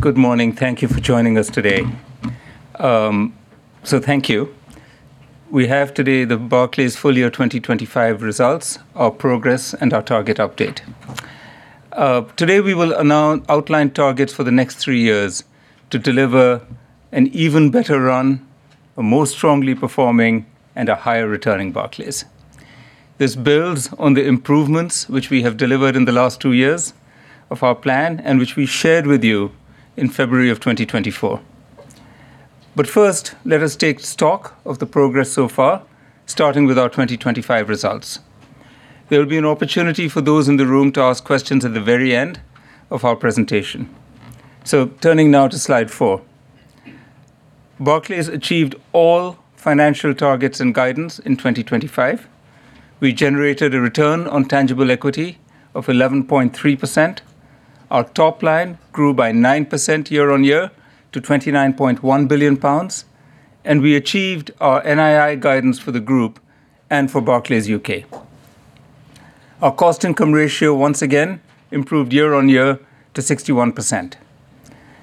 Good morning. Thank you for joining us today. So thank you. We have today the Barclays Full Year 2025 Results, our Progress, and our Target Update. Today we will announce outlined targets for the next three years to deliver an even better run, a more strongly performing, and a higher returning Barclays. This builds on the improvements which we have delivered in the last two years of our plan and which we shared with you in February of 2024. But first, let us take stock of the progress so far, starting with our 2025 results. There will be an opportunity for those in the room to ask questions at the very end of our presentation. So turning now to slide 4. Barclays achieved all financial targets and guidance in 2025. We generated a return on tangible equity of 11.3%. Our top line grew by 9% year on year to 29.1 billion pounds, and we achieved our NII guidance for the group and for Barclays UK. Our cost-income ratio, once again, improved year on year to 61%.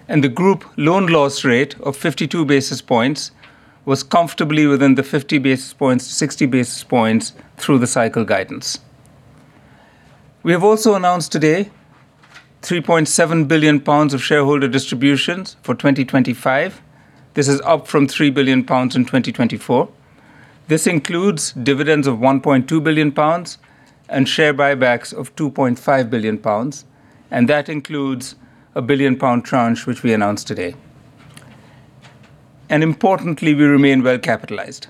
The group loan loss rate of 52 basis points was comfortably within the 50-60 basis points through the cycle guidance. We have also announced today 3.7 billion pounds of shareholder distributions for 2025. This is up from 3 billion pounds in 2024. This includes dividends of 1.2 billion pounds and share buybacks of 2.5 billion pounds, and that includes a 1 billion pound tranche which we announced today. Importantly, we remain well capitalized,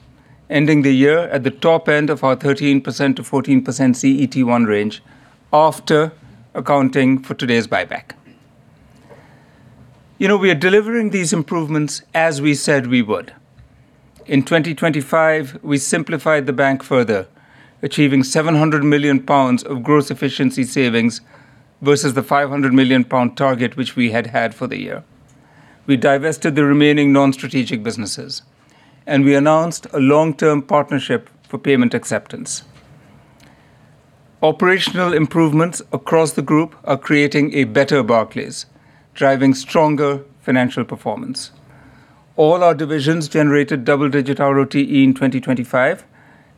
ending the year at the top end of our 13%-14% CET1 range after accounting for today's buyback. You know, we are delivering these improvements as we said we would. In 2025, we simplified the bank further, achieving 700 million pounds of gross efficiency savings versus the 500 million pound target which we had had for the year. We divested the remaining non-strategic businesses, and we announced a long-term partnership for payment acceptance. Operational improvements across the group are creating a better Barclays, driving stronger financial performance. All our divisions generated double-digit RoTE in 2025,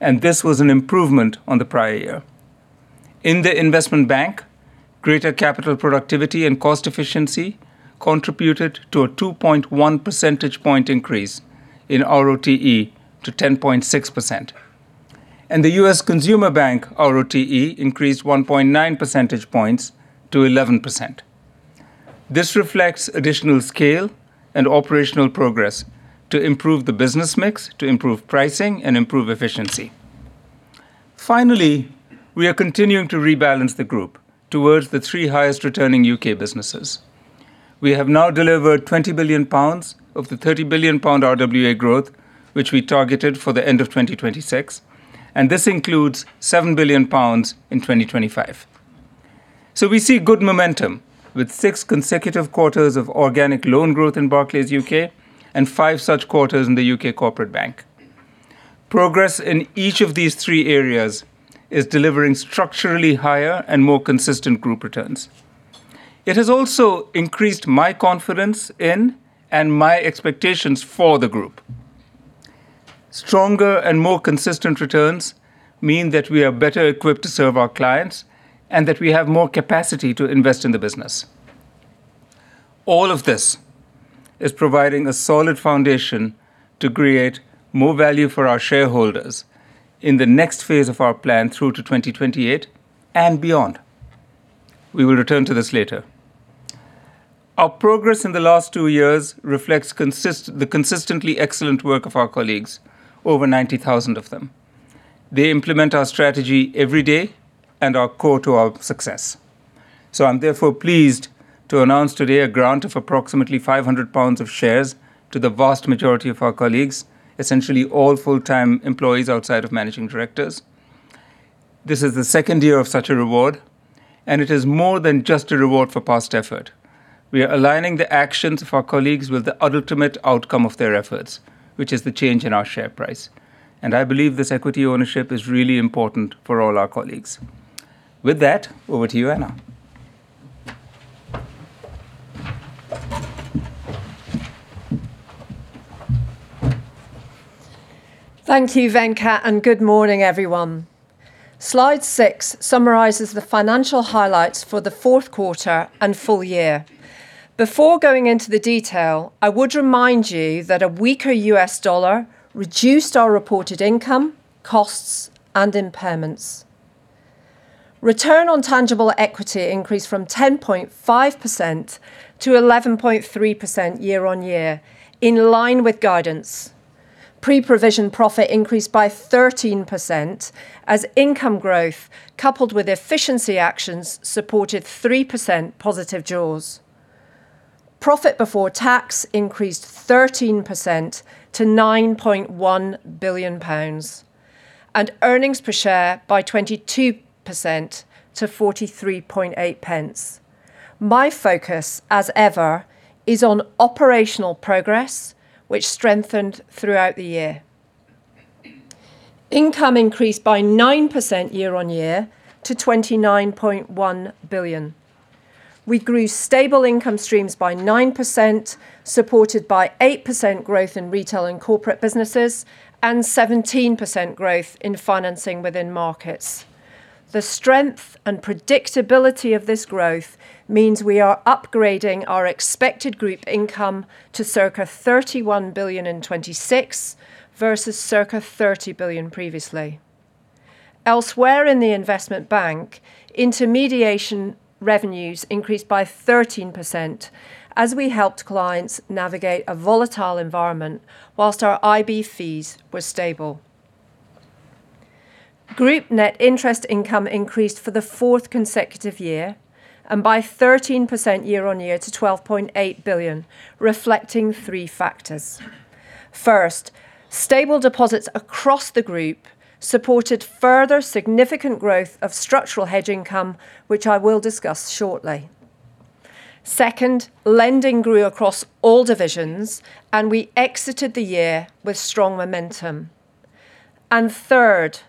and this was an improvement on the prior year. In the Investment Bank, greater capital productivity and cost efficiency contributed to a 2.1 percentage point increase in RoTE to 10.6%. The U.S. Consumer Bank RoTE increased 1.9 percentage points to 11%. This reflects additional scale and operational progress to improve the business mix, to improve pricing, and improve efficiency. Finally, we are continuing to rebalance the group towards the three highest-returning U.K. businesses. We have now delivered 20 billion pounds of the 30 billion pound RWA growth which we targeted for the end of 2026, and this includes 7 billion pounds in 2025. So we see good momentum with six consecutive quarters of organic loan growth in Barclays UK and five such quarters in the U.K. Corporate Bank. Progress in each of these three areas is delivering structurally higher and more consistent group returns. It has also increased my confidence in and my expectations for the group. Stronger and more consistent returns mean that we are better equipped to serve our clients and that we have more capacity to invest in the business. All of this is providing a solid foundation to create more value for our shareholders in the next phase of our plan through to 2028 and beyond. We will return to this later. Our progress in the last two years reflects the consistently excellent work of our colleagues, over 90,000 of them. They implement our strategy every day and are core to our success. So I'm therefore pleased to announce today a grant of approximately 500 pounds of shares to the vast majority of our colleagues, essentially all full-time employees outside of managing directors. This is the second year of such a reward, and it is more than just a reward for past effort. We are aligning the actions of our colleagues with the ultimate outcome of their efforts, which is the change in our share price. And I believe this equity ownership is really important for all our colleagues. With that, over to you, Anna. Thank you, Venkat, and good morning, everyone. Slide 6 summarizes the financial highlights for the fourth quarter and full year. Before going into the detail, I would remind you that a weaker U.S. dollar reduced our reported income, costs, and impairments. Return on tangible equity increased from 10.5% to 11.3% year-on-year, in line with guidance. Pre-provision profit increased by 13% as income growth, coupled with efficiency actions, supported 3% positive jaws. Profit before tax increased 13% to 9.1 billion pounds, and earnings per share by 22% to 0.438. My focus, as ever, is on operational progress, which strengthened throughout the year. Income increased by 9% year-on-year to 29.1 billion. We grew stable income streams by 9%, supported by 8% growth in retail and corporate businesses, and 17% growth in financing within markets. The strength and predictability of this growth means we are upgrading our expected group income to circa 31 billion in 2026 versus circa 30 billion previously. Elsewhere in the investment bank, intermediation revenues increased by 13% as we helped clients navigate a volatile environment while our IB fees were stable. Group net interest income increased for the fourth consecutive year and by 13% year-on-year to 12.8 billion, reflecting three factors. First, stable deposits across the group supported further significant growth of structural hedge income, which I will discuss shortly. Second, lending grew across all divisions, and we exited the year with strong momentum. And third,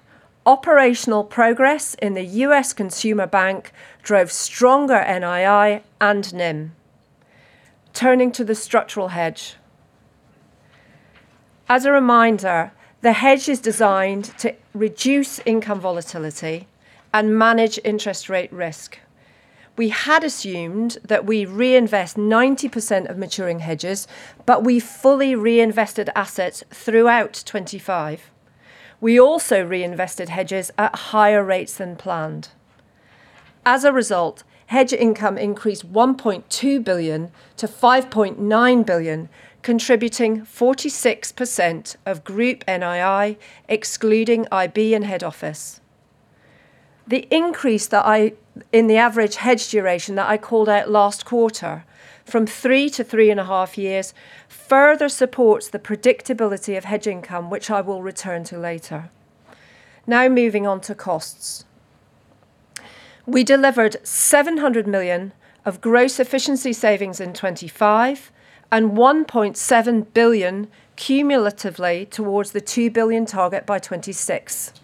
operational progress in the U.S. Consumer Bank drove stronger NII and NIM. Turning to the structural hedge. As a reminder, the hedge is designed to reduce income volatility and manage interest rate risk. We had assumed that we reinvest 90% of maturing hedges, but we fully reinvested assets throughout 2025. We also reinvested hedges at higher rates than planned. As a result, hedge income increased 1.2 billion to 5.9 billion, contributing 46% of group NII, excluding IB and head office. The increase in the average hedge duration that I called out last quarter, from 3 to 3.5 years, further supports the predictability of hedge income, which I will return to later. Now moving on to costs. We delivered 700 million of gross efficiency savings in 2025 and 1.7 billion cumulatively towards the 2 billion target by 2026.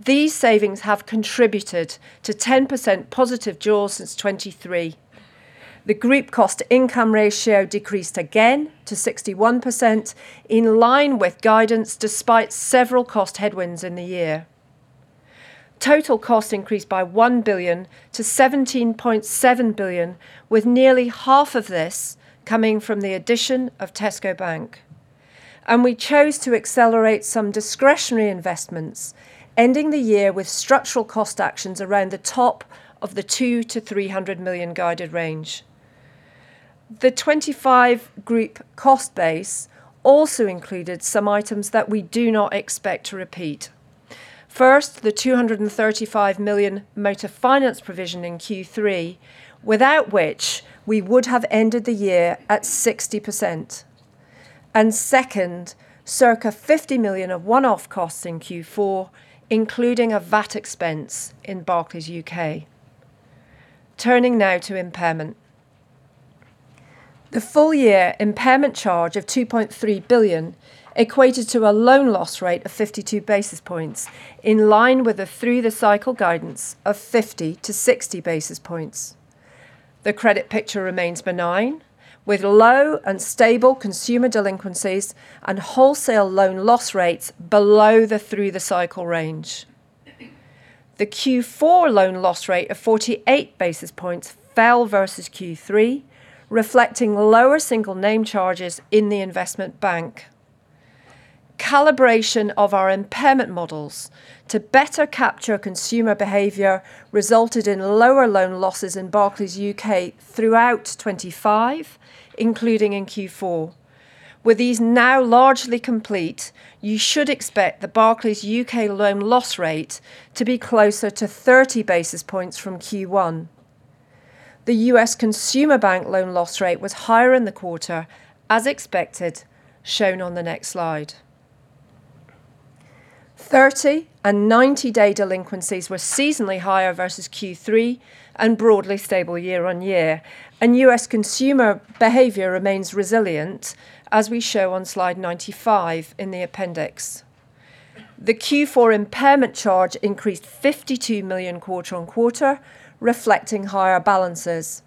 These savings have contributed to 10% positive jaws since 2023. The group cost income ratio decreased again to 61%, in line with guidance despite several cost headwinds in the year. Total cost increased by 1 billion to 17.7 billion, with nearly half of this coming from the addition of Tesco Bank. We chose to accelerate some discretionary investments, ending the year with structural cost actions around the top of the 200 million-300 million guided range. The 2025 group cost base also included some items that we do not expect to repeat. First, the 235 million motor finance provision in Q3, without which we would have ended the year at 60%. Second, circa 50 million of one-off costs in Q4, including a VAT expense in Barclays UK. Turning now to impairment. The full-year impairment charge of 2.3 billion equated to a loan loss rate of 52 basis points, in line with a through-the-cycle guidance of 50-60 basis points. The credit picture remains benign, with low and stable consumer delinquencies and wholesale loan loss rates below the through-the-cycle range. The Q4 loan loss rate of 48 basis points fell versus Q3, reflecting lower single-name charges in the investment bank. Calibration of our impairment models to better capture consumer behavior resulted in lower loan losses in Barclays UK throughout 2025, including in Q4. With these now largely complete, you should expect the Barclays UK loan loss rate to be closer to 30 basis points from Q1. The U.S. Consumer Bank loan loss rate was higher in the quarter, as expected, shown on the next slide. 30- and 90-day delinquencies were seasonally higher versus Q3 and broadly stable year-on-year, and U.S. consumer behavior remains resilient, as we show on slide 95 in the appendix. The Q4 impairment charge increased 52 million quarter-on-quarter, reflecting higher balances.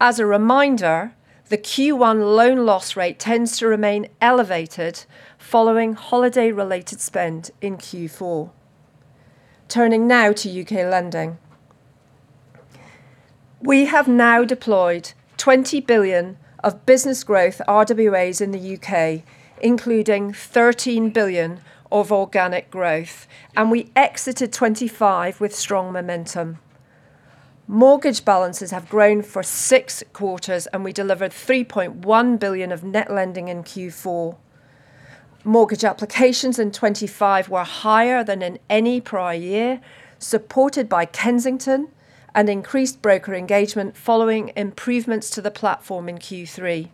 As a reminder, the Q1 loan loss rate tends to remain elevated following holiday-related spend in Q4. Turning now to U.K. lending. We have now deployed 20 billion of business growth RWAs in the U.K., including 13 billion of organic growth, and we exited 2025 with strong momentum. Mortgage balances have grown for six quarters, and we delivered 3.1 billion of net lending in Q4. Mortgage applications in 2025 were higher than in any prior year, supported by Kensington and increased broker engagement following improvements to the platform in Q3.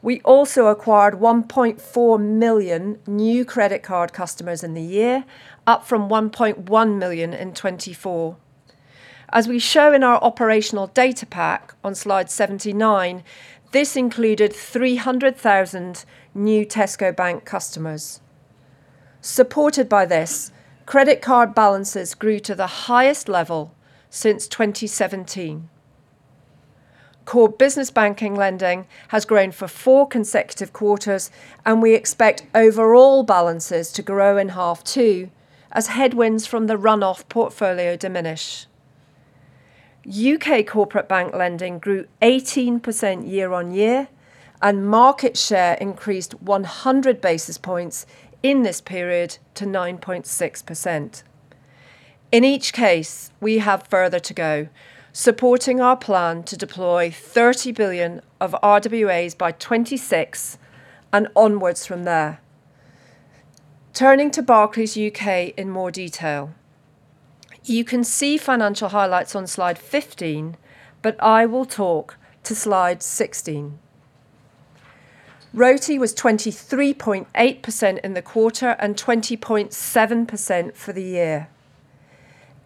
We also acquired 1.4 million new credit card customers in the year, up from 1.1 million in 2024. As we show in our operational data pack on slide 79, this included 300,000 new Tesco Bank customers. Supported by this, credit card balances grew to the highest level since 2017. Core business banking lending has grown for four consecutive quarters, and we expect overall balances to grow in H2 as headwinds from the runoff portfolio diminish. U.K. Corporate Bank lending grew 18% year-on-year, and market share increased 100 basis points in this period to 9.6%. In each case, we have further to go, supporting our plan to deploy 30 billion of RWAs by 2026 and onwards from there. Turning to Barclays UK in more detail. You can see financial highlights on slide 15, but I will talk to slide 16. RoTE was 23.8% in the quarter and 20.7% for the year.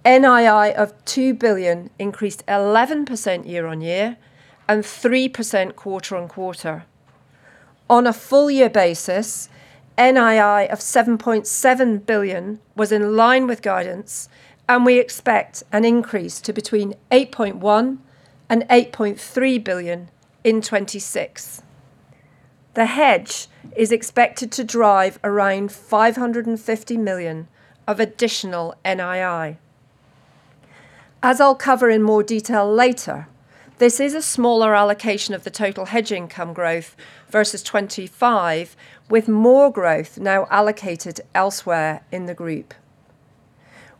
NII of 2 billion increased 11% year-on-year and 3% quarter-on-quarter. On a full-year basis, NII of 7.7 billion was in line with guidance, and we expect an increase to between 8.1 billion and 8.3 billion in 2026. The hedge is expected to drive around 550 million of additional NII. As I'll cover in more detail later, this is a smaller allocation of the total hedge income growth versus 2025, with more growth now allocated elsewhere in the group.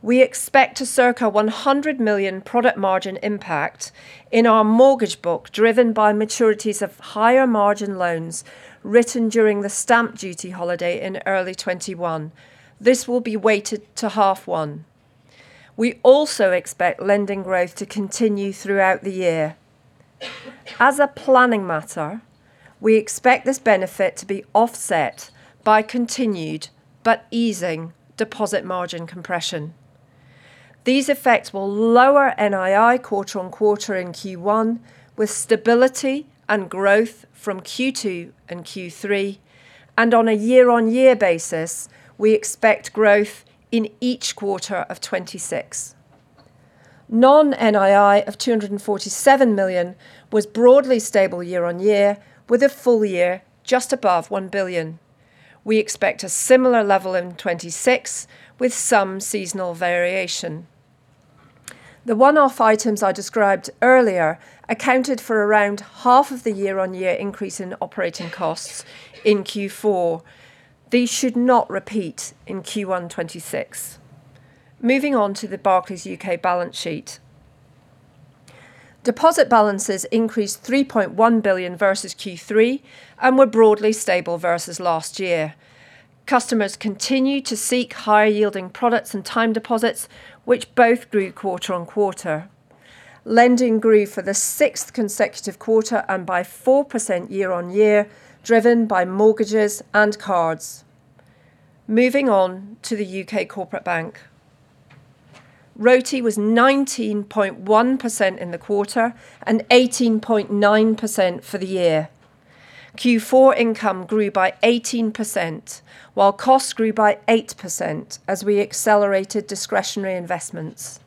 We expect a circa 100 million product margin impact in our mortgage book driven by maturities of higher margin loans written during the stamp duty holiday in early 2021. This will be weighted to half one. We also expect lending growth to continue throughout the year. As a planning matter, we expect this benefit to be offset by continued but easing deposit margin compression. These effects will lower NII quarter-on-quarter in Q1 with stability and growth from Q2 and Q3, and on a year-on-year basis, we expect growth in each quarter of 2026. Non-NII of 247 million was broadly stable year-on-year, with a full year just above 1 billion. We expect a similar level in 2026 with some seasonal variation. The one-off items I described earlier accounted for around half of the year-on-year increase in operating costs in Q4. These should not repeat in Q1 2026. Moving on to the Barclays UK balance sheet. Deposit balances increased 3.1 billion versus Q3 and were broadly stable versus last year. Customers continue to seek higher-yielding products and time deposits, which both grew quarter-on-quarter. Lending grew for the sixth consecutive quarter and by 4% year-on-year, driven by mortgages and cards. Moving on to the U.K. Corporate Bank. RoTE was 19.1% in the quarter and 18.9% for the year. Q4 income grew by 18%, while costs grew by 8% as we accelerated discretionary investments.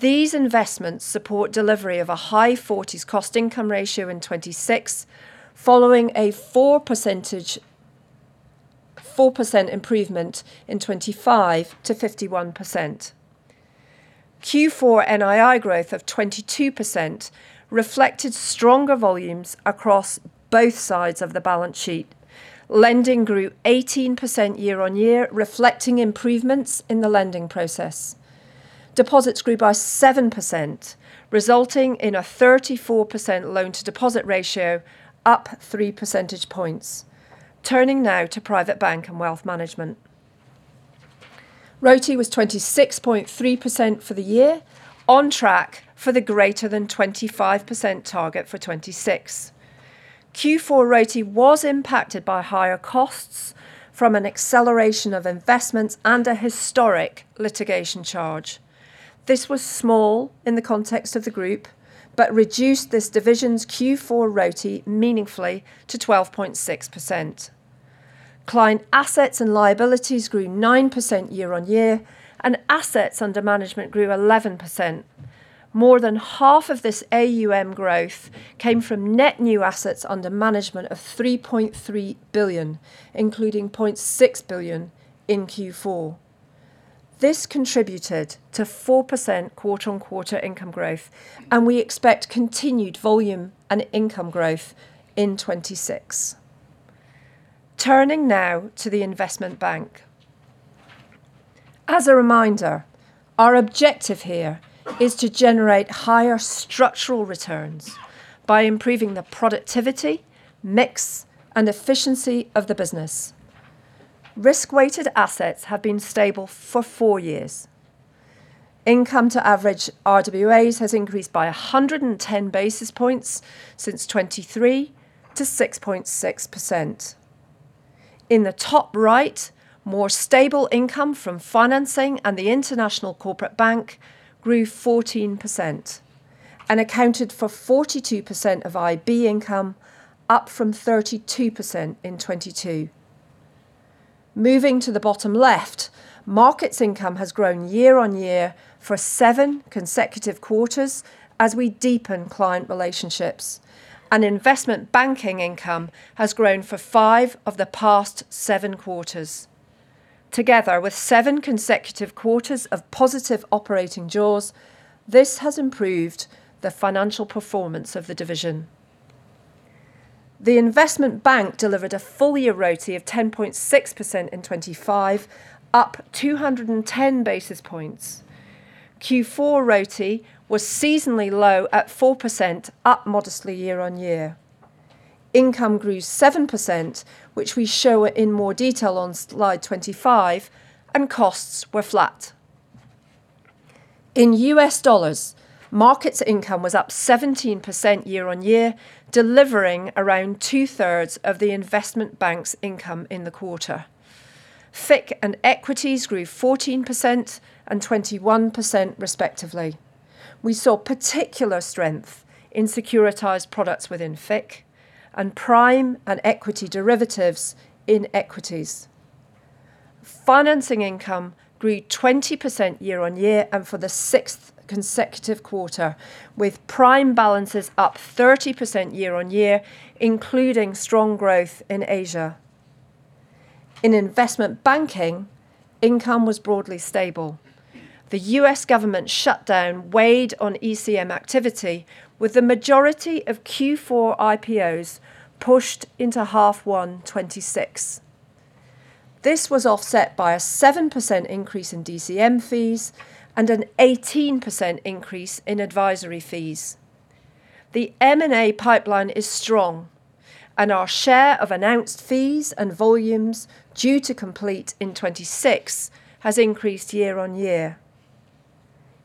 These investments support delivery of a high 40s cost-income ratio in 2026, following a 4% improvement in 2025 to 51%. Q4 NII growth of 22% reflected stronger volumes across both sides of the balance sheet. Lending grew 18% year on year, reflecting improvements in the lending process. Deposits grew by 7%, resulting in a 34% loan-to-deposit ratio, up three percentage points. Turning now to Private Bank and Wealth Management. RoTE was 26.3% for the year, on track for the greater-than-25% target for 2026. Q4 RoTE was impacted by higher costs from an acceleration of investments and a historic litigation charge. This was small in the context of the group, but reduced this division's Q4 RoTE meaningfully to 12.6%. Client assets and liabilities grew 9% year on year, and assets under management grew 11%. More than half of this AUM growth came from net new assets under management of 3.3 billion, including 0.6 billion in Q4. This contributed to 4% quarter-on-quarter income growth, and we expect continued volume and income growth in 2026. Turning now to the Investment Bank. As a reminder, our objective here is to generate higher structural returns by improving the productivity, mix, and efficiency of the business. Risk-weighted assets have been stable for four years. Income-to-average RWAs has increased by 110 basis points since 2023 to 6.6%. In the top right, more stable income from financing and the International Corporate Bank grew 14% and accounted for 42% of IB income, up from 32% in 2022. Moving to the bottom left, markets income has grown year-on-year for seven consecutive quarters as we deepen client relationships, and investment banking income has grown for five of the past seven quarters. Together with seventh consecutive quarters of positive operating jaws, this has improved the financial performance of the division. The investment bank delivered a full-year RoTE of 10.6% in 2025, up 210 basis points. Q4 RoTE was seasonally low at 4%, up modestly year-on-year. Income grew 7%, which we show in more detail on slide 25, and costs were flat. In U.S. dollars, markets income was up 17% year-on-year, delivering around two-thirds of the investment bank's income in the quarter. FIC and equities grew 14% and 21% respectively. We saw particular strength in securitised products within FIC and prime and equity derivatives in equities. Financing income grew 20% year-on-year and for the sixth consecutive quarter, with prime balances up 30% year-on-year, including strong growth in Asia. In investment banking, income was broadly stable. The U.S. government shutdown weighed on ECM activity, with the majority of Q4 IPOs pushed into H1 2026. This was offset by a 7% increase in DCM fees and an 18% increase in advisory fees. The M&A pipeline is strong, and our share of announced fees and volumes due to complete in 2026 has increased year-on-year.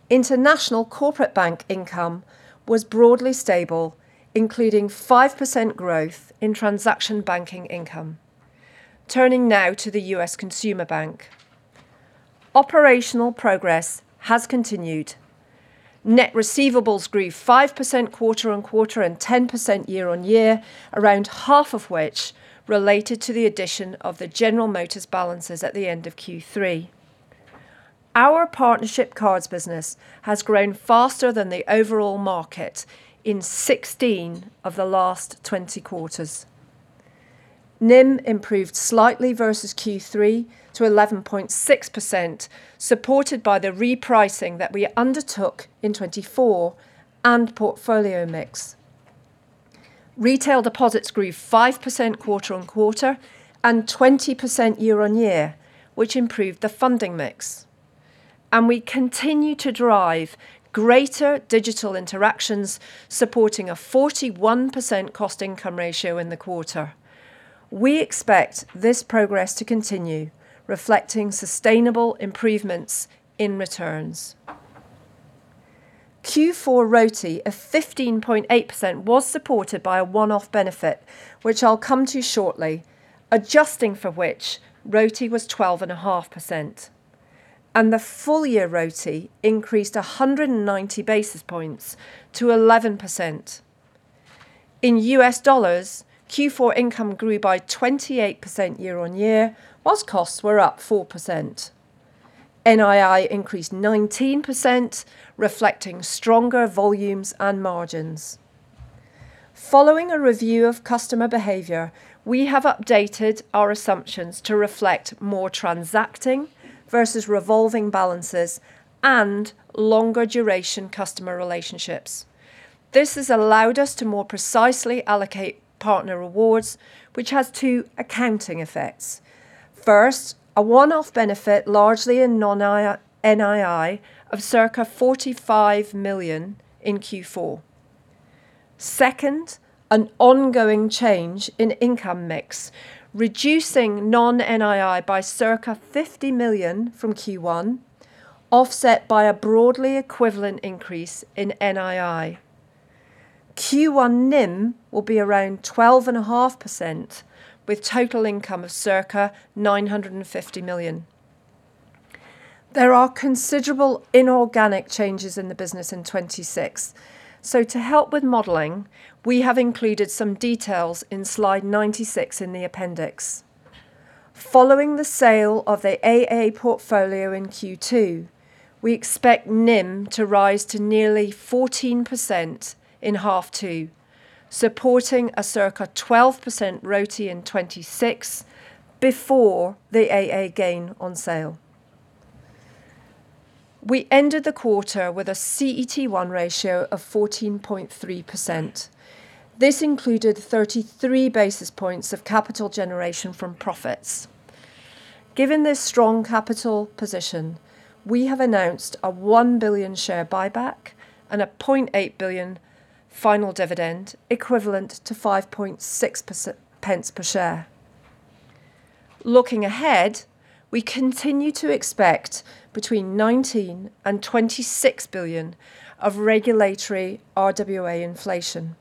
International Corporate Bank income was broadly stable, including 5% growth in Transaction Banking income. Turning now to the U.S. Consumer Bank. Operational progress has continued. Net receivables grew 5% quarter-on-quarter and 10% year-on-year, around half of which related to the addition of the General Motors balances at the end of Q3. Our partnership cards business has grown faster than the overall market in 16 of the last 20 quarters. NIM improved slightly versus Q3 to 11.6%, supported by the repricing that we undertook in 2024 and portfolio mix. Retail deposits grew 5% quarter-on-quarter and 20% year-on-year, which improved the funding mix. We continue to drive greater digital interactions, supporting a 41% cost-income ratio in the quarter. We expect this progress to continue, reflecting sustainable improvements in returns. Q4 RoTE of 15.8% was supported by a one-off benefit, which I'll come to shortly, adjusting for which RoTE was 12.5%, and the full-year RoTE increased 190 basis points to 11%. In U.S. dollars, Q4 income grew by 28% year-on-year, while costs were up 4%. NII increased 19%, reflecting stronger volumes and margins. Following a review of customer behaviour, we have updated our assumptions to reflect more transacting versus revolving balances and longer-duration customer relationships. This has allowed us to more precisely allocate partner rewards, which has two accounting effects. First, a one-off benefit largely in non-NII of circa 45 million in Q4. Second, an ongoing change in income mix, reducing non-NII by circa 50 million from Q1, offset by a broadly equivalent increase in NII. Q1 NIM will be around 12.5%, with total income of circa 950 million. There are considerable inorganic changes in the business in 2026, so to help with modeling, we have included some details in slide 96 in the appendix. Following the sale of the AA portfolio in Q2, we expect NIM to rise to nearly 14% in half two, supporting a circa 12% ROTE in 2026 before the AA gain on sale. We ended the quarter with a CET1 ratio of 14.3%. This included 33 basis points of capital generation from profits. Given this strong capital position, we have announced a 1 billion share buyback and a 0.8 billion final dividend equivalent to 0.056 per share. Looking ahead, we continue to expect between 19 billion and 26 billion of regulatory RWA inflation.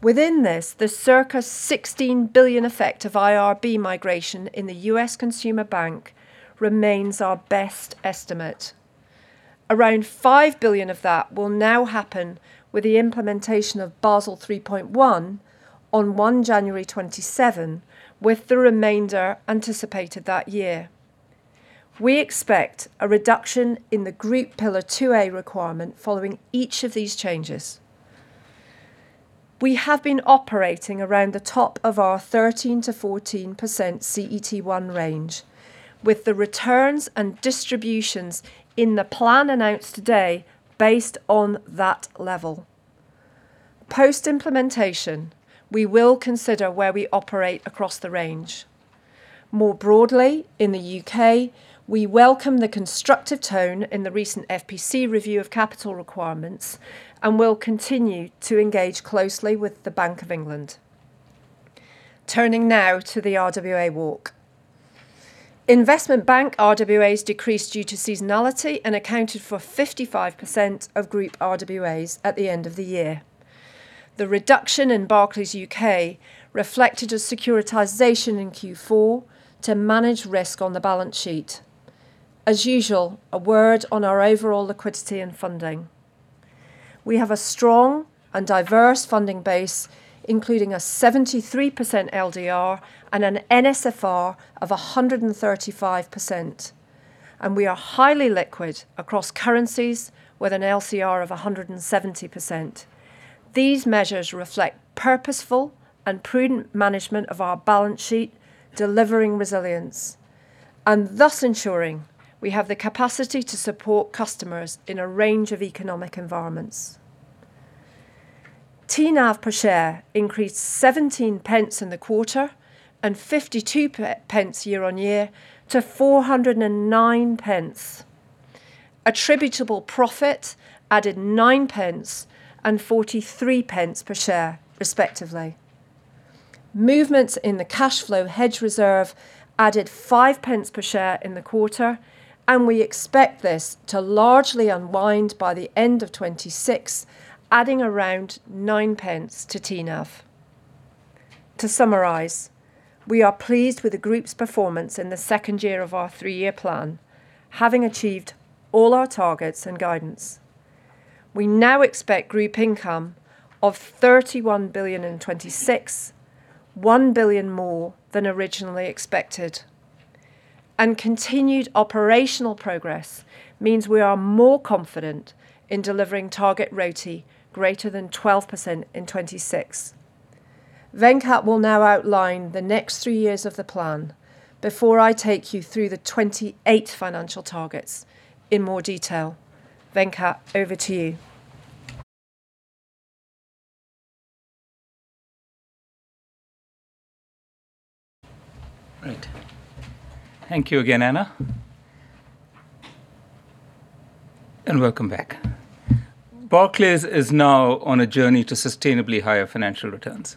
Within this, the circa 16 billion effect of IRB migration in the U.S. Consumer Bank remains our best estimate. Around 5 billion of that will now happen with the implementation of Basel 3.1 on 1 January 2027, with the remainder anticipated that year. We expect a reduction in the Group Pillar 2A requirement following each of these changes. We have been operating around the top of our 13%-14% CET1 range, with the returns and distributions in the plan announced today based on that level. Post-implementation, we will consider where we operate across the range. More broadly, in the U.K., we welcome the constructive tone in the recent FPC review of capital requirements and will continue to engage closely with the Bank of England. Turning now to the RWA walk. Investment bank RWAs decreased due to seasonality and accounted for 55% of group RWAs at the end of the year. The reduction in Barclays UK reflected a securitization in Q4 to manage risk on the balance sheet. As usual, a word on our overall liquidity and funding. We have a strong and diverse funding base, including a 73% LDR and an NSFR of 135%, and we are highly liquid across currencies with an LCR of 170%. These measures reflect purposeful and prudent management of our balance sheet, delivering resilience and thus ensuring we have the capacity to support customers in a range of economic environments. TNAV per share increased 0.17 in the quarter and 0.52 year on year to 4.09, attributable profit added 0.09 and 0.43 per share, respectively. Movements in the cash flow hedge reserve added 0.05 per share in the quarter, and we expect this to largely unwind by the end of 2026, adding around 0.09 to TNAV. To summarize, we are pleased with the group's performance in the second year of our three-year plan, having achieved all our targets and guidance. We now expect group income of 31 billion in 2026, 1 billion more than originally expected. And continued operational progress means we are more confident in delivering target RoTE greater than 12% in 2026. Venkat will now outline the next three years of the plan before I take you through the 28 financial targets in more detail. Venkat, over to you. Great. Thank you again, Anna, and welcome back. Barclays is now on a journey to sustainably higher financial returns.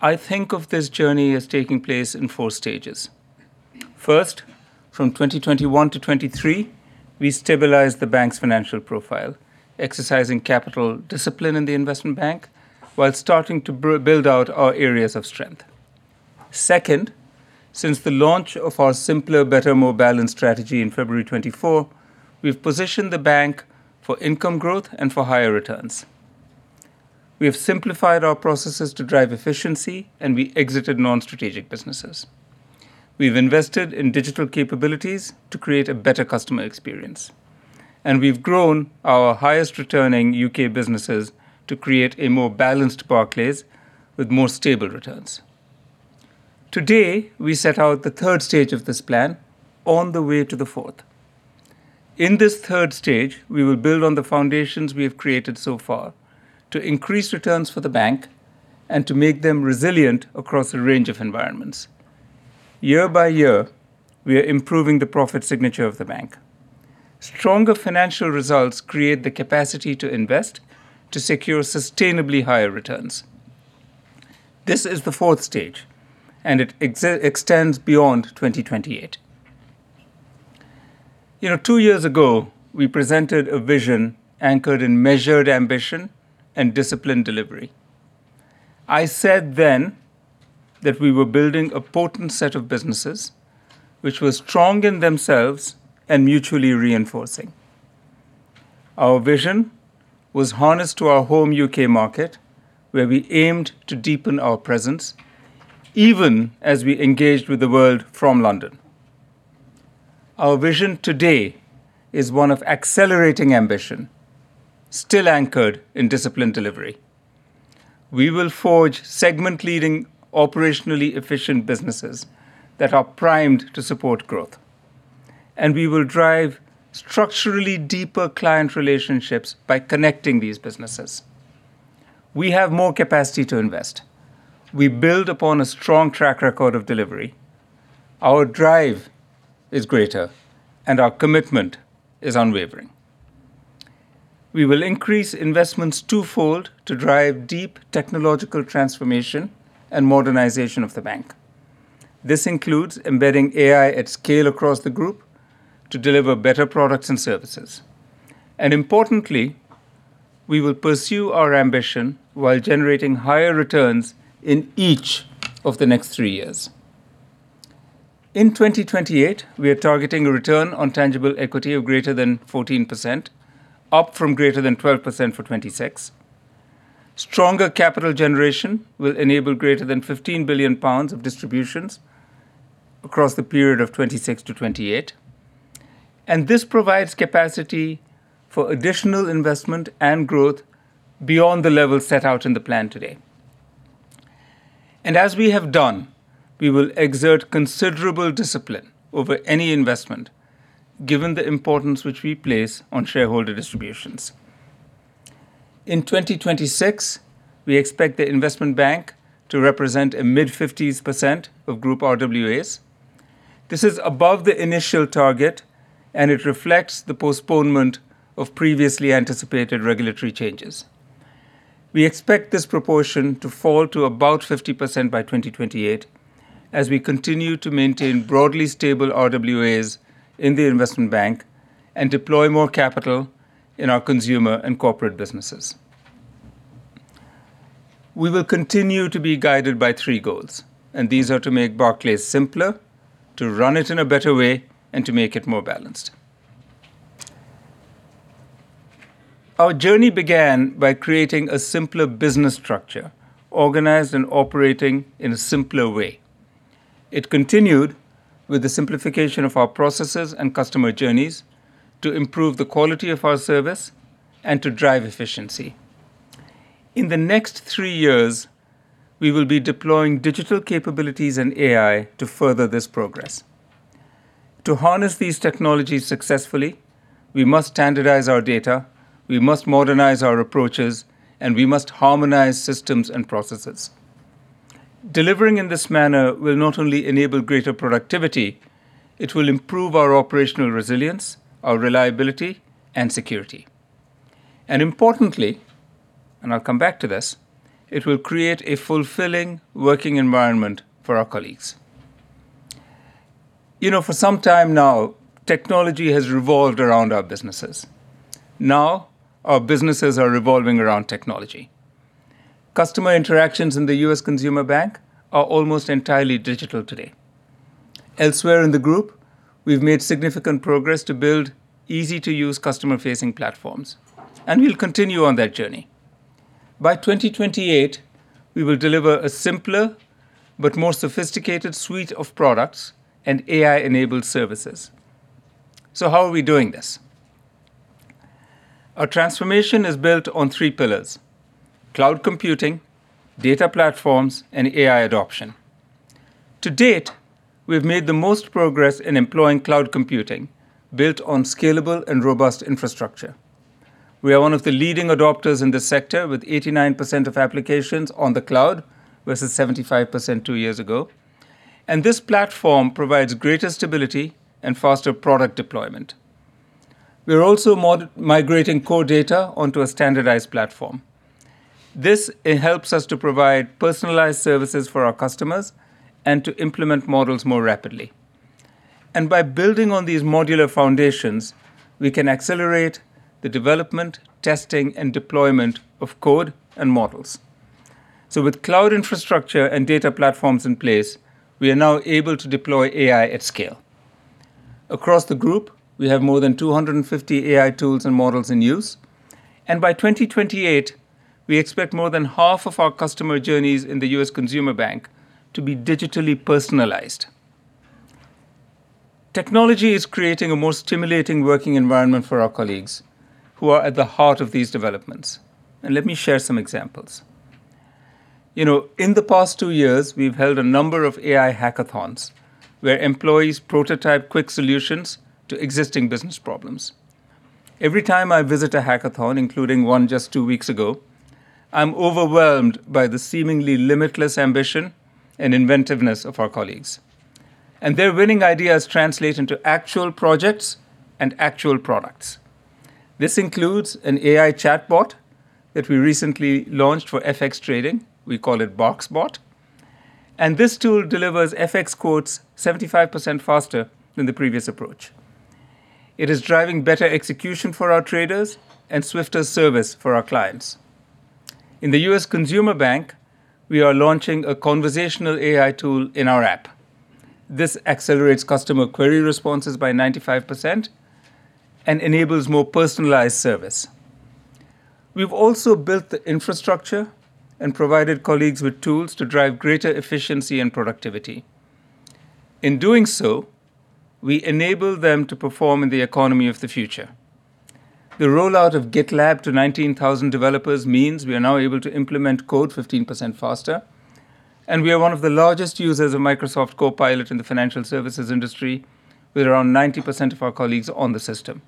I think of this journey as taking place in four stages. First, from 2021 to 2023, we stabilized the bank's financial profile, exercising capital discipline in the investment bank while starting to build out our areas of strength. Second, since the launch of our Simpler, Better, More Balanced strategy in February 2024, we've positioned the bank for income growth and for higher returns. We have simplified our processes to drive efficiency, and we exited non-strategic businesses. We've invested in digital capabilities to create a better customer experience, and we've grown our highest-returning U.K. businesses to create a more balanced Barclays with more stable returns. Today, we set out the third stage of this plan on the way to the fourth. In this third stage, we will build on the foundations we have created so far to increase returns for the bank and to make them resilient across a range of environments. Year by year, we are improving the profit signature of the bank. Stronger financial results create the capacity to invest to secure sustainably higher returns. This is the fourth stage, and it extends beyond 2028. Two years ago, we presented a vision anchored in measured ambition and disciplined delivery. I said then that we were building a potent set of businesses which were strong in themselves and mutually reinforcing. Our vision was harnessed to our home U.K. market, where we aimed to deepen our presence even as we engaged with the world from London. Our vision today is one of accelerating ambition, still anchored in disciplined delivery. We will forge segment-leading, operationally efficient businesses that are primed to support growth, and we will drive structurally deeper client relationships by connecting these businesses. We have more capacity to invest. We build upon a strong track record of delivery. Our drive is greater, and our commitment is unwavering. We will increase investments twofold to drive deep technological transformation and modernization of the bank. This includes embedding AI at scale across the group to deliver better products and services. And importantly, we will pursue our ambition while generating higher returns in each of the next three years. In 2028, we are targeting a return on tangible equity of greater than 14%, up from greater than 12% for 2026. Stronger capital generation will enable greater than 15 billion pounds of distributions across the period of 2026 to 2028. This provides capacity for additional investment and growth beyond the level set out in the plan today. As we have done, we will exert considerable discipline over any investment, given the importance which we place on shareholder distributions. In 2026, we expect the Investment Bank to represent a mid-50s of group RWAs. This is above the initial target, and it reflects the postponement of previously anticipated regulatory changes. We expect this proportion to fall to about 50% by 2028, as we continue to maintain broadly stable RWAs in the Investment Bank and deploy more capital in our consumer and corporate businesses. We will continue to be guided by three goals, and these are to make Barclays simpler, to run it in a better way, and to make it more balanced. Our journey began by creating a simpler business structure, organized and operating in a simpler way. It continued with the simplification of our processes and customer journeys to improve the quality of our service and to drive efficiency. In the next three years, we will be deploying digital capabilities and AI to further this progress. To harness these technologies successfully, we must standardize our data, we must modernize our approaches, and we must harmonize systems and processes. Delivering in this manner will not only enable greater productivity, it will improve our operational resilience, our reliability, and security. And importantly, and I'll come back to this, it will create a fulfilling working environment for our colleagues. For some time now, technology has revolved around our businesses. Now, our businesses are revolving around technology. Customer interactions in the U.S. Consumer Bank are almost entirely digital today. Elsewhere in the group, we've made significant progress to build easy-to-use customer-facing platforms, and we'll continue on that journey. By 2028, we will deliver a simpler but more sophisticated suite of products and AI-enabled services. So how are we doing this? Our transformation is built on three pillars: cloud computing, data platforms, and AI adoption. To date, we've made the most progress in employing cloud computing built on scalable and robust infrastructure. We are one of the leading adopters in the sector, with 89% of applications on the cloud versus 75% two years ago. And this platform provides greater stability and faster product deployment. We're also migrating core data onto a standardized platform. This helps us to provide personalized services for our customers and to implement models more rapidly. And by building on these modular foundations, we can accelerate the development, testing, and deployment of code and models. So with cloud infrastructure and data platforms in place, we are now able to deploy AI at scale. Across the group, we have more than 250 AI tools and models in use. By 2028, we expect more than half of our customer journeys in the U.S. Consumer Bank to be digitally personalized. Technology is creating a more stimulating working environment for our colleagues who are at the heart of these developments. Let me share some examples. In the past two years, we've held a number of AI hackathons where employees prototype quick solutions to existing business problems. Every time I visit a hackathon, including one just two weeks ago, I'm overwhelmed by the seemingly limitless ambition and inventiveness of our colleagues. Their winning ideas translate into actual projects and actual products. This includes an AI chatbot that we recently launched for FX trading. We call it BARXBot. This tool delivers FX quotes 75% faster than the previous approach. It is driving better execution for our traders and swifter service for our clients. In the U.S. Consumer Bank, we are launching a conversational AI tool in our app. This accelerates customer query responses by 95% and enables more personalized service. We've also built the infrastructure and provided colleagues with tools to drive greater efficiency and productivity. In doing so, we enable them to perform in the economy of the future. The rollout of GitLab to 19,000 developers means we are now able to implement code 15% faster. And we are one of the largest users of Microsoft Copilot in the financial services industry, with around 90% of our colleagues on the system.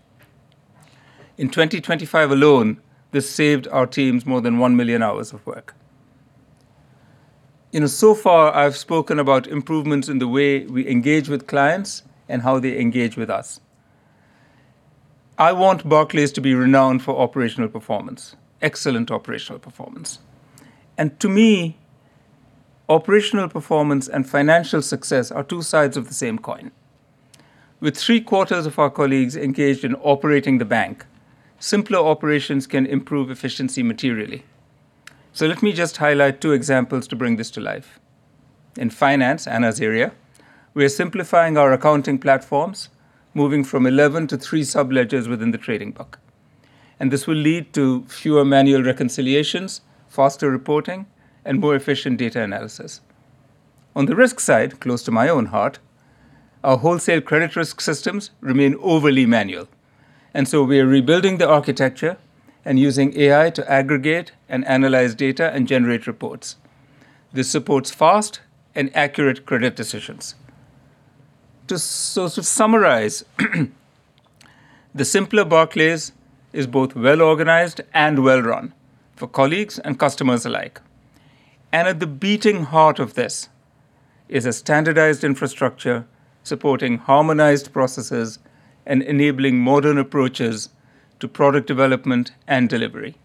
In 2025 alone, this saved our teams more than 1 million hours of work. So far, I've spoken about improvements in the way we engage with clients and how they engage with us. I want Barclays to be renowned for operational performance, excellent operational performance. To me, operational performance and financial success are two sides of the same coin. With three quarters of our colleagues engaged in operating the bank, simpler operations can improve efficiency materially. Let me just highlight two examples to bring this to life. In finance, Anna's area, we are simplifying our accounting platforms, moving from 11 to three subledgers within the trading book. This will lead to fewer manual reconciliations, faster reporting, and more efficient data analysis. On the risk side, close to my own heart, our wholesale credit risk systems remain overly manual. We are rebuilding the architecture and using AI to aggregate and analyze data and generate reports. This supports fast and accurate credit decisions. To summarize, the simpler Barclays is both well organized and well run for colleagues and customers alike. At the beating heart of this is a standardized infrastructure supporting harmonized processes and enabling modern approaches to product development and delivery.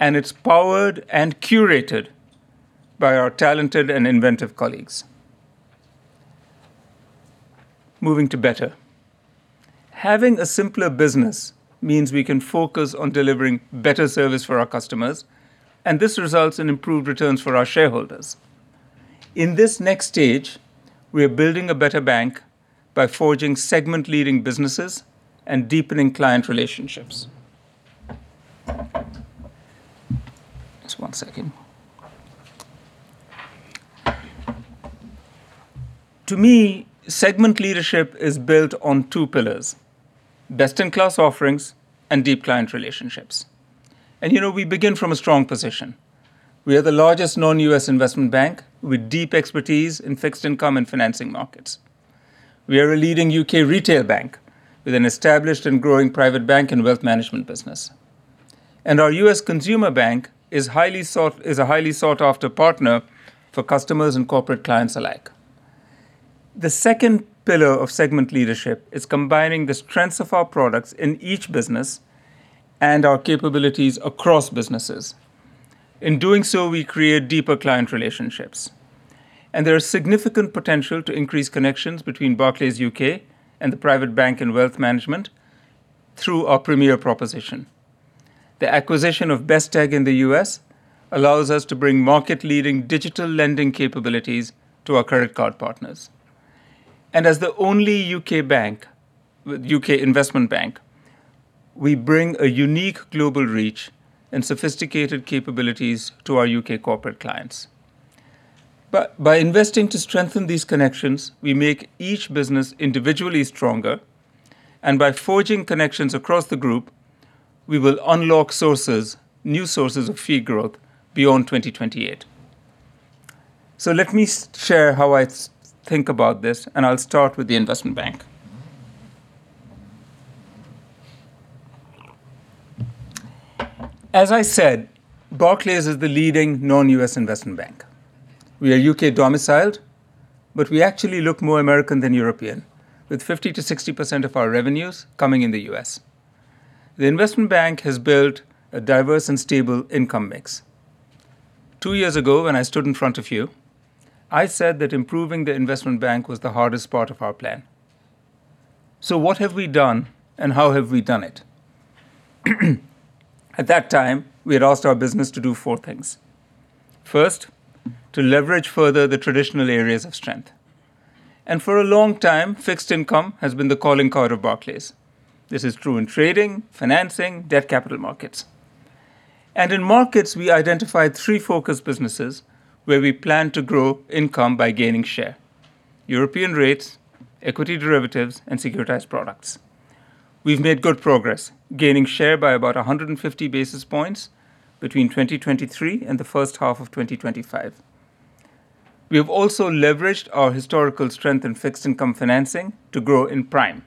It's powered and curated by our talented and inventive colleagues. Moving to better. Having a simpler business means we can focus on delivering better service for our customers. This results in improved returns for our shareholders. In this next stage, we are building a better bank by forging segment-leading businesses and deepening client relationships. Just one second. To me, segment leadership is built on two pillars: best-in-class offerings and deep client relationships. We begin from a strong position. We are the largest non-U.S. investment bank with deep expertise in fixed income and financing markets. We are a leading U.K. retail bank with an established and growing Private Bank and Wealth Management business. Our U.S. Consumer Bank is a highly sought-after partner for customers and corporate clients alike. The second pillar of segment leadership is combining the strengths of our products in each business and our capabilities across businesses. In doing so, we create deeper client relationships. There is significant potential to increase connections between Barclays UK and the Private Bank and Wealth Management through our premier proposition. The acquisition of Best Egg in the U.S. allows us to bring market-leading digital lending capabilities to our credit card partners. As the only U.K. investment bank, we bring a unique global reach and sophisticated capabilities to our U.K. corporate clients. By investing to strengthen these connections, we make each business individually stronger. By forging connections across the group, we will unlock new sources of fee growth beyond 2028. Let me share how I think about this. I'll start with the investment bank. As I said, Barclays is the leading non-U.S. investment bank. We are U.K. domiciled, but we actually look more American than European, with 50%-60% of our revenues coming in the U.S. The investment bank has built a diverse and stable income mix. Two years ago, when I stood in front of you, I said that improving the investment bank was the hardest part of our plan. So what have we done, and how have we done it? At that time, we had asked our business to do four things. First, to leverage further the traditional areas of strength. For a long time, fixed income has been the calling card of Barclays. This is true in trading, financing, Debt Capital Markets. In markets, we identified three focus businesses where we plan to grow income by gaining share: European rates, equity derivatives, and securitized products. We've made good progress, gaining share by about 150 basis points between 2023 and the first half of 2025. We have also leveraged our historical strength in fixed income financing to grow in prime.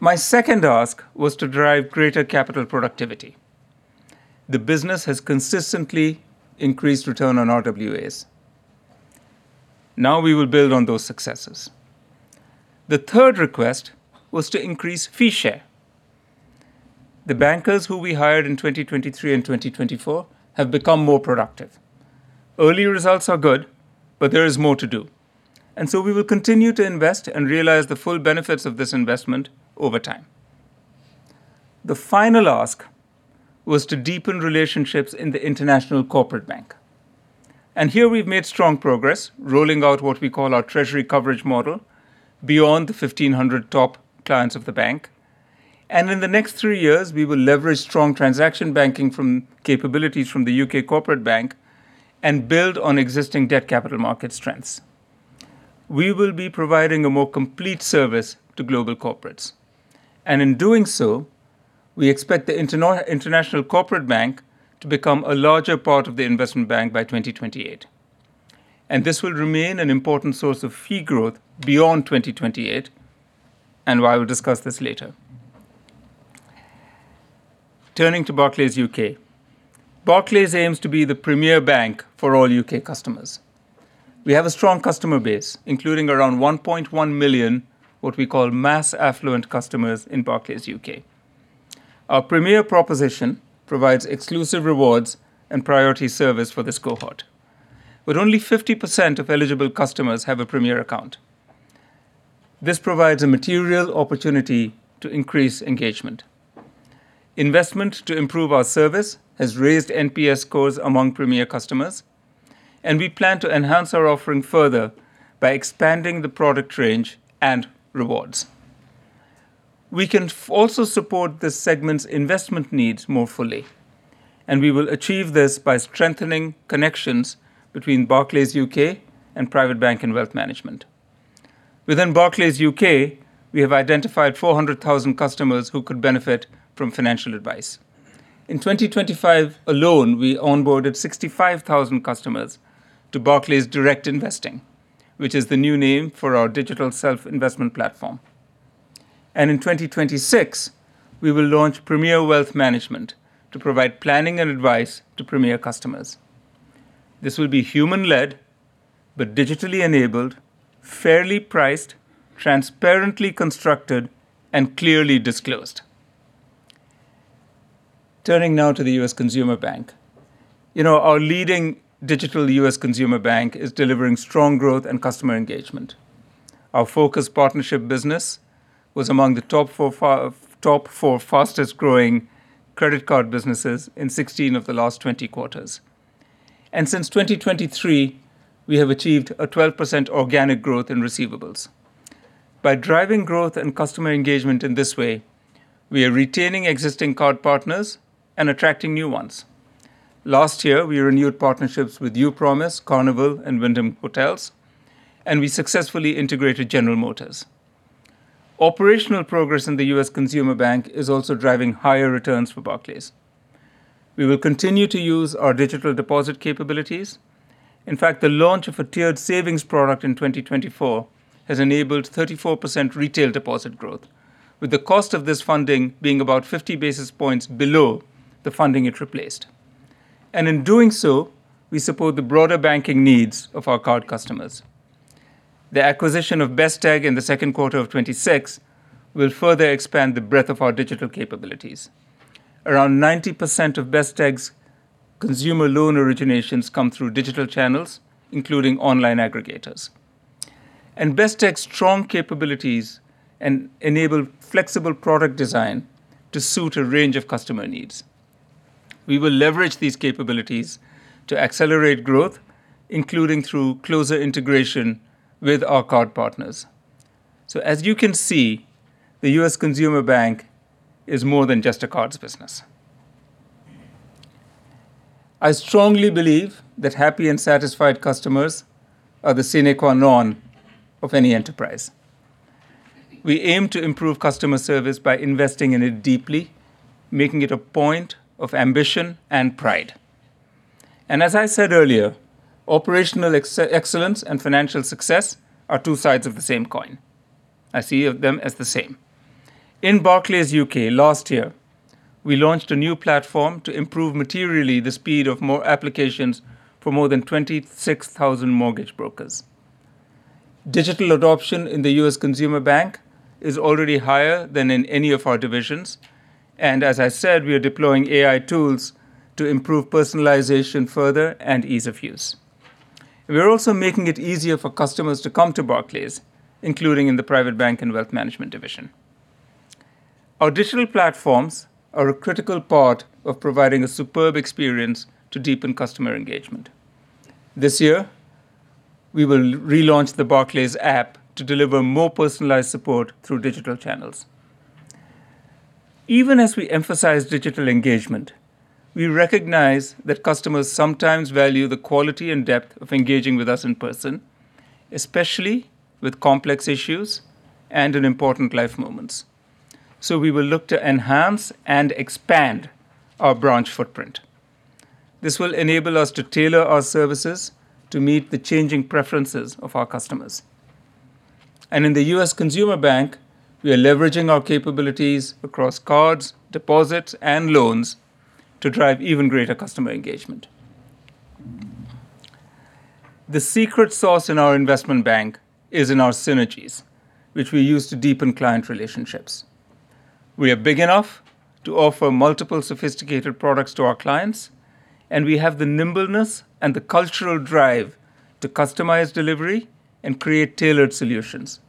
My second ask was to drive greater capital productivity. The business has consistently increased return on RWAs. Now we will build on those successes. The third request was to increase fee share. The bankers who we hired in 2023 and 2024 have become more productive. Early results are good, but there is more to do. And so we will continue to invest and realize the full benefits of this investment over time. The final ask was to deepen relationships in the International Corporate Bank. Here, we've made strong progress rolling out what we call our Treasury Coverage Model beyond the 1,500 top clients of the bank. In the next three years, we will leverage strong Transaction Banking capabilities from the U.K. Corporate Bank and build on existing debt capital market strengths. We will be providing a more complete service to global corporates. In doing so, we expect the International Corporate Bank to become a larger part of the investment bank by 2028. This will remain an important source of fee growth beyond 2028. I will discuss this later. Turning to Barclays UK., Barclays aims to be the Premier bank for all U.K. customers. We have a strong customer base, including around 1.1 million what we call mass affluent customers in Barclays UK. Our Premier proposition provides exclusive rewards and priority service for this cohort. But only 50% of eligible customers have a Premier account. This provides a material opportunity to increase engagement. Investment to improve our service has raised NPS scores among Premier customers. We plan to enhance our offering further by expanding the product range and rewards. We can also support this segment's investment needs more fully. We will achieve this by strengthening connections between Barclays UK and Private Bank and Wealth Management. Within Barclays UK., we have identified 400,000 customers who could benefit from financial advice. In 2025 alone, we onboarded 65,000 customers to Barclays Direct Investing, which is the new name for our digital self-investment platform. In 2026, we will launch Premier Wealth Management to provide planning and advice to Premier customers. This will be human-led but digitally enabled, fairly priced, transparently constructed, and clearly disclosed. Turning now to the U.S. Consumer Bank, our leading digital U.S. Consumer Bank is delivering strong growth and customer engagement. Our focused partnership business was among the top four fastest-growing credit card businesses in 16 of the last 20 quarters. Since 2023, we have achieved a 12% organic growth in receivables. By driving growth and customer engagement in this way, we are retaining existing card partners and attracting new ones. Last year, we renewed partnerships with Upromise, Carnival, and Wyndham Hotels. We successfully integrated General Motors. Operational progress in the U.S. Consumer Bank is also driving higher returns for Barclays. We will continue to use our digital deposit capabilities. In fact, the launch of a tiered savings product in 2024 has enabled 34% retail deposit growth, with the cost of this funding being about 50 basis points below the funding it replaced. In doing so, we support the broader banking needs of our card customers. The acquisition of Best Egg in the second quarter of 2026 will further expand the breadth of our digital capabilities. Around 90% of Best Egg's consumer loan originations come through digital channels, including online aggregators. Best Egg's strong capabilities enable flexible product design to suit a range of customer needs. We will leverage these capabilities to accelerate growth, including through closer integration with our card partners. So as you can see, the U.S. Consumer Bank is more than just a cards business. I strongly believe that happy and satisfied customers are the sine qua non of any enterprise. We aim to improve customer service by investing in it deeply, making it a point of ambition and pride. As I said earlier, operational excellence and financial success are two sides of the same coin. I see them as the same. In Barclays UK last year, we launched a new platform to improve materially the speed of more applications for more than 26,000 mortgage brokers. Digital adoption in the U.S. Consumer Bank is already higher than in any of our divisions. And as I said, we are deploying AI tools to improve personalization further and ease of use. We are also making it easier for customers to come to Barclays, including in the Private Bank and Wealth Management division. Our digital platforms are a critical part of providing a superb experience to deepen customer engagement. This year, we will relaunch the Barclays App to deliver more personalized support through digital channels. Even as we emphasize digital engagement, we recognize that customers sometimes value the quality and depth of engaging with us in person, especially with complex issues and in important life moments. So we will look to enhance and expand our branch footprint. This will enable us to tailor our services to meet the changing preferences of our customers. And in the U.S. Consumer Bank, we are leveraging our capabilities across cards, deposits, and loans to drive even greater customer engagement. The secret sauce in our investment bank is in our synergies, which we use to deepen client relationships. We are big enough to offer multiple sophisticated products to our clients. And we have the nimbleness and the cultural drive to customize delivery and create tailored solutions.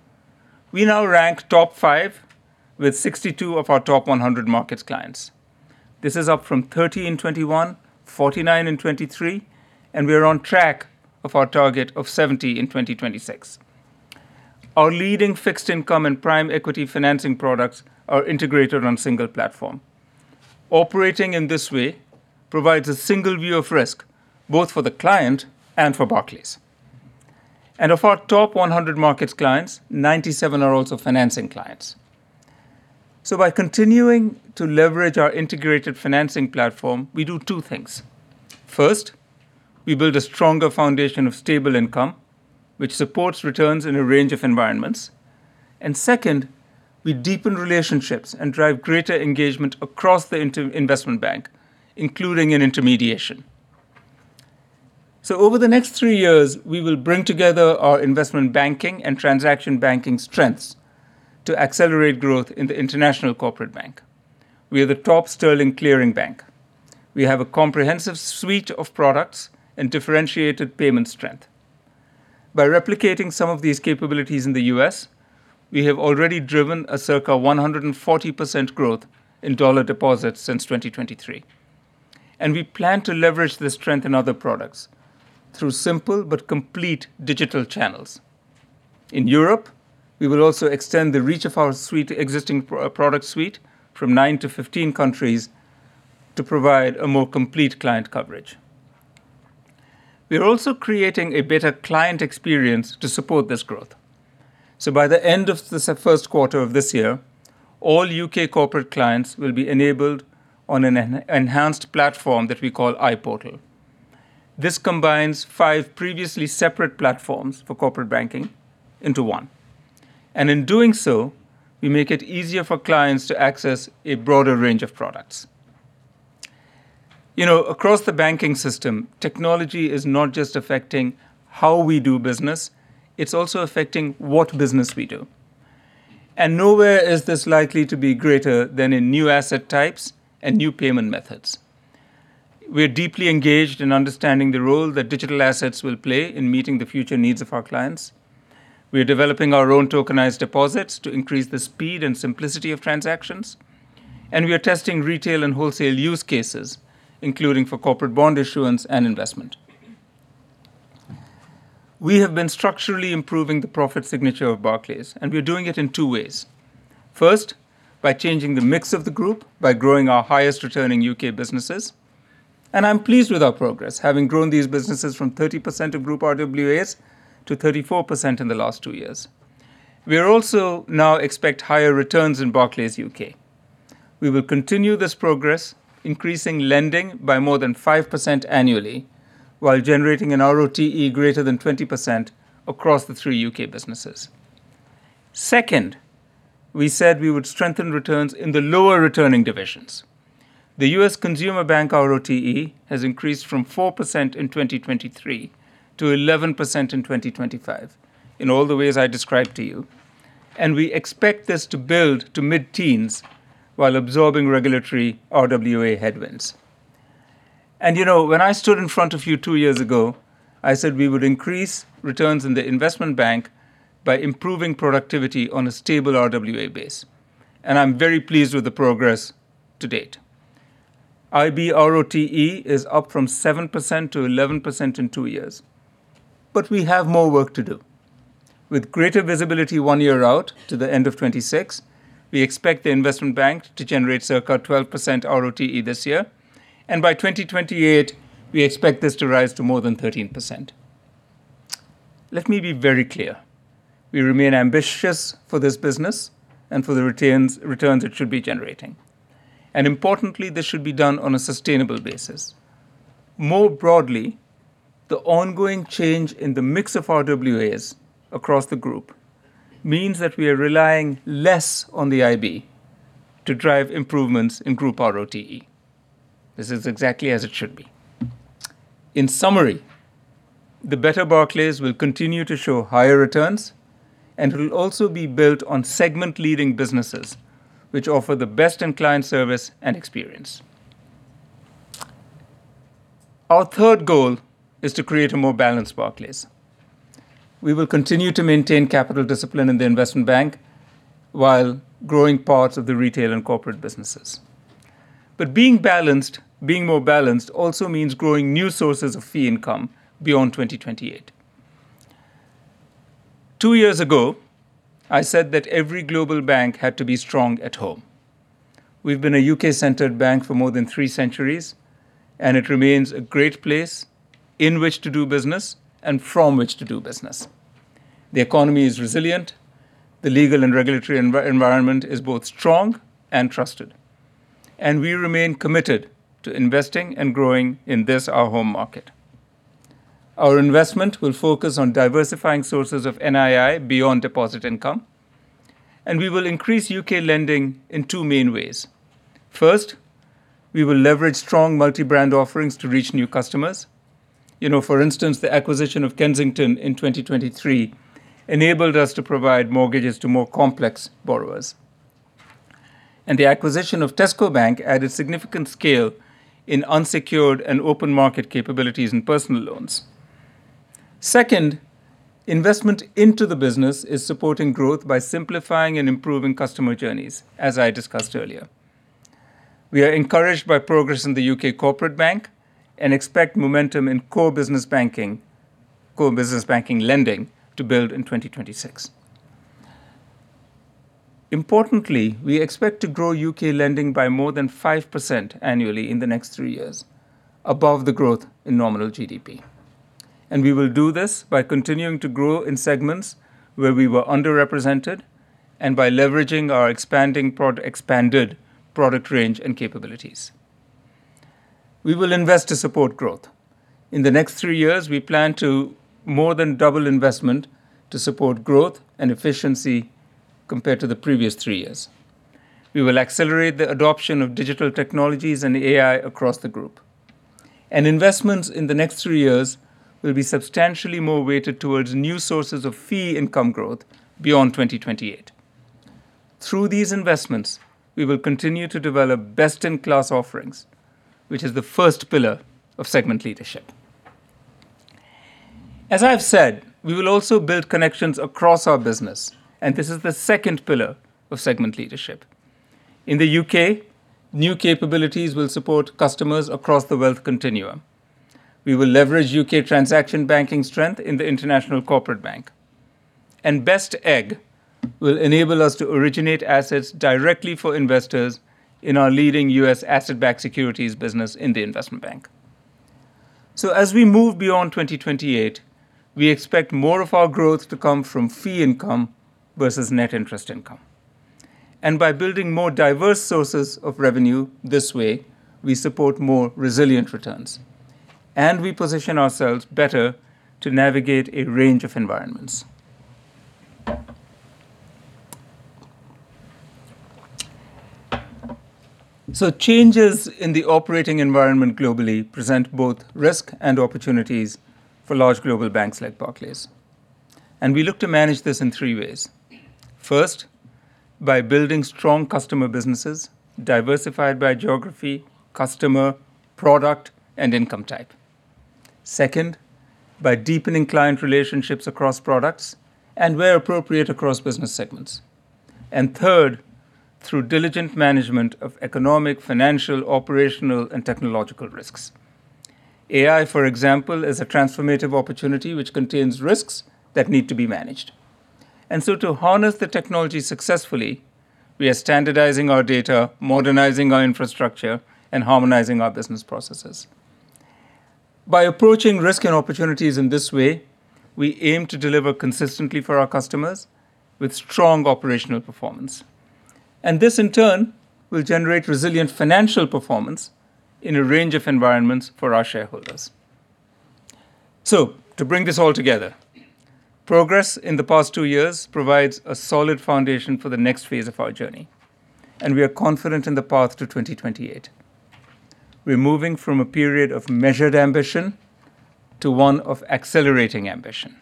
We now rank top five with 62 of our top 100 markets clients. This is up from 30 in 2021, 49 in 2023. And we are on track of our target of 70 in 2026. Our leading fixed income and prime equity financing products are integrated on a single platform. Operating in this way provides a single view of risk both for the client and for Barclays. Of our top 100 markets clients, 97 are also financing clients. By continuing to leverage our integrated financing platform, we do two things. First, we build a stronger foundation of stable income, which supports returns in a range of environments. And second, we deepen relationships and drive greater engagement across the Investment Bank, including in intermediation. Over the next three years, we will bring together our investment banking and Transaction Banking strengths to accelerate growth in the International Corporate Bank. We are the top sterling clearing bank. We have a comprehensive suite of products and differentiated payment strength. By replicating some of these capabilities in the U.S., we have already driven a circa 140% growth in dollar deposits since 2023. We plan to leverage this strength in other products through simple but complete digital channels. In Europe, we will also extend the reach of our existing product suite from nine to 15 countries to provide a more complete client coverage. We are also creating a better client experience to support this growth. By the end of the first quarter of this year, all U.K. corporate clients will be enabled on an enhanced platform that we call iPortal. This combines five previously separate platforms for Corporate Banking into one. And in doing so, we make it easier for clients to access a broader range of products. Across the banking system, technology is not just affecting how we do business. It's also affecting what business we do. Nowhere is this likely to be greater than in new asset types and new payment methods. We are deeply engaged in understanding the role that digital assets will play in meeting the future needs of our clients. We are developing our own tokenized deposits to increase the speed and simplicity of transactions. We are testing retail and wholesale use cases, including for corporate bond issuance and investment. We have been structurally improving the profit signature of Barclays. We are doing it in two ways. First, by changing the mix of the group by growing our highest-returning U.K. businesses. I'm pleased with our progress, having grown these businesses from 30% of group RWAs to 34% in the last two years. We also now expect higher returns in Barclays UK. We will continue this progress, increasing lending by more than 5% annually while generating an RoTE greater than 20% across the three U.K. businesses. Second, we said we would strengthen returns in the lower-returning divisions. The U.S. Consumer Bank RoTE has increased from 4% in 2023 to 11% in 2025 in all the ways I described to you. We expect this to build to mid-teens while absorbing regulatory RWA headwinds. When I stood in front of you two years ago, I said we would increase returns in the investment bank by improving productivity on a stable RWA base. I'm very pleased with the progress to date. IB RoTE is up from 7% to 11% in two years. But we have more work to do. With greater visibility one year out, to the end of 2026, we expect the investment bank to generate circa 12% RoTE this year. By 2028, we expect this to rise to more than 13%. Let me be very clear. We remain ambitious for this business and for the return it should be generating. Importantly, this should be done on a sustainable basis. More broadly, the ongoing change in the mix of RWAs across the group means that we are relying less on the IB to drive improvements in group RoTE. This is exactly as it should be. In summary, the better Barclays will continue to show higher returns. It will also be built on segment-leading businesses which offer the best-in-client service and experience. Our third goal is to create a more balanced Barclays. We will continue to maintain capital discipline in the investment bank while growing parts of the retail and corporate businesses. But being more balanced also means growing new sources of fee income beyond 2028. Two years ago, I said that every global bank had to be strong at home. We've been a U.K.-centered bank for more than three centuries. It remains a great place in which to do business and from which to do business. The economy is resilient. The legal and regulatory environment is both strong and trusted. We remain committed to investing and growing in this, our home market. Our investment will focus on diversifying sources of NII beyond deposit income. We will increase U.K. lending in two main ways. First, we will leverage strong multi-brand offerings to reach new customers. For instance, the acquisition of Kensington in 2023 enabled us to provide mortgages to more complex borrowers. And the acquisition of Tesco Bank added significant scale in unsecured and open market capabilities in personal loans. Second, investment into the business is supporting growth by simplifying and improving customer journeys, as I discussed earlier. We are encouraged by progress in the U.K. Corporate Bank and expect momentum in core business banking lending to build in 2026. Importantly, we expect to grow U.K. lending by more than 5% annually in the next three years, above the growth in nominal GDP. We will do this by continuing to grow in segments where we were underrepresented and by leveraging our expanded product range and capabilities. We will invest to support growth. In the next three years, we plan to more than double investment to support growth and efficiency compared to the previous three years. We will accelerate the adoption of digital technologies and AI across the group. Investments in the next three years will be substantially more weighted towards new sources of fee income growth beyond 2028. Through these investments, we will continue to develop best-in-class offerings, which is the first pillar of segment leadership. As I've said, we will also build connections across our business. This is the second pillar of segment leadership. In the U.K., new capabilities will support customers across the wealth continuum. We will leverage U.K. Transaction Banking strength in the International Corporate Bank. Best Egg will enable us to originate assets directly for investors in our leading U.S. asset-backed securities business in the investment bank. As we move beyond 2028, we expect more of our growth to come from fee income versus net interest income. By building more diverse sources of revenue this way, we support more resilient returns. We position ourselves better to navigate a range of environments. Changes in the operating environment globally present both risk and opportunities for large global banks like Barclays. We look to manage this in three ways. First, by building strong customer businesses diversified by geography, customer, product, and income type. Second, by deepening client relationships across products and, where appropriate, across business segments. And third, through diligent management of economic, financial, operational, and technological risks. AI, for example, is a transformative opportunity which contains risks that need to be managed. And so to harness the technology successfully, we are standardizing our data, modernizing our infrastructure, and harmonizing our business processes. By approaching risk and opportunities in this way, we aim to deliver consistently for our customers with strong operational performance. And this, in turn, will generate resilient financial performance in a range of environments for our shareholders. So to bring this all together, progress in the past two years provides a solid foundation for the next phase of our journey. And we are confident in the path to 2028. We're moving from a period of measured ambition to one of accelerating ambition.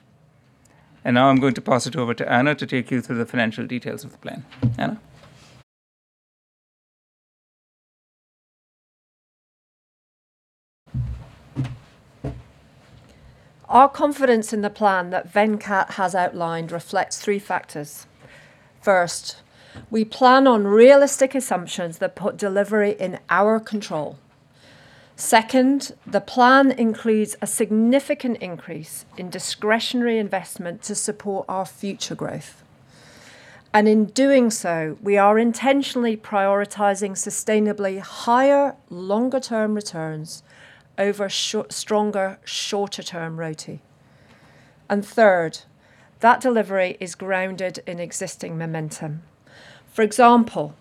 Now I'm going to pass it over to Anna to take you through the financial details of the plan. Anna? Our confidence in the plan that Venkat has outlined reflects three factors. First, we plan on realistic assumptions that put delivery in our control. Second, the plan includes a significant increase in discretionary investment to support our future growth. And in doing so, we are intentionally prioritizing sustainably higher, longer-term returns over stronger, shorter-term RoTE. And third, that delivery is grounded in existing momentum. For example,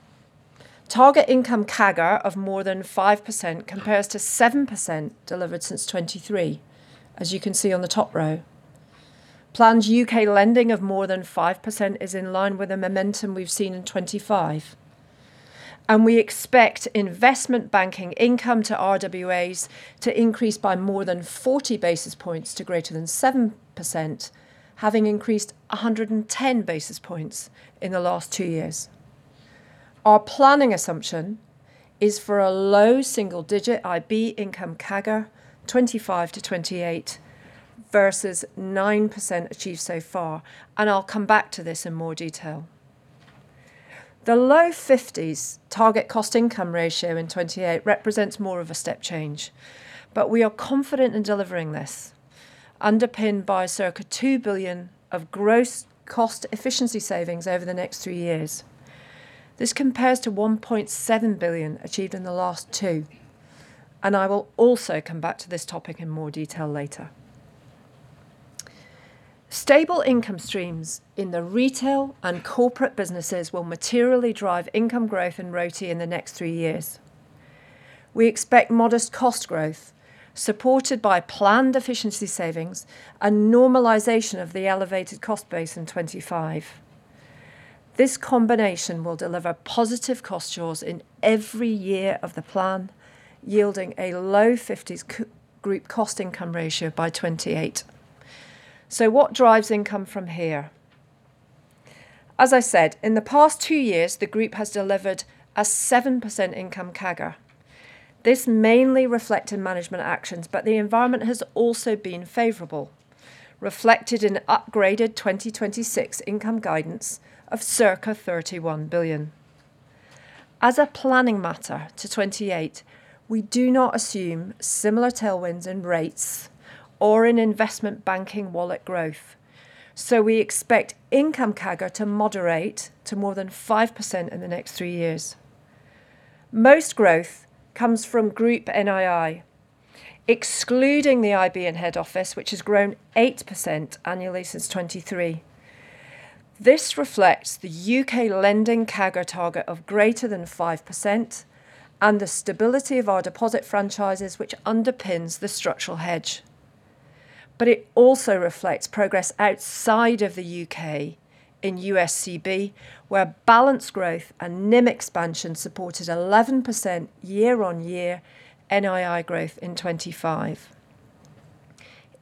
target income CAGR of more than 5% compares to 7% delivered since 2023, as you can see on the top row. Planned UK lending of more than 5% is in line with the momentum we've seen in 2025. And we expect investment banking income to RWAs to increase by more than 40 basis points to greater than 7%, having increased 110 basis points in the last two years. Our planning assumption is for a low single-digit IB income CAGR 2025-2028 versus 9% achieved so far. I'll come back to this in more detail. The low 50s target cost-income ratio in 2028 represents more of a step change. We are confident in delivering this, underpinned by circa 2 billion of gross cost efficiency savings over the next three years. This compares to 1.7 billion achieved in the last two. I will also come back to this topic in more detail later. Stable income streams in the retail and corporate businesses will materially drive income growth in RoTE in the next three years. We expect modest cost growth supported by planned efficiency savings and normalization of the elevated cost base in 2025. This combination will deliver positive jaws in every year of the plan, yielding a low 50s group cost-income ratio by 2028. So what drives income from here? As I said, in the past two years, the group has delivered a 7% income CAGR. This mainly reflected management actions. But the environment has also been favorable, reflected in upgraded 2026 income guidance of circa 31 billion. As a planning matter to 2028, we do not assume similar tailwinds in rates or in investment banking wallet growth. So we expect income CAGR to moderate to more than 5% in the next three years. Most growth comes from group NII, excluding the IB in head office, which has grown 8% annually since 2023. This reflects the U.K. lending CAGR target of greater than 5% and the stability of our deposit franchises, which underpins the structural hedge. But it also reflects progress outside of the U.K. in USCB, where balanced growth and NIM expansion supported 11% year-on-year NII growth in 2025.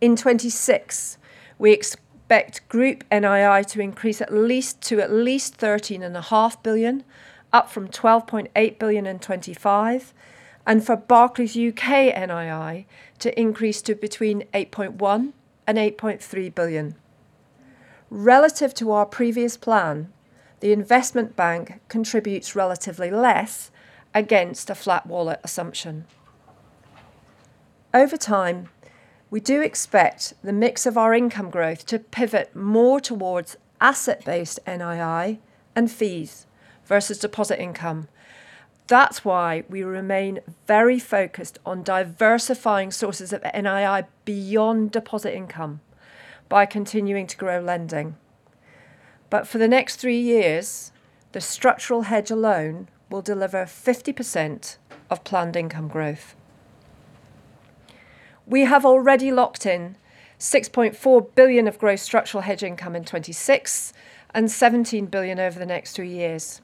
In 2026, we expect group NII to increase to at least 13.5 billion, up from 12.8 billion in 2025, and for Barclays UK NII to increase to between 8.1 billion and 8.3 billion. Relative to our previous plan, the investment bank contributes relatively less against a flat wallet assumption. Over time, we do expect the mix of our income growth to pivot more towards asset-based NII and fees versus deposit income. That's why we remain very focused on diversifying sources of NII beyond deposit income by continuing to grow lending. But for the next three years, the structural hedge alone will deliver 50% of planned income growth. We have already locked in 6.4 billion of gross structural hedge income in 2026 and 17 billion over the next three years.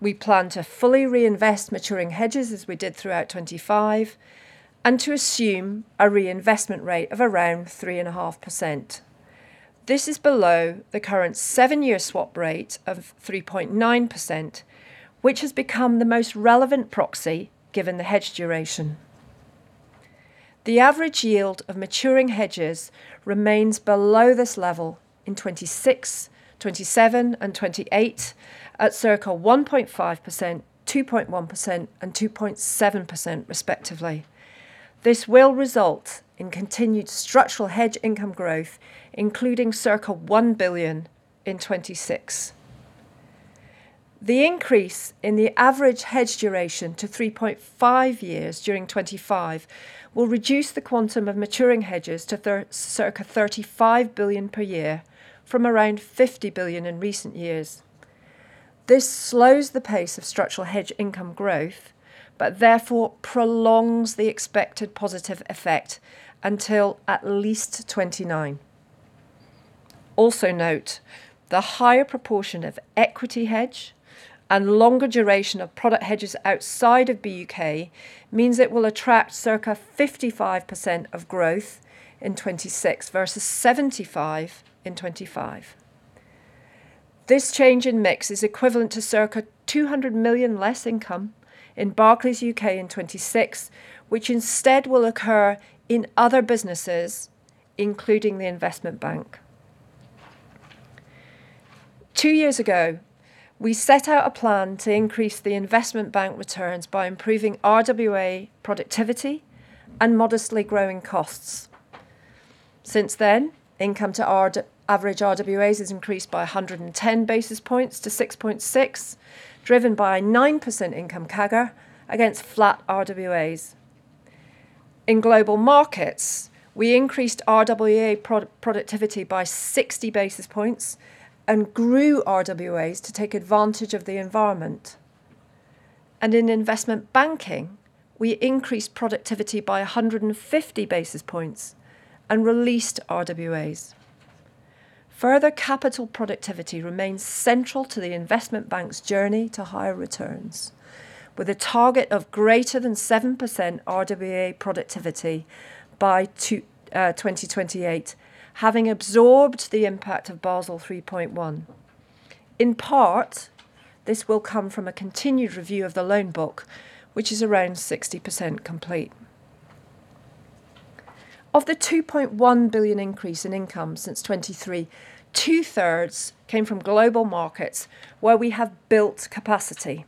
We plan to fully reinvest maturing hedges as we did throughout 2025 and to assume a reinvestment rate of around 3.5%. This is below the current seven-year swap rate of 3.9%, which has become the most relevant proxy given the hedge duration. The average yield of maturing hedges remains below this level in 2026, 2027, and 2028 at circa 1.5%, 2.1%, and 2.7%, respectively. This will result in continued structural hedge income growth, including circa 1 billion in 2026. The increase in the average hedge duration to 3.5 years during 2025 will reduce the quantum of maturing hedges to circa 35 billion per year from around 50 billion in recent years. This slows the pace of structural hedge income growth, but therefore prolongs the expected positive effect until at least 2029. Also note, the higher proportion of equity hedge and longer duration of product hedges outside of UK means it will attract circa 55% of growth in 2026 versus 75% in 2025. This change in mix is equivalent to circa 200 million less income in Barclays UK in 2026, which instead will occur in other businesses, including the investment bank. Two years ago, we set out a plan to increase the investment bank returns by improving RWA productivity and modestly growing costs. Since then, income to average RWAs has increased by 110 basis points to 6.6%, driven by 9% income CAGR against flat RWAs. In Global Markets, we increased RWA productivity by 60 basis points and grew RWAs to take advantage of the environment. And in investment banking, we increased productivity by 150 basis points and released RWAs. Further capital productivity remains central to the Investment Bank's journey to higher returns, with a target of greater than 7% RWA productivity by 2028 having absorbed the impact of Basel 3.1. In part, this will come from a continued review of the loan book, which is around 60% complete. Of the 2.1 billion increase in income since 2023, 2/3 came from Global Markets where we have built capacity.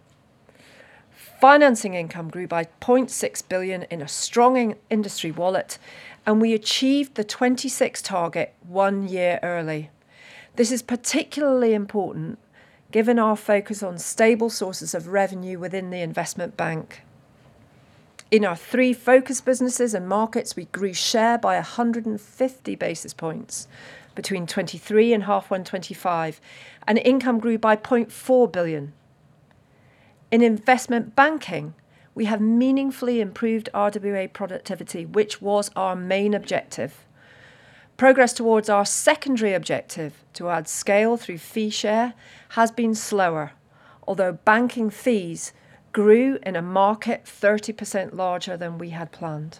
Financing income grew by 0.6 billion in a strong industry wallet, and we achieved the 2026 target one year early. This is particularly important given our focus on stable sources of revenue within the Investment Bank. In our three focus businesses and markets, we grew share by 150 basis points between 2023 and halfway into 2025, and income grew by 0.4 billion. In investment banking, we have meaningfully improved RWA productivity, which was our main objective. Progress towards our secondary objective to add scale through fee share has been slower, although banking fees grew in a market 30% larger than we had planned.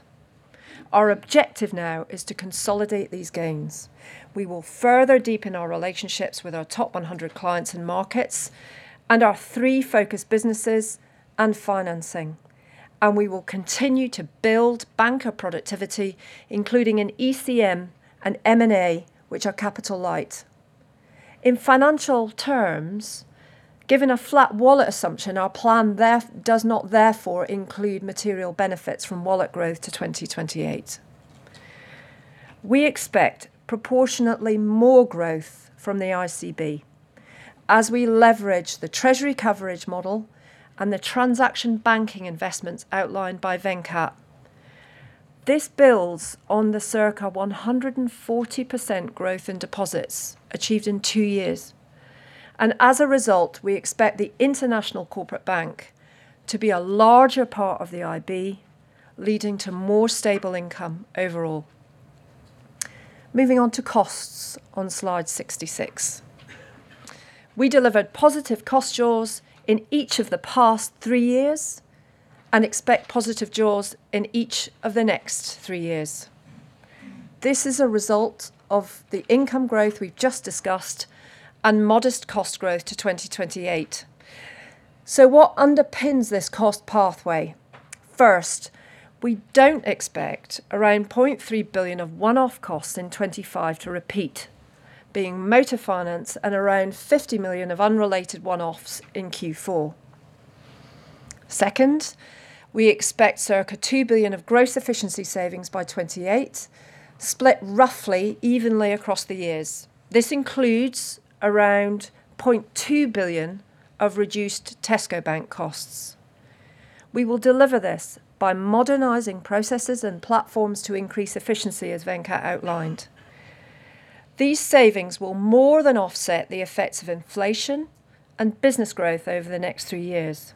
Our objective now is to consolidate these gains. We will further deepen our relationships with our top 100 clients and markets and our three focus businesses and financing. We will continue to build banker productivity, including an ECM and M&A, which are capital light. In financial terms, given a flat wallet assumption, our plan does not therefore include material benefits from wallet growth to 2028. We expect proportionately more growth from the ICB as we leverage the Treasury Coverage Model and the Transaction Banking investments outlined by Venkat. This builds on the circa 140% growth in deposits achieved in two years. As a result, we expect the International Corporate Bank to be a larger part of the IB, leading to more stable income overall. Moving on to costs on slide 66. We delivered positive cost jaws in each of the past three years and expect positive jaws in each of the next three years. This is a result of the income growth we've just discussed and modest cost growth to 2028. So what underpins this cost pathway? First, we don't expect around 0.3 billion of one-off costs in 2025 to repeat, being motor finance and around 50 million of unrelated one-offs in Q4. Second, we expect circa 2 billion of gross efficiency savings by 2028 split roughly evenly across the years. This includes around 0.2 billion of reduced Tesco Bank costs. We will deliver this by modernizing processes and platforms to increase efficiency, as Venkat outlined. These savings will more than offset the effects of inflation and business growth over the next three years.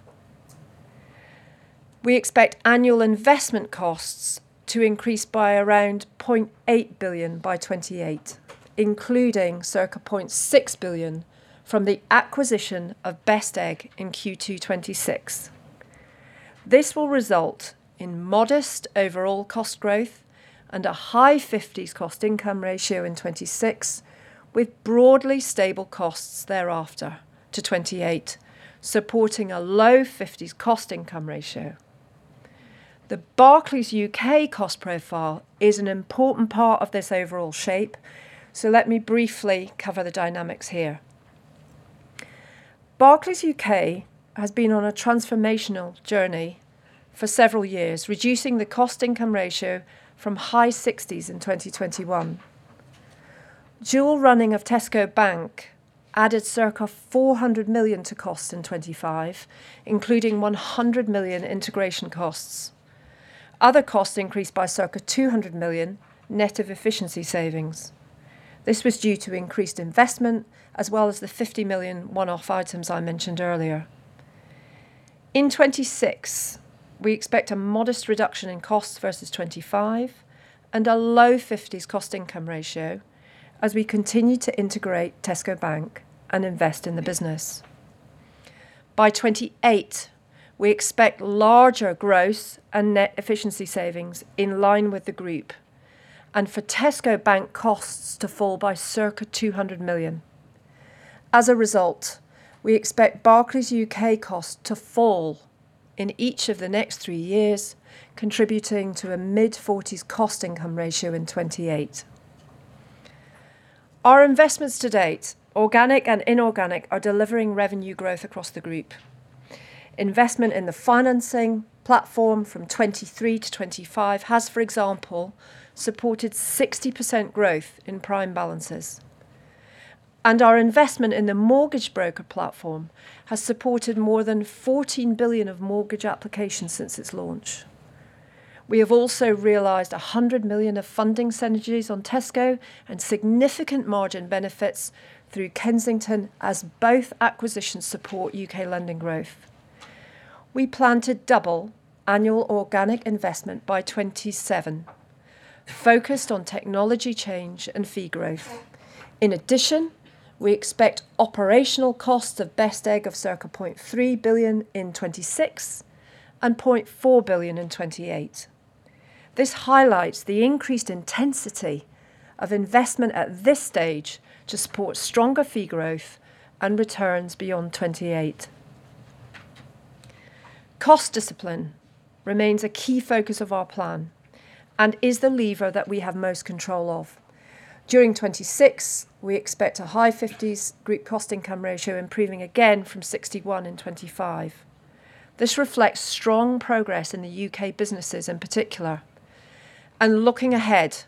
We expect annual investment costs to increase by around 0.8 billion by 2028, including circa 0.6 billion from the acquisition of Best Egg in Q2 2026. This will result in modest overall cost growth and a high 50s cost-income ratio in 2026, with broadly stable costs thereafter to 2028, supporting a low 50s cost-income ratio. The Barclays UK cost profile is an important part of this overall shape. So let me briefly cover the dynamics here. Barclays UK has been on a transformational journey for several years, reducing the cost-income ratio from high 60s in 2021. Dual running of Tesco Bank added circa 400 million to costs in 2025, including 100 million integration costs. Other costs increased by circa 200 million net of efficiency savings. This was due to increased investment as well as the 50 million one-off items I mentioned earlier. In 2026, we expect a modest reduction in costs versus 2025 and a low 50s cost-income ratio as we continue to integrate Tesco Bank and invest in the business. By 2028, we expect larger growth and net efficiency savings in line with the group and for Tesco Bank costs to fall by circa 200 million. As a result, we expect Barclays UK costs to fall in each of the next three years, contributing to a mid-40s cost-income ratio in 2028. Our investments to date, organic and inorganic, are delivering revenue growth across the group. Investment in the financing platform from 2023 to 2025 has, for example, supported 60% growth in prime balances. Our investment in the mortgage broker platform has supported more than 14 billion of mortgage applications since its launch. We have also realized 100 million of funding synergies on Tesco and significant margin benefits through Kensington, as both acquisitions support UK lending growth. We plan to double annual organic investment by 2027, focused on technology change and fee growth. In addition, we expect operational costs of Best Egg of circa 0.3 billion in 2026 and 0.4 billion in 2028. This highlights the increased intensity of investment at this stage to support stronger fee growth and returns beyond 2028. Cost discipline remains a key focus of our plan and is the lever that we have most control of. During 2026, we expect a high 50s group cost-income ratio improving again from 61% in 2025. This reflects strong progress in the UK businesses in particular. Looking ahead,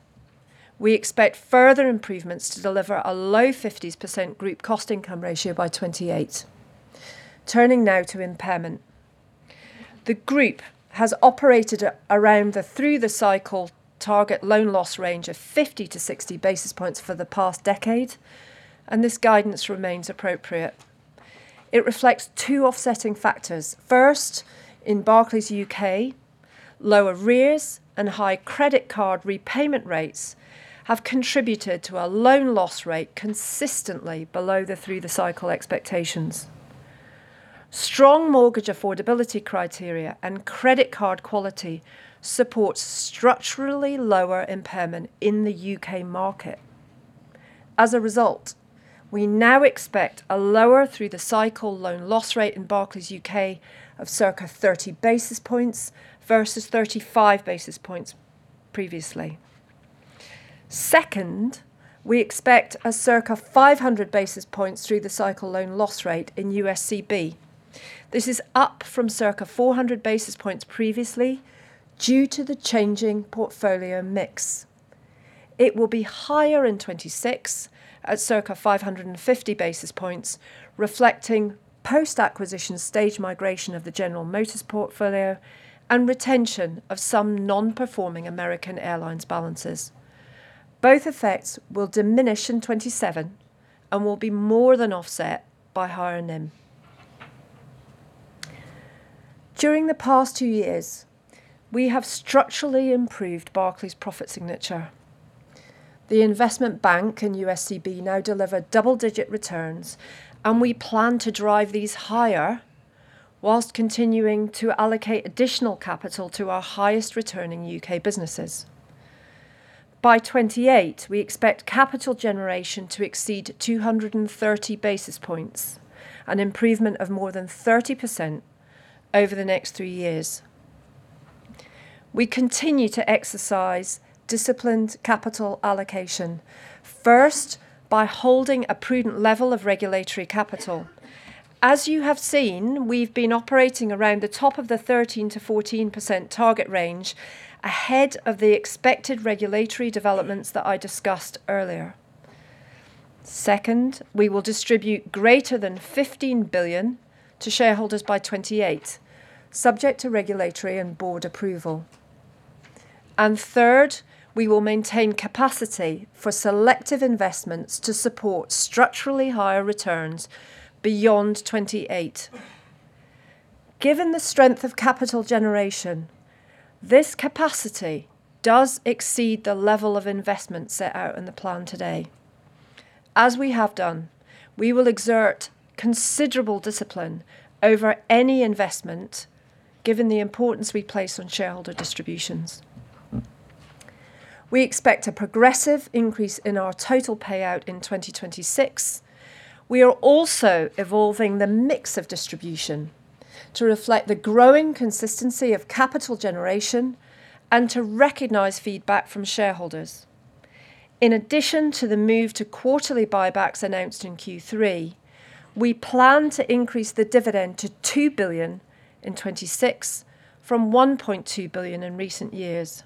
we expect further improvements to deliver a low 50s% group cost-income ratio by 2028. Turning now to impairment. The group has operated around the through-the-cycle target loan loss range of 50-60 basis points for the past decade, and this guidance remains appropriate. It reflects two offsetting factors. First, in Barclays UK, lower arrears and high credit card repayment rates have contributed to a loan loss rate consistently below the through-the-cycle expectations. Strong mortgage affordability criteria and credit card quality support structurally lower impairment in the UK market. As a result, we now expect a lower through-the-cycle loan loss rate in Barclays UK of circa 30 basis points versus 35 basis points previously. Second, we expect a circa 500 basis points through-the-cycle loan loss rate in USCB. This is up from circa 400 basis points previously due to the changing portfolio mix. It will be higher in 2026 at circa 550 basis points, reflecting post-acquisition stage migration of the General Motors portfolio and retention of some non-performing American Airlines balances. Both effects will diminish in 2027 and will be more than offset by higher NIM. During the past two years, we have structurally improved Barclays profit signature. The investment bank and USCB now deliver double-digit returns, and we plan to drive these higher whilst continuing to allocate additional capital to our highest-returning UK businesses. By 2028, we expect capital generation to exceed 230 basis points, an improvement of more than 30% over the next three years. We continue to exercise disciplined capital allocation, first by holding a prudent level of regulatory capital. As you have seen, we've been operating around the top of the 13%-14% target range ahead of the expected regulatory developments that I discussed earlier. Second, we will distribute greater than 15 billion to shareholders by 2028, subject to regulatory and board approval. Third, we will maintain capacity for selective investments to support structurally higher returns beyond 2028. Given the strength of capital generation, this capacity does exceed the level of investment set out in the plan today. As we have done, we will exert considerable discipline over any investment, given the importance we place on shareholder distributions. We expect a progressive increase in our total payout in 2026. We are also evolving the mix of distribution to reflect the growing consistency of capital generation and to recognize feedback from shareholders. In addition to the move to quarterly buybacks announced in Q3, we plan to increase the dividend to 2 billion in 2026 from 1.2 billion in recent years.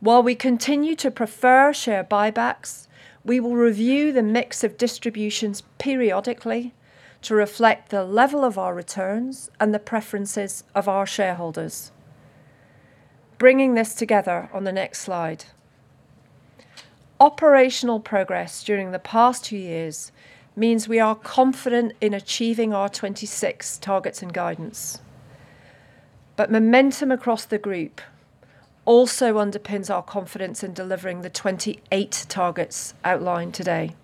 While we continue to prefer share buybacks, we will review the mix of distributions periodically to reflect the level of our returns and the preferences of our shareholders. Bringing this together on the next slide. Operational progress during the past two years means we are confident in achieving our 2026 targets and guidance. But momentum across the group also underpins our confidence in delivering the 2028 targets outlined today.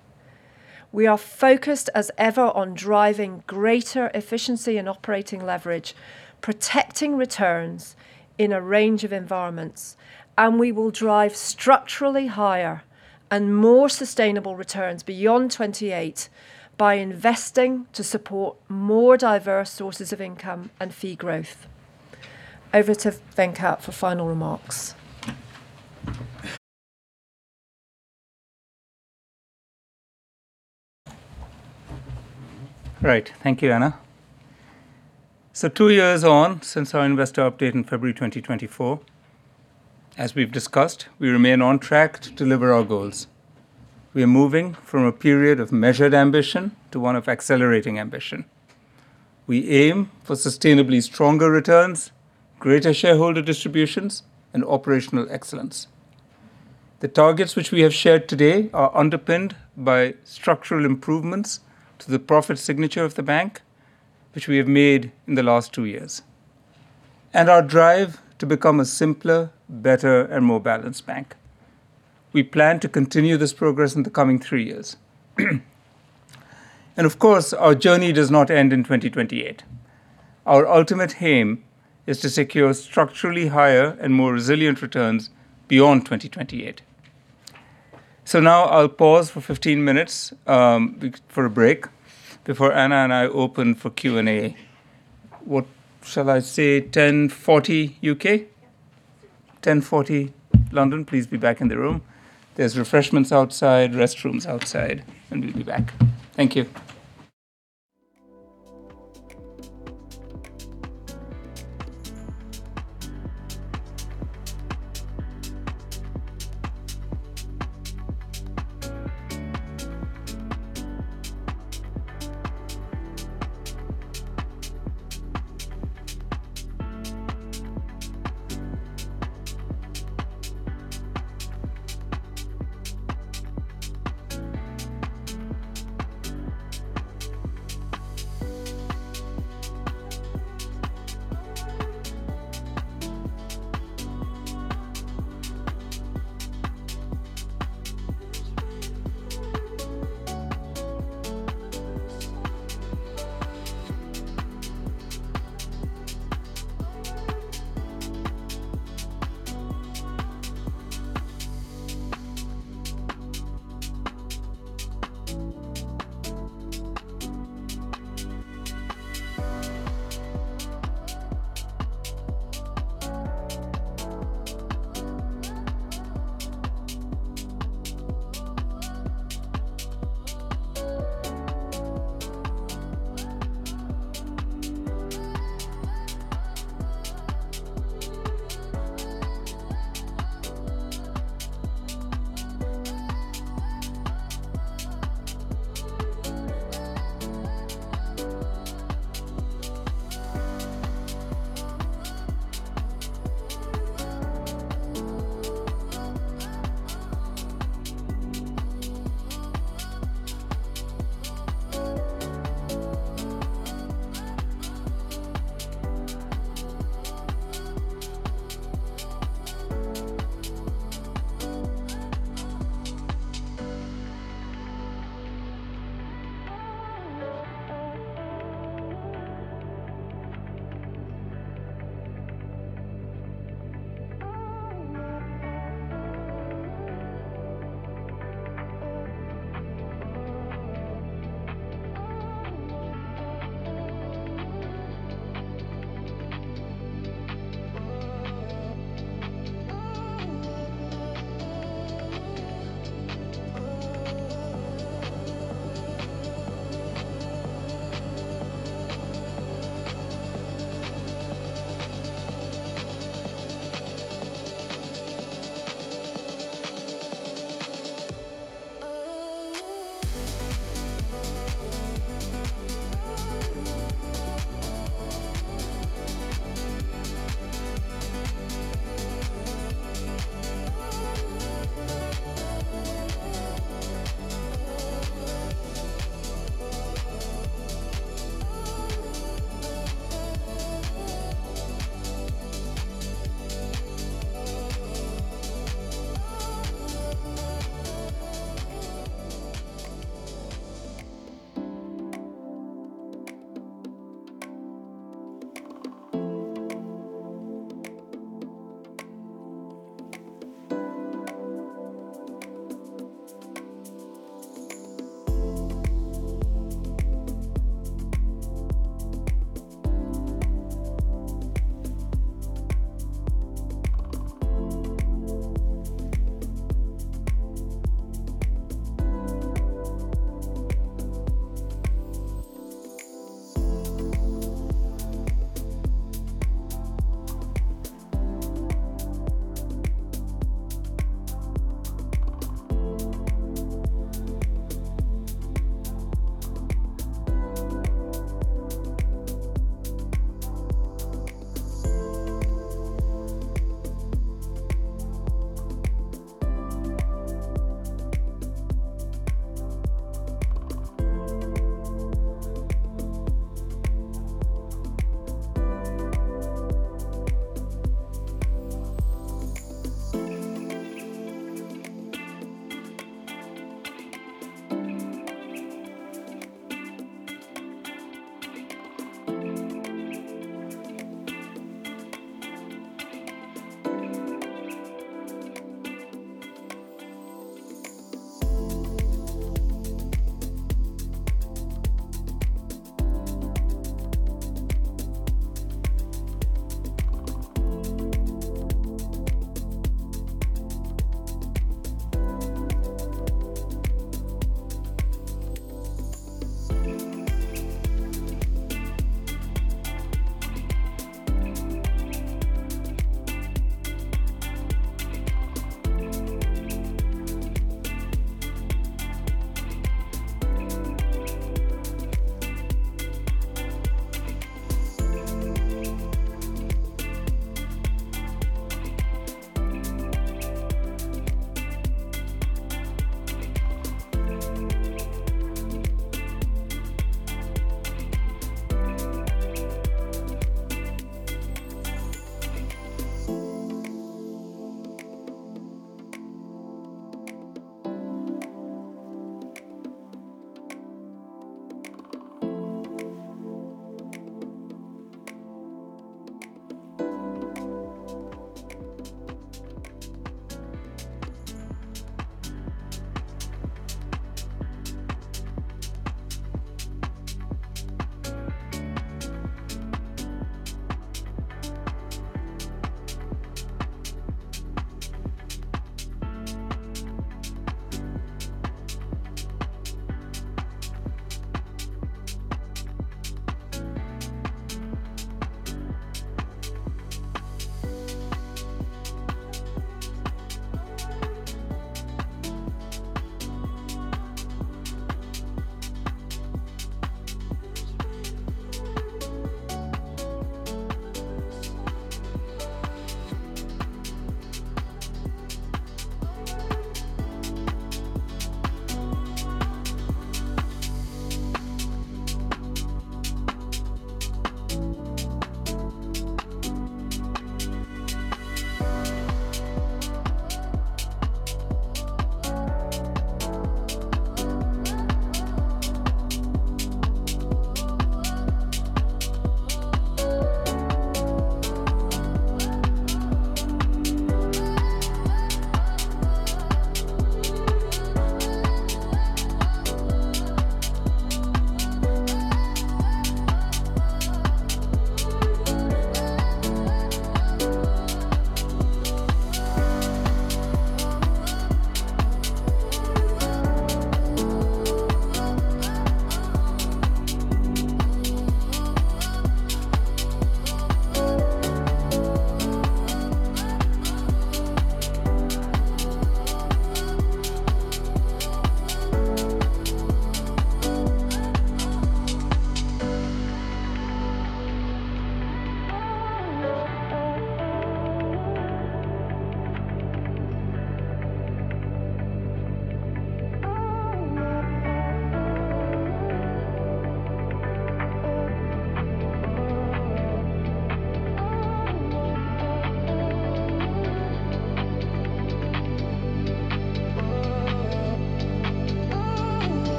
We are focused as ever on driving greater efficiency and operating leverage, protecting returns in a range of environments. And we will drive structurally higher and more sustainable returns beyond 2028 by investing to support more diverse sources of income and fee growth. Over to Venkat for final remarks. All right. Thank you, Anna. So two years on since our Investor Update in February 2024, as we've discussed, we remain on track to deliver our goals. We are moving from a period of measured ambition to one of accelerating ambition. We aim for sustainably stronger returns, greater shareholder distributions, and operational excellence. The targets which we have shared today are underpinned by structural improvements to the profit signature of the bank, which we have made in the last two years, and our drive to become a simpler, better, and more balanced bank. We plan to continue this progress in the coming three years. Of course, our journey does not end in 2028. Our ultimate aim is to secure structurally higher and more resilient returns beyond 2028. Now I'll pause for 15 minutes for a break before Anna and I open for Q&A. What shall I say, 10:40 U.K.? Yeah. Please be back in the room. There's refreshments outside, restrooms outside, and we'll be back. Thank you.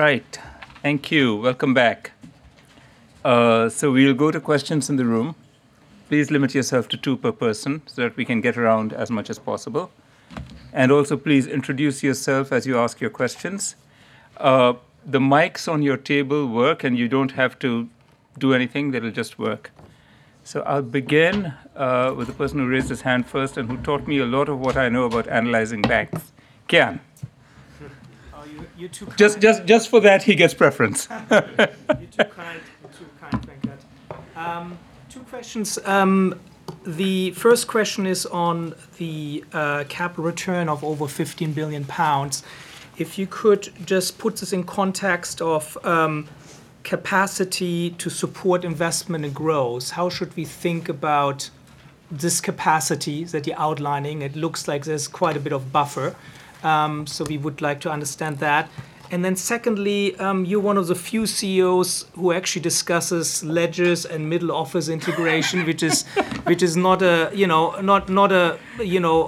Right. Thank you. Welcome back. So we'll go to questions in the room. Please limit yourself to two per person so that we can get around as much as possible. And also, please introduce yourself as you ask your questions. The mics on your table work, and you don't have to do anything. They will just work. So I'll begin with the person who raised his hand first and who taught me a lot of what I know about analyzing banks. Kian? You're too kind. Just for that, he gets preference. You're too kind, Venkat. Two questions. The first question is on the capital return of over 15 billion pounds. If you could just put this in context of capacity to support investment and growth, how should we think about this capacity that you're outlining? It looks like there's quite a bit of buffer. So we would like to understand that. And then secondly, you're one of the few CEOs who actually discusses ledgers and middle office integration, which is not a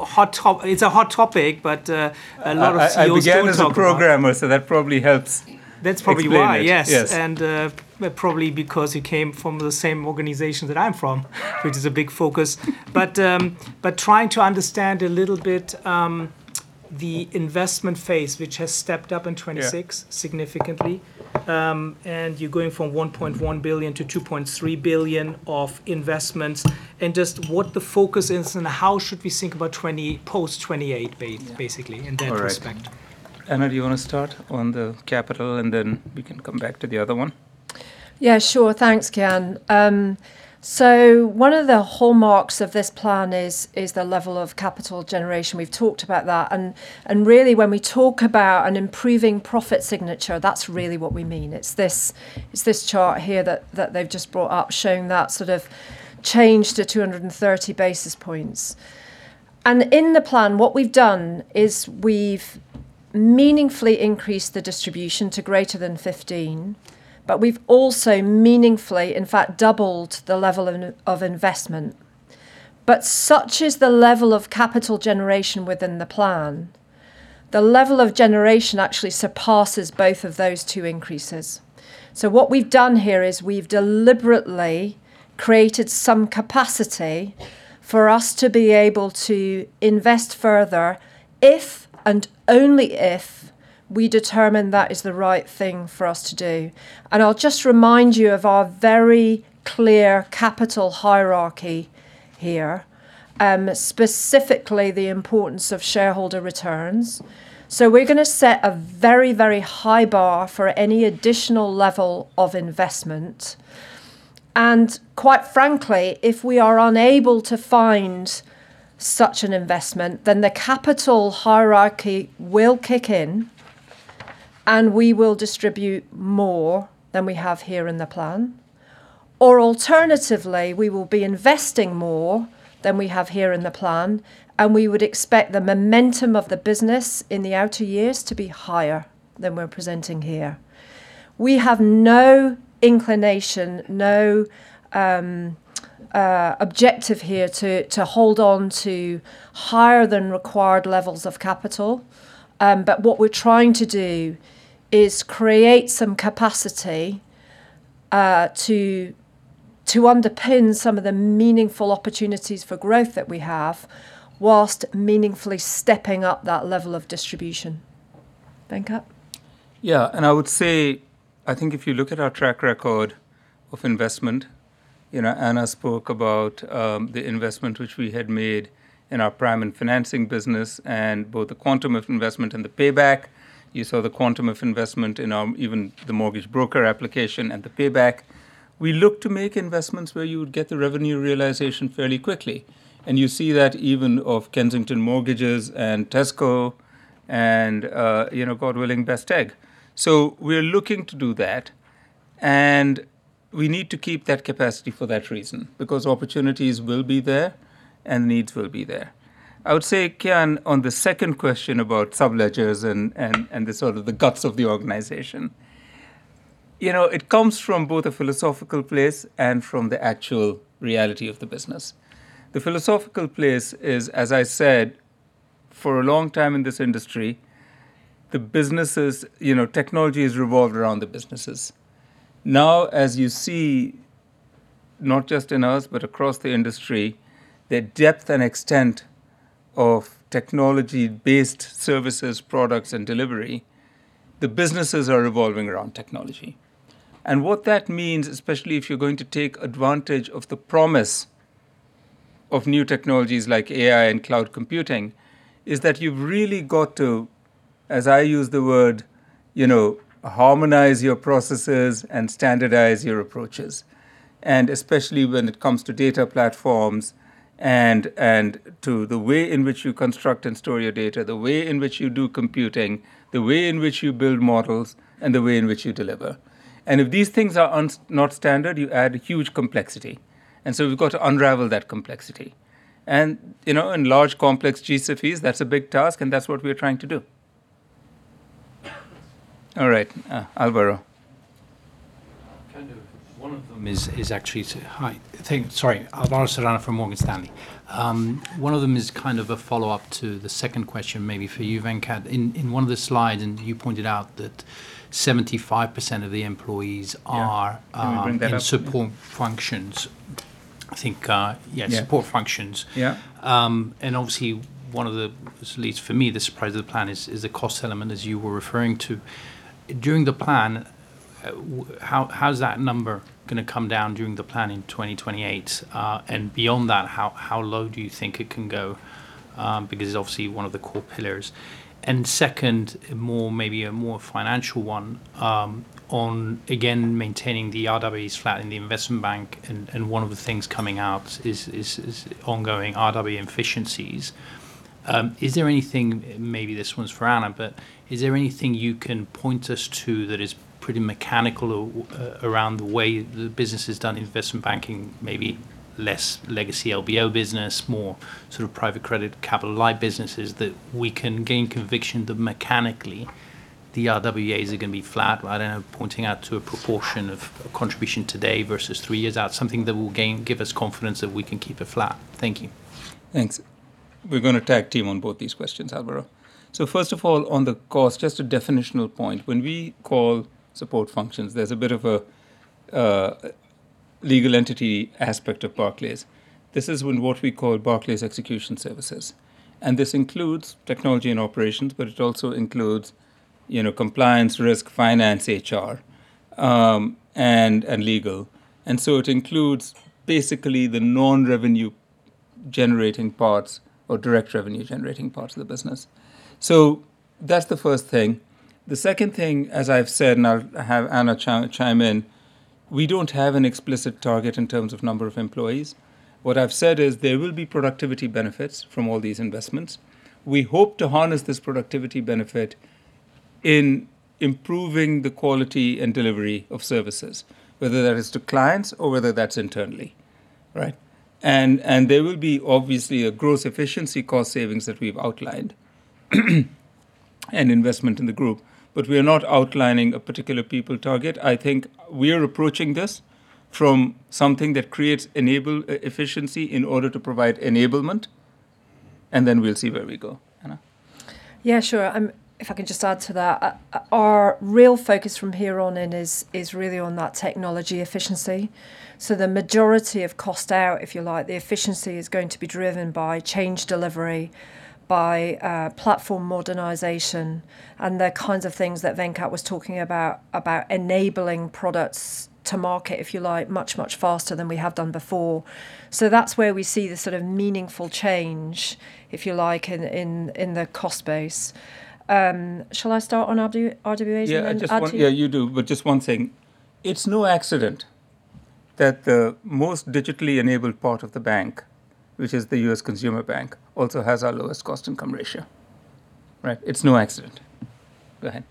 hot topic. It's a hot topic, but a lot of CEOs talk about it. I began as a programmer, so that probably helps explain it. That's probably why. Yes. Probably because you came from the same organization that I'm from, which is a big focus. But trying to understand a little bit the investment phase, which has stepped up in 2026 significantly. And you're going from $1.1 billion-$2.3 billion of investments. Just what the focus is and how should we think about post-2028, basically, in that respect. All right. Anna, do you want to start on the capital, and then we can come back to the other one? Yeah, sure. Thanks, Kian. So one of the hallmarks of this plan is the level of capital generation. We've talked about that. And really, when we talk about an improving profit signature, that's really what we mean. It's this chart here that they've just brought up showing that sort of change to 230 basis points. And in the plan, what we've done is we've meaningfully increased the distribution to greater than 15, but we've also meaningfully, in fact, doubled the level of investment. But such is the level of capital generation within the plan, the level of generation actually surpasses both of those two increases. So what we've done here is we've deliberately created some capacity for us to be able to invest further if and only if we determine that is the right thing for us to do. I'll just remind you of our very clear capital hierarchy here, specifically the importance of shareholder returns. So we're going to set a very, very high bar for any additional level of investment. Quite frankly, if we are unable to find such an investment, then the capital hierarchy will kick in, and we will distribute more than we have here in the plan. Or alternatively, we will be investing more than we have here in the plan, and we would expect the momentum of the business in the outer years to be higher than we're presenting here. We have no inclination, no objective here to hold on to higher than required levels of capital. But what we're trying to do is create some capacity to underpin some of the meaningful opportunities for growth that we have whilst meaningfully stepping up that level of distribution. Venkat? Yeah. And I would say, I think if you look at our track record of investment, Anna spoke about the investment which we had made in our prime and financing business and both the quantum of investment and the payback. You saw the quantum of investment in even the mortgage broker application and the payback. We look to make investments where you would get the revenue realization fairly quickly. And you see that even of Kensington Mortgages and Tesco and, God willing, Best Egg. So we're looking to do that. And we need to keep that capacity for that reason because opportunities will be there and needs will be there. I would say, Kian, on the second question about subledgers and the sort of the guts of the organization, it comes from both a philosophical place and from the actual reality of the business. The philosophical place is, as I said, for a long time in this industry, the businesses, technology has revolved around the businesses. Now, as you see, not just in U.S., but across the industry, the depth and extent of technology-based services, products, and delivery, the businesses are revolving around technology. What that means, especially if you're going to take advantage of the promise of new technologies like AI and cloud computing, is that you've really got to, as I use the word, harmonize your processes and standardize your approaches. Especially when it comes to data platforms and to the way in which you construct and store your data, the way in which you do computing, the way in which you build models, and the way in which you deliver. If these things are not standard, you add huge complexity. So we've got to unravel that complexity. In large, complex G-SIBs, that's a big task. That's what we're trying to do. All right. Alvaro. Kind of one of them is actually sorry, Alvaro Serrano from Morgan Stanley. One of them is kind of a follow-up to the second question, maybe for you, Venkat. In one of the slides, you pointed out that 75% of the employees are in support functions. I think, yes, support functions. And obviously, one of the least, for me, the surprise of the plan is the cost element, as you were referring to. During the plan, how is that number going to come down during the plan in 2028? And beyond that, how low do you think it can go? Because it's obviously one of the core pillars. And second, maybe a more financial one on, again, maintaining the RWAs flat in the investment bank. And one of the things coming out is ongoing RWA efficiencies. Is there anything maybe this one's for Anna, but is there anything you can point us to that is pretty mechanical around the way the business is done in investment banking, maybe less legacy LBO business, more sort of private credit capital-like businesses that we can gain conviction that mechanically the RWAs are going to be flat? I don't know, pointing out to a proportion of contribution today versus three years out, something that will give us confidence that we can keep it flat. Thank you. Thanks. We're going to tag team on both these questions, Alvaro. So first of all, on the cost, just a definitional point. When we call support functions, there's a bit of a legal entity aspect of Barclays. This is what we call Barclays Execution Services. And this includes technology and operations, but it also includes compliance, risk, finance, HR, and legal. And so it includes basically the non-revenue-generating parts or direct revenue-generating parts of the business. So that's the first thing. The second thing, as I've said, and I'll have Anna chime in, we don't have an explicit target in terms of number of employees. What I've said is there will be productivity benefits from all these investments. We hope to harness this productivity benefit in improving the quality and delivery of services, whether that is to clients or whether that's internally. There will be obviously a gross efficiency cost savings that we've outlined and investment in the group. But we are not outlining a particular people target. I think we are approaching this from something that creates enable efficiency in order to provide enablement. Then we'll see where we go. Yeah, sure. If I can just add to that, our real focus from here on in is really on that technology efficiency. So the majority of cost out, if you like, the efficiency is going to be driven by change delivery, by platform modernization, and the kinds of things that Venkat was talking about, about enabling products to market, if you like, much, much faster than we have done before. So that's where we see the sort of meaningful change, if you like, in the cost base. Shall I start on RWAs? Yeah, you do. But just one thing. It's no accident that the most digitally enabled part of the bank, which is the U.S. Consumer Bank, also has our lowest cost-income ratio. It's no accident. Go ahead.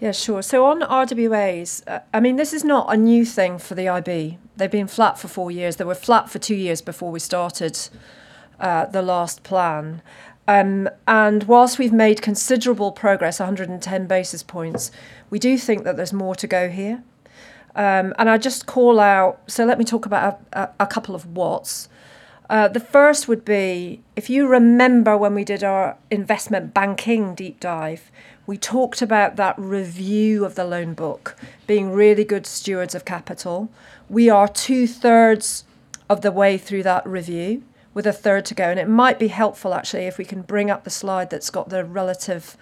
Yeah, sure. So on RWAs, I mean, this is not a new thing for the IB. They've been flat for four years. They were flat for two years before we started the last plan. Whilst we've made considerable progress, 110 basis points, we do think that there's more to go here. I just call out so let me talk about a couple of what's. The first would be, if you remember when we did our investment banking deep dive, we talked about that review of the loan book being really good stewards of capital. We are 2/3 of the way through that review with a third to go. It might be helpful, actually, if we can bring up the slide that's got the relative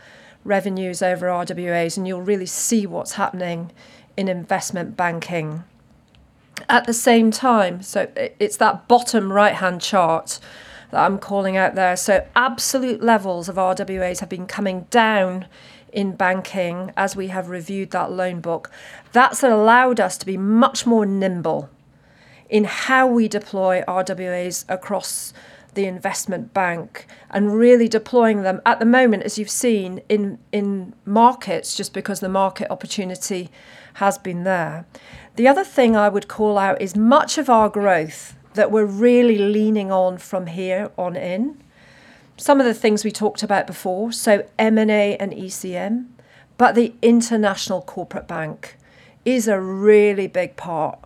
revenues over RWAs, and you'll really see what's happening in investment banking. At the same time, so it's that bottom right-hand chart that I'm calling out there. So absolute levels of RWAs have been coming down in banking as we have reviewed that loan book. That's allowed us to be much more nimble in how we deploy RWAs across the Investment Bank and really deploying them at the moment, as you've seen, in markets, just because the market opportunity has been there. The other thing I would call out is much of our growth that we're really leaning on from here on in, some of the things we talked about before, so M&A and ECM, but the International Corporate Bank is a really big part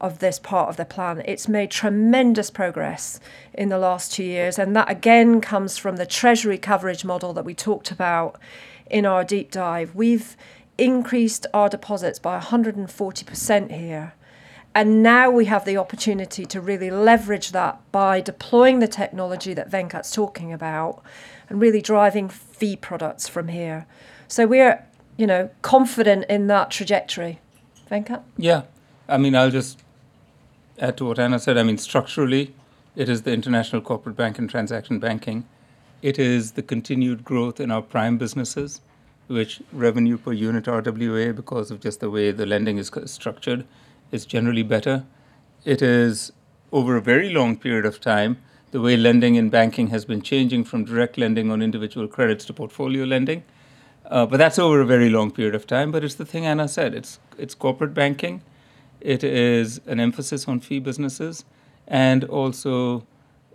of this part of the plan. It's made tremendous progress in the last two years. And that, again, comes from the Treasury Coverage Model that we talked about in our deep dive. We've increased our deposits by 140% here. Now we have the opportunity to really leverage that by deploying the technology that Venkat's talking about and really driving fee products from here. We're confident in that trajectory. Venkat? Yeah. I mean, I'll just add to what Anna said. I mean, structurally, it is the International Corporate Bank and Transaction Banking. It is the continued growth in our prime businesses, which revenue per unit RWA, because of just the way the lending is structured, is generally better. It is, over a very long period of time, the way lending in banking has been changing from direct lending on individual credits to portfolio lending. But that's over a very long period of time. But it's the thing Anna said. It's Corporate Banking. It is an emphasis on fee businesses and also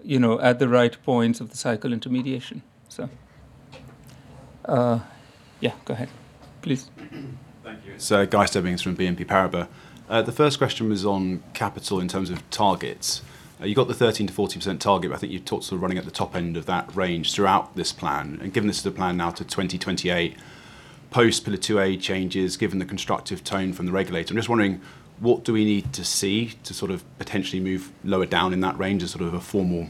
at the right points of the cycle intermediation. So yeah, go ahead, please. Thank you. So Guy Stebbings from BNP Paribas. The first question was on capital in terms of targets. You've got the 13%-40% target, but I think you've talked sort of running at the top end of that range throughout this plan. And given this is a plan now to 2028, post Pillar 2A changes, given the constructive tone from the regulator, I'm just wondering, what do we need to see to sort of potentially move lower down in that range as sort of a formal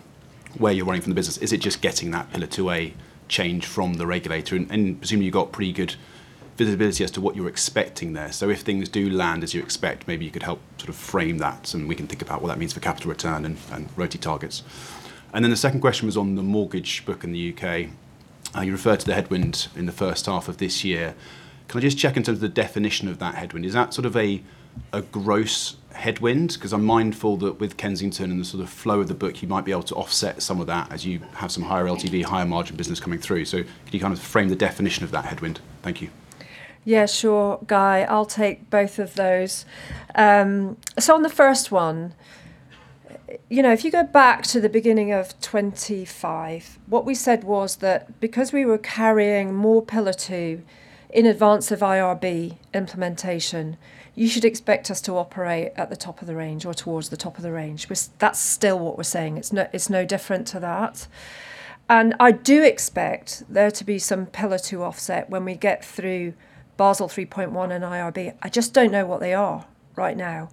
way you're running from the business? Is it just getting that Pillar 2A change from the regulator? And presumably, you've got pretty good visibility as to what you're expecting there. So if things do land as you expect, maybe you could help sort of frame that, and we can think about what that means for capital return and rotate targets. Then the second question was on the mortgage book in the U.K. You referred to the headwind in the first half of this year. Can I just check in terms of the definition of that headwind? Is that sort of a gross headwind? Because I'm mindful that with Kensington and the sort of flow of the book, you might be able to offset some of that as you have some higher LTV, higher margin business coming through. So can you kind of frame the definition of that headwind? Thank you. Yeah, sure, Guy. I'll take both of those. So on the first one, if you go back to the beginning of 2025, what we said was that because we were carrying more Pillar 2 in advance of IRB implementation, you should expect us to operate at the top of the range or towards the top of the range. That's still what we're saying. It's no different to that. And I do expect there to be some Pillar 2 offset when we get through Basel 3.1 and IRB. I just don't know what they are right now.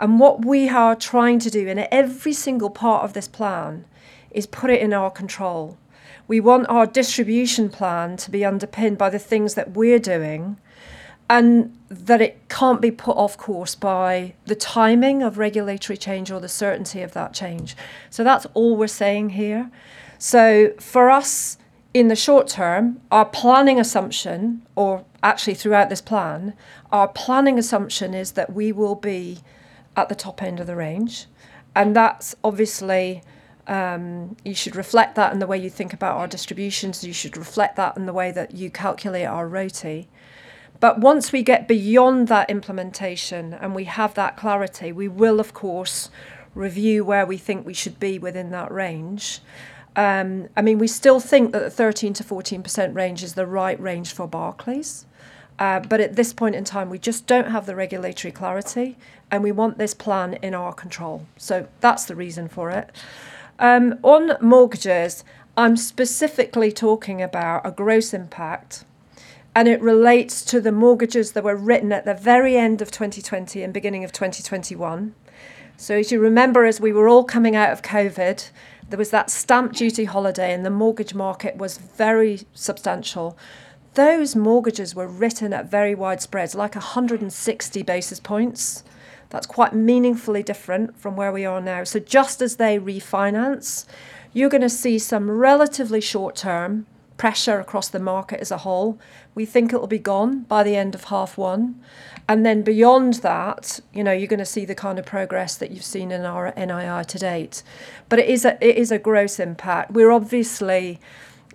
And what we are trying to do in every single part of this plan is put it in our control. We want our distribution plan to be underpinned by the things that we're doing and that it can't be put off course by the timing of regulatory change or the certainty of that change. So that's all we're saying here. For us, in the short term, our planning assumption, or actually throughout this plan, our planning assumption is that we will be at the top end of the range. And obviously, you should reflect that in the way you think about our distributions. You should reflect that in the way that you calculate our RoTE. But once we get beyond that implementation and we have that clarity, we will, of course, review where we think we should be within that range. I mean, we still think that the 13%-14% range is the right range for Barclays. But at this point in time, we just don't have the regulatory clarity. And we want this plan in our control. So that's the reason for it. On mortgages, I'm specifically talking about a gross impact. It relates to the mortgages that were written at the very end of 2020 and beginning of 2021. So as you remember, as we were all coming out of COVID, there was that stamp duty holiday, and the mortgage market was very substantial. Those mortgages were written at very widespread, like 160 basis points. That's quite meaningfully different from where we are now. So just as they refinance, you're going to see some relatively short-term pressure across the market as a whole. We think it'll be gone by the end of half one. And then beyond that, you're going to see the kind of progress that you've seen in our NIR to date. But it is a gross impact. We're obviously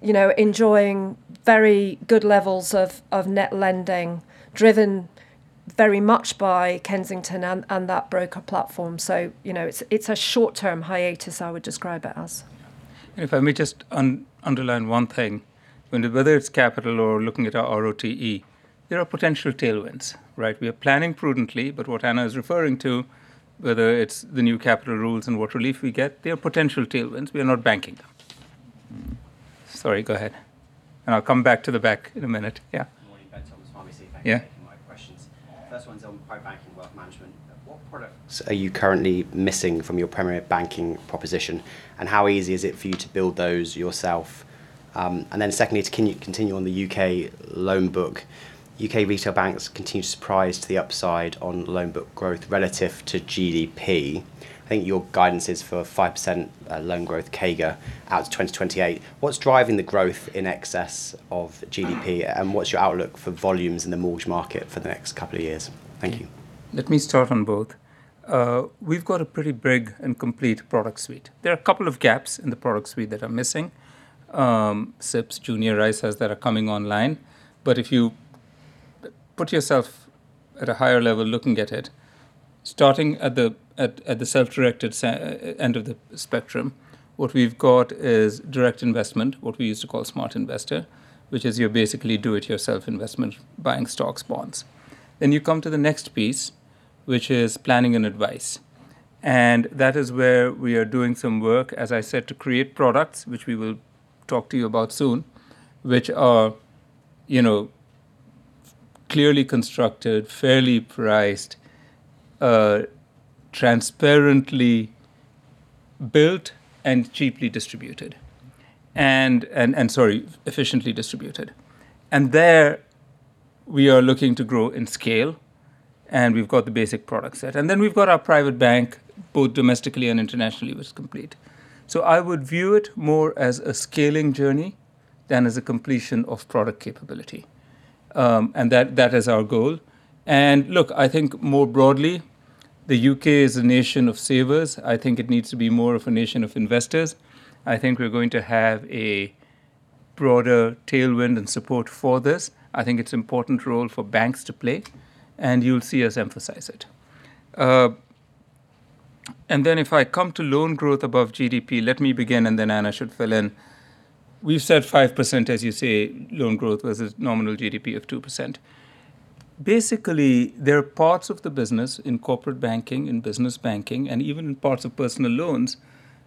enjoying very good levels of net lending driven very much by Kensington and that broker platform. So it's a short-term hiatus, I would describe it as. And if I may just underline one thing, whether it's capital or looking at our RoTE, there are potential tailwinds. We are planning prudently, but what Anna is referring to, whether it's the new capital rules and what relief we get, there are potential tailwinds. We are not banking them. Sorry, go ahead. And I'll come back to the back in a minute. Yeah. While you've been talking so long, let me see if I can take my questions. First one's on private banking wealth management. What product? Are you currently missing from your primary banking proposition? How easy is it for you to build those yourself? Secondly, to continue on the U.K. loan book, U.K. retail banks continue to surprise to the upside on loan book growth relative to GDP. I think your guidance is for 5% loan growth CAGR out to 2028. What's driving the growth in excess of GDP? What's your outlook for volumes in the mortgage market for the next couple of years? Thank you. Let me start on both. We've got a pretty big and complete product suite. There are a couple of gaps in the product suite that are missing. SIPs, Junior ISAs that are coming online. But if you put yourself at a higher level looking at it, starting at the self-directed end of the spectrum, what we've got is Direct Investing, what we used to call Smart Investor, which is basically your do-it-yourself investment, buying stocks, bonds. Then you come to the next piece, which is planning and advice. And that is where we are doing some work, as I said, to create products, which we will talk to you about soon, which are clearly constructed, fairly priced, transparently built, and cheaply distributed and, sorry, efficiently distributed. And there, we are looking to grow in scale. And we've got the basic product set. Then we've got our private bank, both domestically and internationally, which is complete. So I would view it more as a scaling journey than as a completion of product capability. That is our goal. Look, I think more broadly, the U.K. is a nation of savers. I think it needs to be more of a nation of investors. I think we're going to have a broader tailwind and support for this. I think it's an important role for banks to play. You'll see us emphasize it. Then if I come to loan growth above GDP, let me begin, and then Anna should fill in. We've said 5%, as you say, loan growth versus nominal GDP of 2%. Basically, there are parts of the business in Corporate Banking, in business banking, and even in parts of personal loans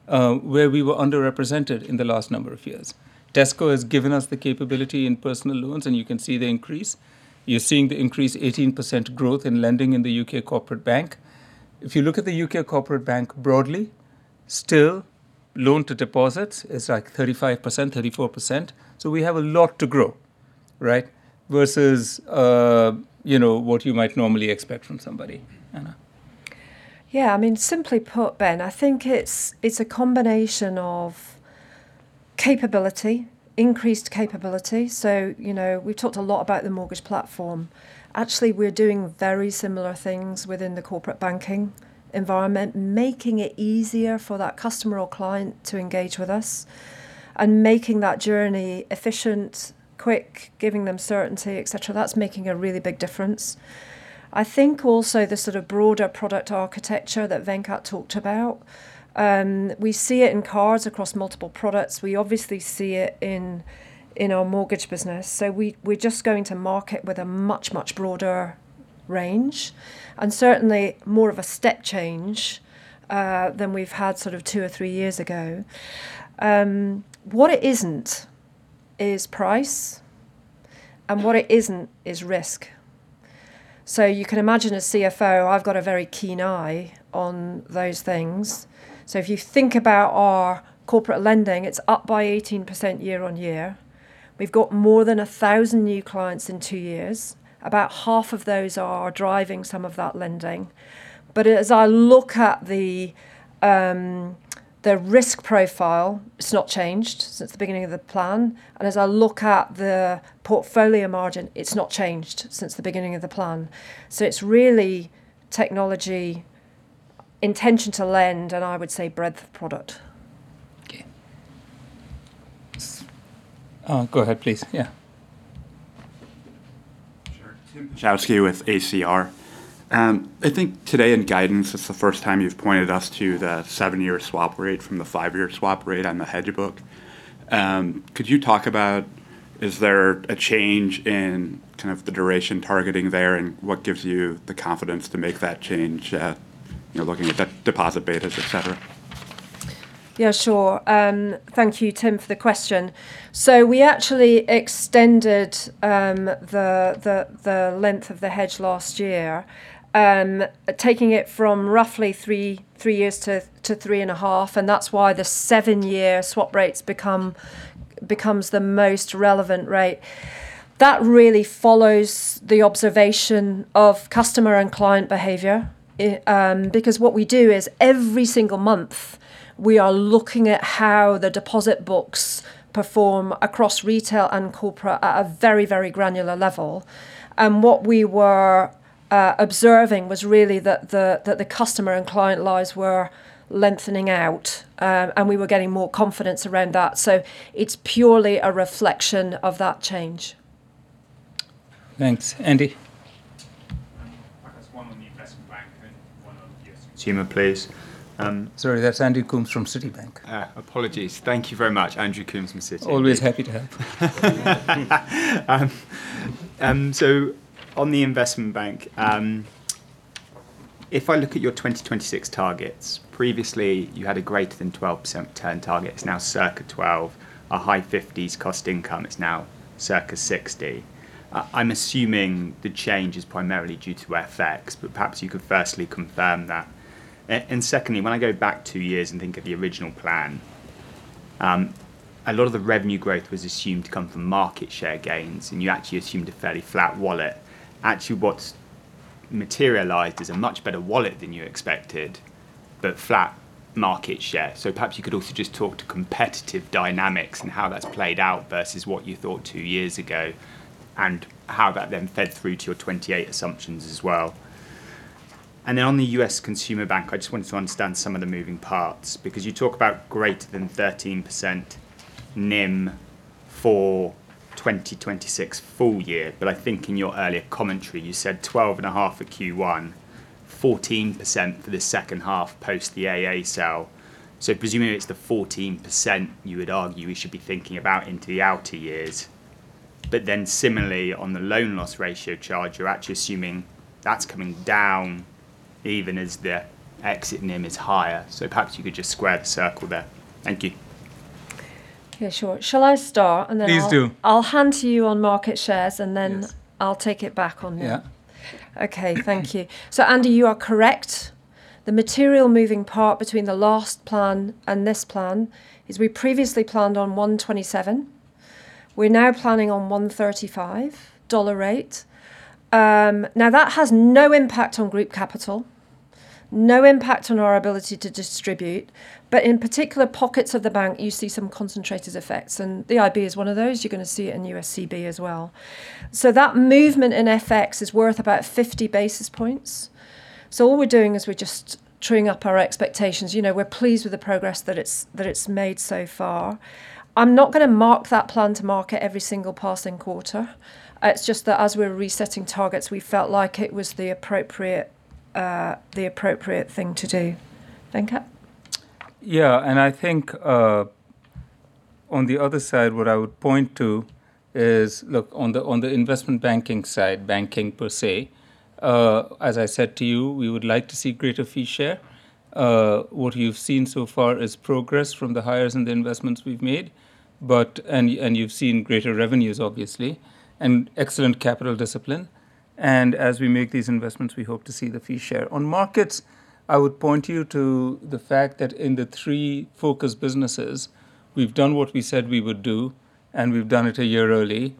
where we were underrepresented in the last number of years. Tesco has given us the capability in personal loans, and you can see the increase. You're seeing the increase, 18% growth in lending in the U.K. Corporate Bank. If you look at the UK corporate bank broadly, still, loan to deposits is like 35%-34%. So we have a lot to grow versus what you might normally expect from somebody, Anna? Yeah, I mean, simply put, Ben, I think it's a combination of capability, increased capability. So we've talked a lot about the mortgage platform. Actually, we're doing very similar things within the Corporate Banking environment, making it easier for that customer or client to engage with us and making that journey efficient, quick, giving them certainty, etc. That's making a really big difference. I think also the sort of broader product architecture that Venkat talked about, we see it in cards across multiple products. We obviously see it in our mortgage business. So we're just going to market with a much, much broader range and certainly more of a step change than we've had sort of two or three years ago. What it isn't is price. And what it isn't is risk. So you can imagine a CFO: I've got a very keen eye on those things. If you think about our corporate lending, it's up by 18% year-on-year. We've got more than 1,000 new clients in two years. About half of those are driving some of that lending. As I look at the risk profile, it's not changed since the beginning of the plan. As I look at the portfolio margin, it's not changed since the beginning of the plan. It's really technology, intention to lend, and I would say breadth of product. Okay. Go ahead, please. Yeah. Sure. Tim Piechowski with ACR. I think today in guidance, it's the first time you've pointed us to the seven-year swap rate from the five-year swap rate on the hedge book. Could you talk about, is there a change in kind of the duration targeting there and what gives you the confidence to make that change looking at deposit betas, etc.? Yeah, sure. Thank you, Tim, for the question. So we actually extended the length of the hedge last year, taking it from roughly 3 years to 3.5. And that's why the seven-year swap rate becomes the most relevant rate. That really follows the observation of customer and client behavior. Because what we do is every single month, we are looking at how the deposit books perform across retail and corporate at a very, very granular level. And what we were observing was really that the customer and client lives were lengthening out, and we were getting more confidence around that. So it's purely a reflection of that change. Thanks. Andy? I'm just one on the investment bank and one on U.S. consumer, please. Sorry, that's Andrew Coombs from Citibank. Apologies. Thank you very much. Andrew Coombs from Citi. Always happy to help. On the Investment Bank, if I look at your 2026 targets, previously, you had a greater than 12% return target. It's now circa 12%, a high 50s cost-income. It's now circa 60%. I'm assuming the change is primarily due to FX, but perhaps you could firstly confirm that. Secondly, when I go back two years and think of the original plan, a lot of the revenue growth was assumed to come from market share gains, and you actually assumed a fairly flat wallet. Actually, what's materialized is a much better wallet than you expected, but flat market share. So perhaps you could also just talk to competitive dynamics and how that's played out versus what you thought two years ago and how that then fed through to your 2028 assumptions as well. Then on the U.S. consumer bank, I just wanted to understand some of the moving parts. Because you talk about greater than 13% NIM for 2026 full year. But I think in your earlier commentary, you said 12.5% for Q1, 14% for the second half post the AA sale. So presuming it's the 14% you would argue we should be thinking about into the outer years. But then similarly, on the loan loss ratio charge, you're actually assuming that's coming down even as the exit NIM is higher. So perhaps you could just square the circle there. Thank you. Yeah, sure. Shall I start, and then I'll hand to you on market shares, and then I'll take it back on you? Yeah. Okay, thank you. So Andy, you are correct. The material moving part between the last plan and this plan is we previously planned on $1.27. We're now planning on $1.35 rate. Now, that has no impact on group capital, no impact on our ability to distribute. But in particular pockets of the bank, you see some concentrated effects. And the IB is one of those. You're going to see it in USCB as well. So that movement in FX is worth about 50 basis points. So all we're doing is we're just truing up our expectations. We're pleased with the progress that it's made so far. I'm not going to mark that plan to market every single passing quarter. It's just that as we're resetting targets, we felt like it was the appropriate thing to do. Venkat? Yeah, and I think on the other side, what I would point to is, look, on the investment banking side, banking per se, as I said to you, we would like to see greater fee share. What you've seen so far is progress from the hires and the investments we've made. And you've seen greater revenues, obviously, and excellent capital discipline. And as we make these investments, we hope to see the fee share. On markets, I would point you to the fact that in the three focus businesses, we've done what we said we would do, and we've done it a year early.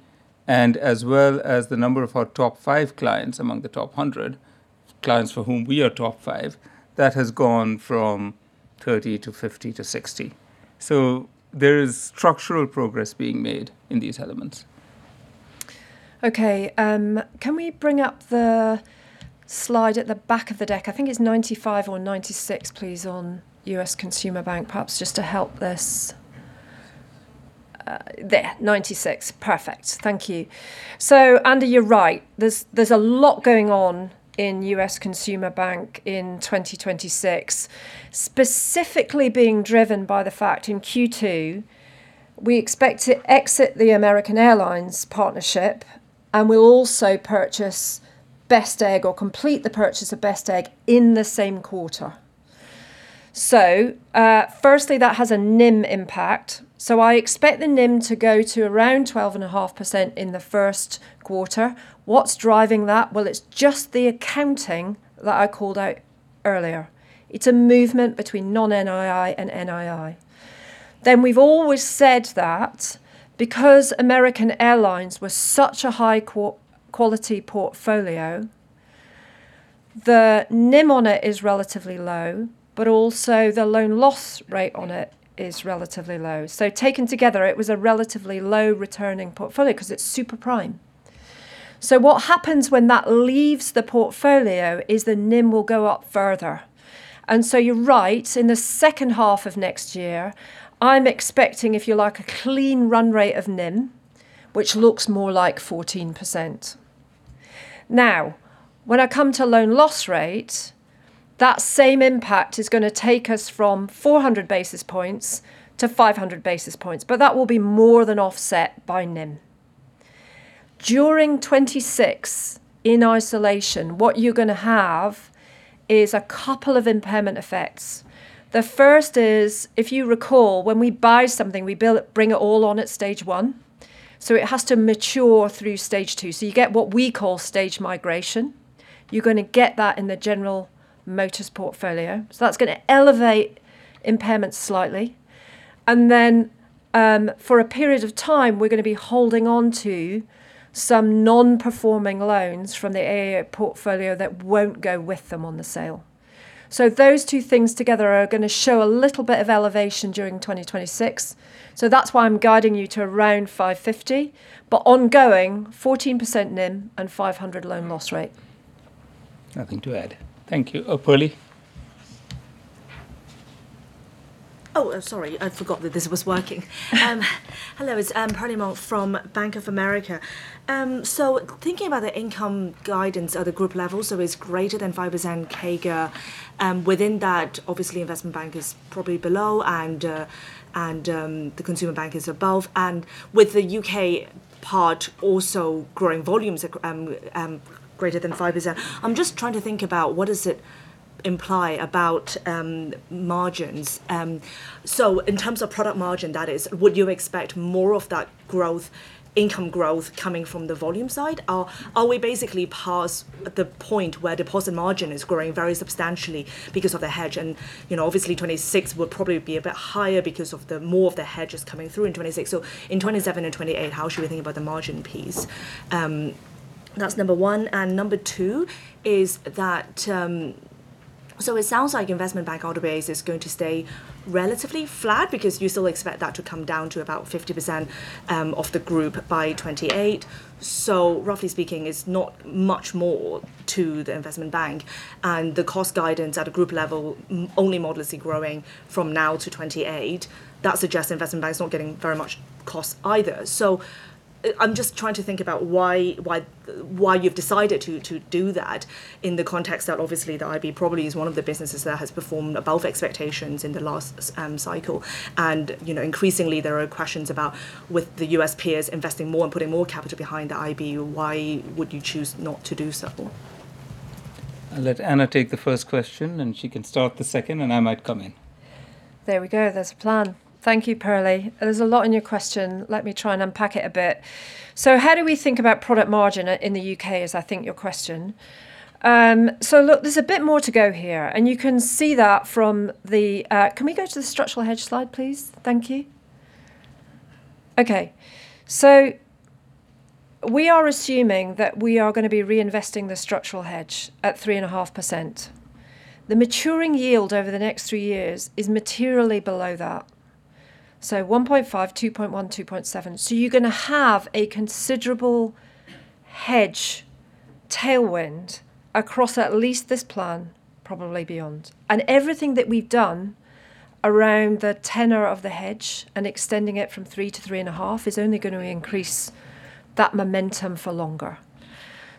And as well as the number of our top five clients among the top 100 clients for whom we are top five, that has gone from 30 to 50 to 60. So there is structural progress being made in these elements. Okay, can we bring up the slide at the back of the deck? I think it's 95 or 96, please, on U.S. Consumer Bank, perhaps just to help this. There, 96. Perfect. Thank you. So Andy, you're right. There's a lot going on in U.S. Consumer Bank in 2026, specifically being driven by the fact in Q2, we expect to exit the American Airlines partnership and will also purchase Best Egg or complete the purchase of Best Egg in the same quarter. So firstly, that has a NIM impact. So I expect the NIM to go to around 12.5% in the first quarter. What's driving that? Well, it's just the accounting that I called out earlier. It's a movement between non-NII and NII. Then we've always said that because American Airlines were such a high-quality portfolio, the NIM on it is relatively low, but also the loan loss rate on it is relatively low. So taken together, it was a relatively low-returning portfolio because it's superprime. So what happens when that leaves the portfolio is the NIM will go up further. And so you're right, in the second half of next year, I'm expecting, if you like, a clean run rate of NIM, which looks more like 14%. Now, when I come to loan loss rate, that same impact is going to take us from 400 basis points to 500 basis points. But that will be more than offset by NIM. During 2026, in isolation, what you're going to have is a couple of impairment effects. The first is, if you recall, when we buy something, we bring it all on at Stage 1. So it has to mature through Stage 2. So you get what we call stage migration. You're going to get that in the General Motors portfolio. So that's going to elevate impairments slightly. And then for a period of time, we're going to be holding onto some non-performing loans from the AA portfolio that won't go with them on the sale. So those two things together are going to show a little bit of elevation during 2026. So that's why I'm guiding you to around 550. But ongoing, 14% NIM and 500 loan loss rate. Nothing to add. Thank you. Oh, Perlie Mong? Oh, sorry, I forgot that this was working. Hello, it's Perli Mont from Bank of America. So thinking about the income guidance at the group level, so it's greater than 5% CAGR. Within that, obviously, investment bank is probably below, and the consumer bank is above. And with the U.K. part also growing volumes greater than 5%, I'm just trying to think about what does it imply about margins. So in terms of product margin, that is, would you expect more of that growth, income growth, coming from the volume side? Are we basically past the point where deposit margin is growing very substantially because of the hedge? And obviously, 2026 would probably be a bit higher because of more of the hedge is coming through in 2026. So in 2027 and 2028, how should we think about the margin piece? That's number one. Number two is that, so it sounds like Investment Bank at Barclays is going to stay relatively flat because you still expect that to come down to about 50% of the group by 2028. So roughly speaking, it's not much more to the Investment Bank. And the cost guidance at a group level, only modestly growing from now to 2028, that suggests Investment Bank's not getting very much cost either. So I'm just trying to think about why you've decided to do that in the context that, obviously, the IB probably is one of the businesses that has performed above expectations in the last cycle. And increasingly, there are questions about with the U.S. peers investing more and putting more capital behind the IB, why would you choose not to do so? I'll let Anna take the first question, and she can start the second, and I might come in. There we go. There's a plan. Thank you, Perli. There's a lot in your question. Let me try and unpack it a bit. So how do we think about product margin in the U.K., is I think your question. So look, there's a bit more to go here. And you can see that from the, can we go to the structural hedge slide, please? Thank you. Okay. So we are assuming that we are going to be reinvesting the structural hedge at 3.5%. The maturing yield over the next three years is materially below that. So 1.5%, 2.1%, 2.7%. So you're going to have a considerable hedge tailwind across at least this plan, probably beyond. And everything that we've done around the tenor of the hedge and extending it from 3 to 3.5 is only going to increase that momentum for longer.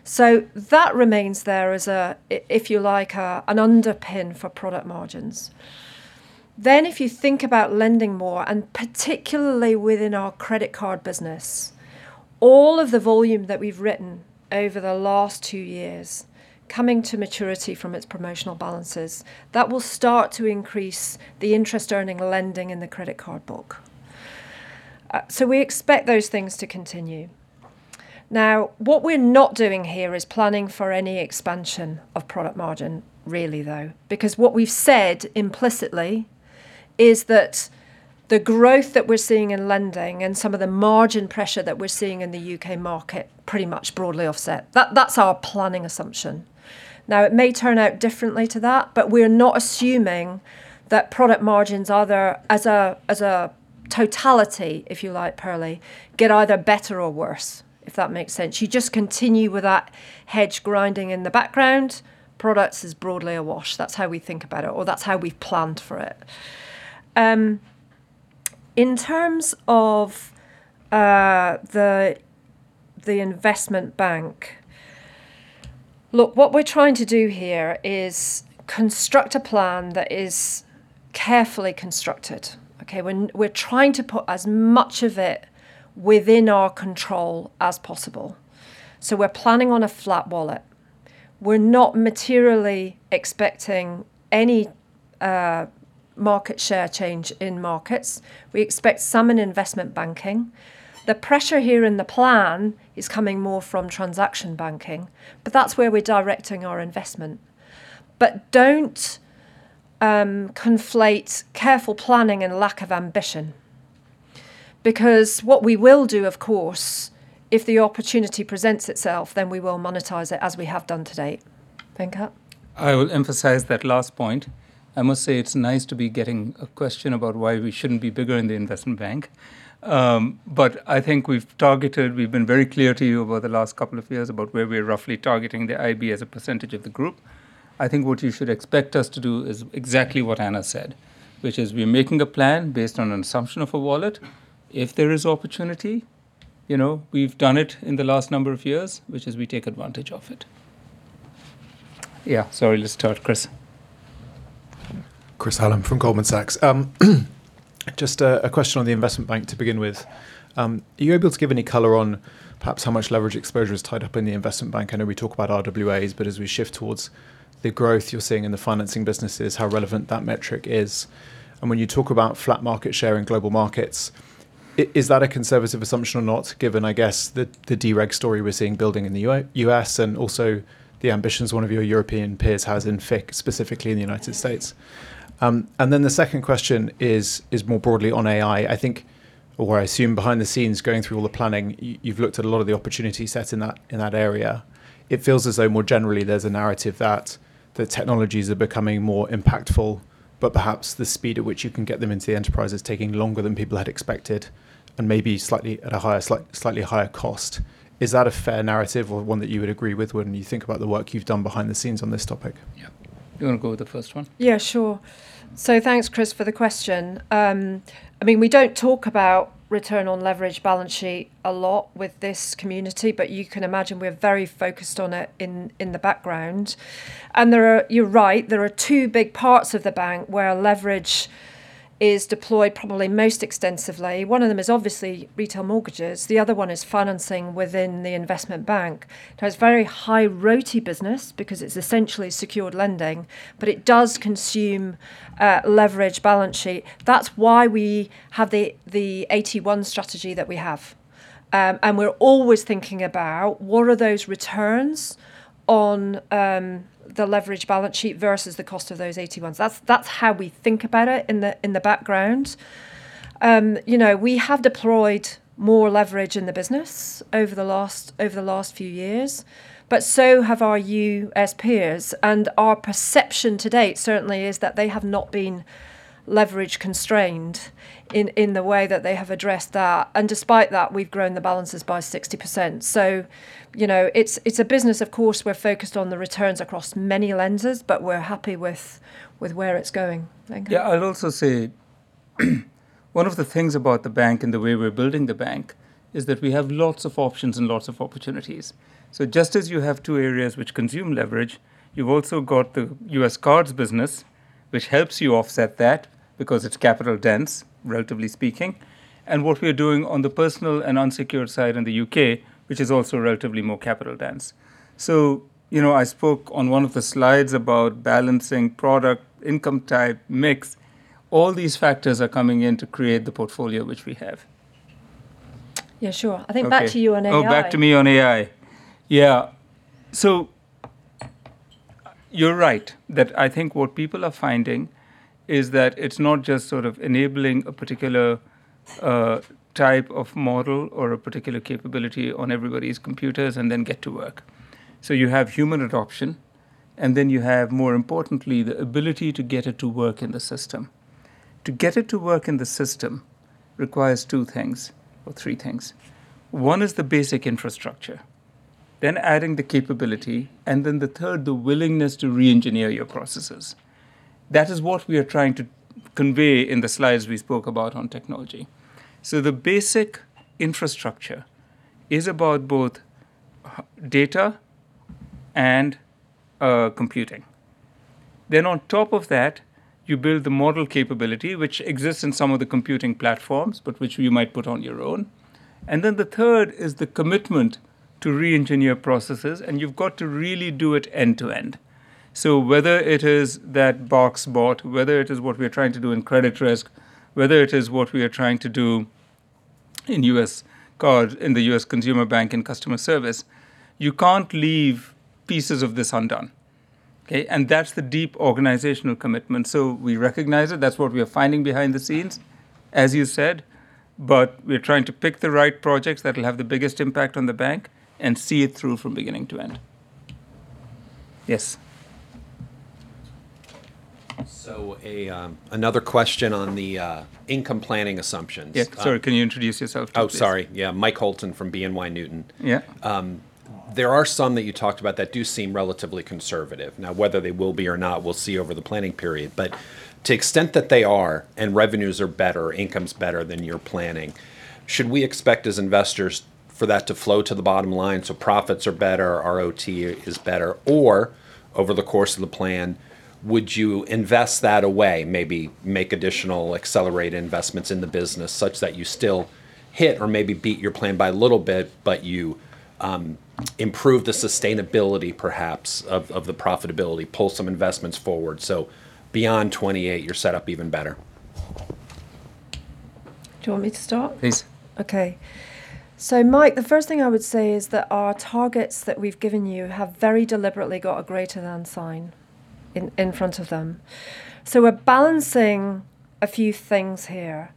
So that remains there as a, if you like, an underpin for product margins. Then if you think about lending more, and particularly within our credit card business, all of the volume that we've written over the last two years coming to maturity from its promotional balances, that will start to increase the interest-earning lending in the credit card book. So we expect those things to continue. Now, what we're not doing here is planning for any expansion of product margin, really, though. Because what we've said implicitly is that the growth that we're seeing in lending and some of the margin pressure that we're seeing in the U.K. market pretty much broadly offset. That's our planning assumption. Now, it may turn out differently to that, but we're not assuming that product margins either as a totality, if you like, Perli, get either better or worse, if that makes sense. You just continue with that hedge grinding in the background. Product is broadly a wash. That's how we think about it, or that's how we've planned for it. In terms of the investment bank, look, what we're trying to do here is construct a plan that is carefully constructed. Okay? We're trying to put as much of it within our control as possible. So we're planning on a flat wallet. We're not materially expecting any market share change in markets. We expect some in investment banking. The pressure here in the plan is coming more from Transaction Banking, but that's where we're directing our investment. But don't conflate careful planning and lack of ambition. Because what we will do, of course, if the opportunity presents itself, then we will monetize it as we have done to date. Venkat? I will emphasize that last point. I must say it's nice to be getting a question about why we shouldn't be bigger in the Investment Bank. But I think we've targeted we've been very clear to you over the last couple of years about where we're roughly targeting the IB as a percentage of the group. I think what you should expect us to do is exactly what Anna said, which is we're making a plan based on an assumption of a wallet. If there is opportunity, we've done it in the last number of years, which is we take advantage of it. Yeah, sorry, let's start, Chris. Chris Hallam from Goldman Sachs. Just a question on the investment bank to begin with. Are you able to give any color on perhaps how much leverage exposure is tied up in the investment bank? I know we talk about RWAs, but as we shift towards the growth you're seeing in the financing businesses, how relevant that metric is. And when you talk about flat market share in Global Markets, is that a conservative assumption or not, given, I guess, the drag story we're seeing building in the U.S. and also the ambitions one of your European peers has in FIC, specifically in the United States? And then the second question is more broadly on AI. I think, or I assume, behind the scenes, going through all the planning, you've looked at a lot of the opportunity set in that area. It feels as though, more generally, there's a narrative that the technologies are becoming more impactful, but perhaps the speed at which you can get them into the enterprise is taking longer than people had expected and maybe slightly at a higher slightly higher cost. Is that a fair narrative or one that you would agree with when you think about the work you've done behind the scenes on this topic? Yeah. Do you want to go with the first one? Yeah, sure. Thanks, Chris, for the question. I mean, we don't talk about return on leverage balance sheet a lot with this community, but you can imagine we're very focused on it in the background. You're right, there are two big parts of the bank where leverage is deployed probably most extensively. One of them is obviously retail mortgages. The other one is financing within the investment bank. Now, it's a very high-RoTE business because it's essentially secured lending, but it does consume leverage balance sheet. That's why we have the AT1 strategy that we have. We're always thinking about what are those returns on the leverage balance sheet versus the cost of those AT1s? That's how we think about it in the background. We have deployed more leverage in the business over the last few years, but so have our U.S. peers. Our perception to date, certainly, is that they have not been leverage-constrained in the way that they have addressed that. Despite that, we've grown the balances by 60%. It's a business, of course, we're focused on the returns across many lenders, but we're happy with where it's going. Yeah, I'd also say one of the things about the bank and the way we're building the bank is that we have lots of options and lots of opportunities. So just as you have two areas which consume leverage, you've also got the U.S. cards business, which helps you offset that because it's capital-dense, relatively speaking. And what we're doing on the personal and unsecured side in the U.K., which is also relatively more capital-dense. So I spoke on one of the slides about balancing product, income type, mix. All these factors are coming in to create the portfolio which we have. Yeah, sure. I think back to you on AI-- Oh, back to me on AI. Yeah. So you're right that I think what people are finding is that it's not just sort of enabling a particular type of model or a particular capability on everybody's computers and then get to work. So you have human adoption, and then you have, more importantly, the ability to get it to work in the system. To get it to work in the system requires two things or three things. One is the basic infrastructure, then adding the capability, and then the third, the willingness to re-engineer your processes. That is what we are trying to convey in the slides we spoke about on technology. So the basic infrastructure is about both data and computing. Then on top of that, you build the model capability, which exists in some of the computing platforms, but which you might put on your own. And then the third is the commitment to re-engineer processes, and you've got to really do it end to end. So whether it is that BARXBot, whether it is what we're trying to do in credit risk, whether it is what we are trying to do in U.S. cards, in the U.S. consumer bank, in customer service, you can't leave pieces of this undone. Okay? And that's the deep organizational commitment. So we recognize it. That's what we are finding behind the scenes, as you said. But we're trying to pick the right projects that will have the biggest impact on the bank and see it through from beginning to end. Yes? Another question on the income planning assumptions. Yeah, sorry, can you introduce yourself, please? Oh, sorry. Yeah, Mike Holton from BNY Newton. There are some that you talked about that do seem relatively conservative. Now, whether they will be or not, we'll see over the planning period. But to the extent that they are and revenues are better, income's better than you're planning, should we expect as investors for that to flow to the bottom line, so profits are better, RoTE is better, or over the course of the plan, would you invest that away, maybe make additional accelerated investments in the business such that you still hit or maybe beat your plan by a little bit, but you improve the sustainability, perhaps, of the profitability, pull some investments forward? So beyond 2028, you're set up even better. Do you want me to start? Please. Okay. So Mike, the first thing I would say is that our targets that we've given you have very deliberately got a greater-than sign in front of them. So we're balancing a few things here.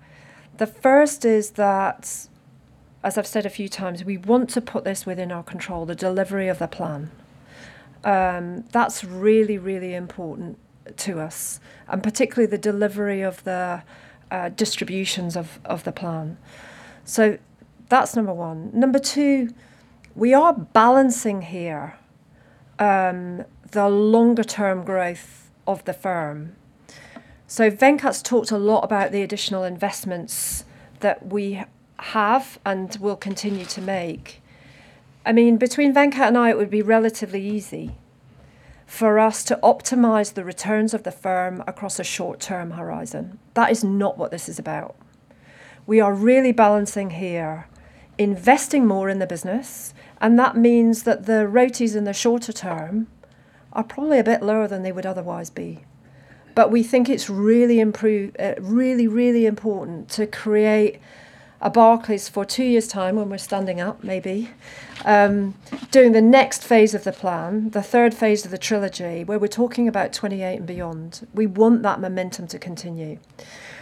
The first is that, as I've said a few times, we want to put this within our control, the delivery of the plan. That's really, really important to us, and particularly the delivery of the distributions of the plan. So that's number one. Number two, we are balancing here the longer-term growth of the firm. So Venkat's talked a lot about the additional investments that we have and will continue to make. I mean, between Venkat and I, it would be relatively easy for us to optimize the returns of the firm across a short-term horizon. That is not what this is about. We are really balancing here, investing more in the business, and that means that the RoTEs in the shorter term are probably a bit lower than they would otherwise be. But we think it's really, really important to create a Barclays for two years' time when we're standing up, maybe, doing the next phase of the plan, the third phase of the trilogy, where we're talking about 2028 and beyond. We want that momentum to continue.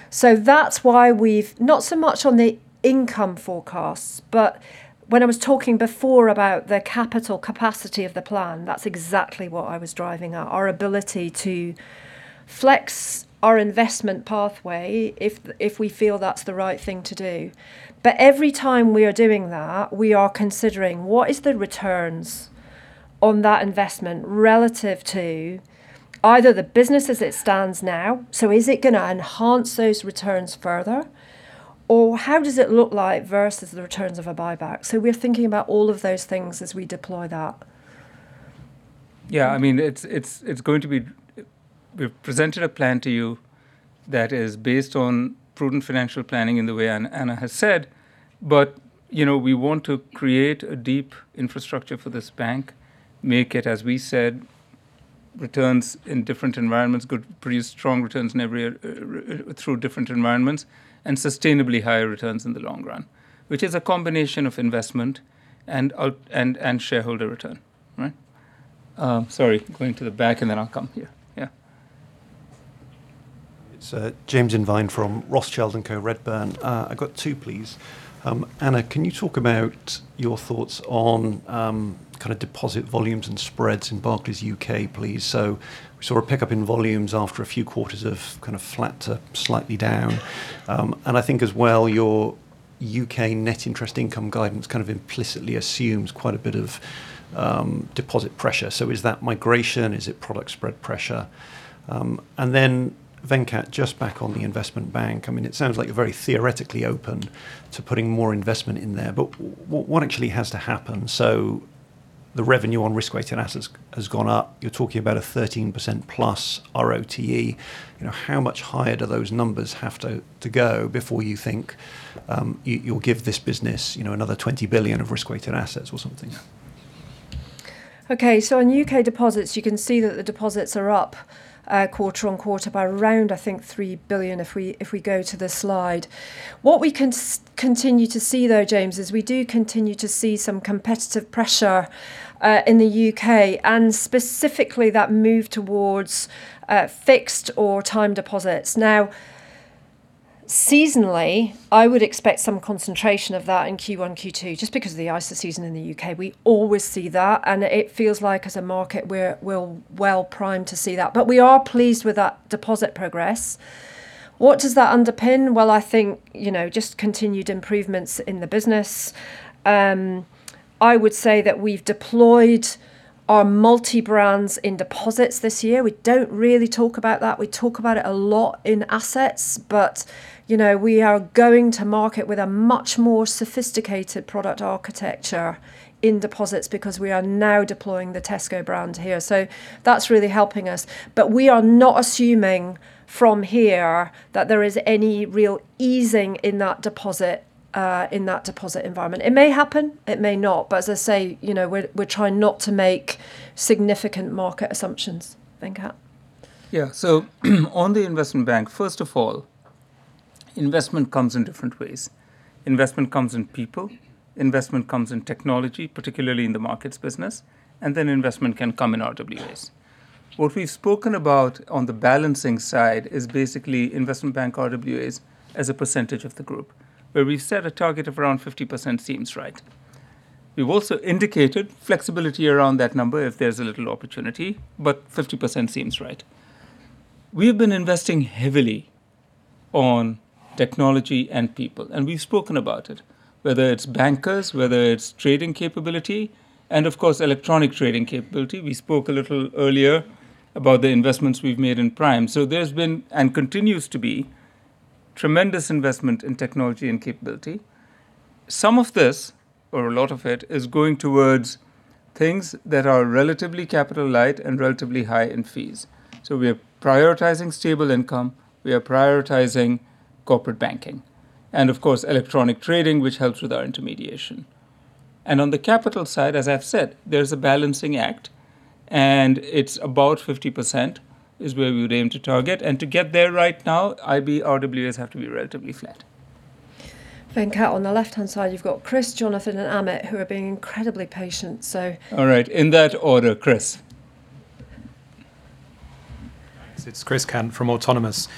So that's why we've not so much on the income forecasts, but when I was talking before about the capital capacity of the plan, that's exactly what I was driving at, our ability to flex our investment pathway if we feel that's the right thing to do. But every time we are doing that, we are considering what are the returns on that investment relative to either the business as it stands now, so is it going to enhance those returns further, or how does it look like versus the returns of a buyback? So we're thinking about all of those things as we deploy that. Yeah, I mean, it's going to be we've presented a plan to you that is based on prudent financial planning in the way Anna has said. But we want to create a deep infrastructure for this bank, make it, as we said, returns in different environments, produce strong returns through different environments, and sustainably higher returns in the long run, which is a combination of investment and shareholder return. Right? Sorry, going to the back, and then I'll come here. Yeah. It's James Invine from Rothschild & Co Redburn. I've got two, please. Anna, can you talk about your thoughts on kind of deposit volumes and spreads in Barclays UK, please? So we saw a pickup in volumes after a few quarters of kind of flat to slightly down. And I think as well, your U.K. net interest income guidance kind of implicitly assumes quite a bit of deposit pressure. So is that migration? Is it product spread pressure? And then Venkat, just back on the investment bank, I mean, it sounds like you're very theoretically open to putting more investment in there. But what actually has to happen? So the revenue on risk-weighted assets has gone up. You're talking about a +13% RoTE. How much higher do those numbers have to go before you think you'll give this business another 20 billion of risk-weighted assets or something? Okay, so on U.K. deposits, you can see that the deposits are up quarter-on-quarter by around, I think, 3 billion if we go to the slide. What we continue to see, though, James, is we do continue to see some competitive pressure in the U.K., and specifically that move towards fixed or time deposits. Now, seasonally, I would expect some concentration of that in Q1, Q2, just because of the ISA season in the U.K. We always see that, and it feels like, as a market, we're well primed to see that. But we are pleased with that deposit progress. What does that underpin? Well, I think just continued improvements in the business. I would say that we've deployed our multi-brands in deposits this year. We don't really talk about that. We talk about it a lot in assets, but we are going to market with a much more sophisticated product architecture in deposits because we are now deploying the Tesco brand here. So that's really helping us. But we are not assuming from here that there is any real easing in that deposit environment. It may happen. It may not. But as I say, we're trying not to make significant market assumptions, Venkat? Yeah, so on the Investment Bank, first of all, investment comes in different ways. Investment comes in people. Investment comes in technology, particularly in the markets business. And then investment can come in RWAs. What we've spoken about on the balancing side is basically Investment Bank RWAs as a percentage of the group, where we've set a target of around 50% seems right. We've also indicated flexibility around that number if there's a little opportunity, but 50% seems right. We have been investing heavily on technology and people, and we've spoken about it, whether it's bankers, whether it's trading capability, and of course, electronic trading capability. We spoke a little earlier about the investments we've made in Prime. So there's been and continues to be tremendous investment in technology and capability. Some of this, or a lot of it, is going towards things that are relatively capital-light and relatively high in fees. So we are prioritizing stable income. We are prioritizing Corporate Banking and, of course, electronic trading, which helps with our intermediation. And on the capital side, as I've said, there's a balancing act, and it's about 50% is where we would aim to target. And to get there right now, IB RWAs have to be relatively flat. Venkat, on the left-hand side, you've got Chris, Jonathan, and Amit, who are being incredibly patient. So. All right, in that order, Chris. It's Chris Cant from Autonomous Research.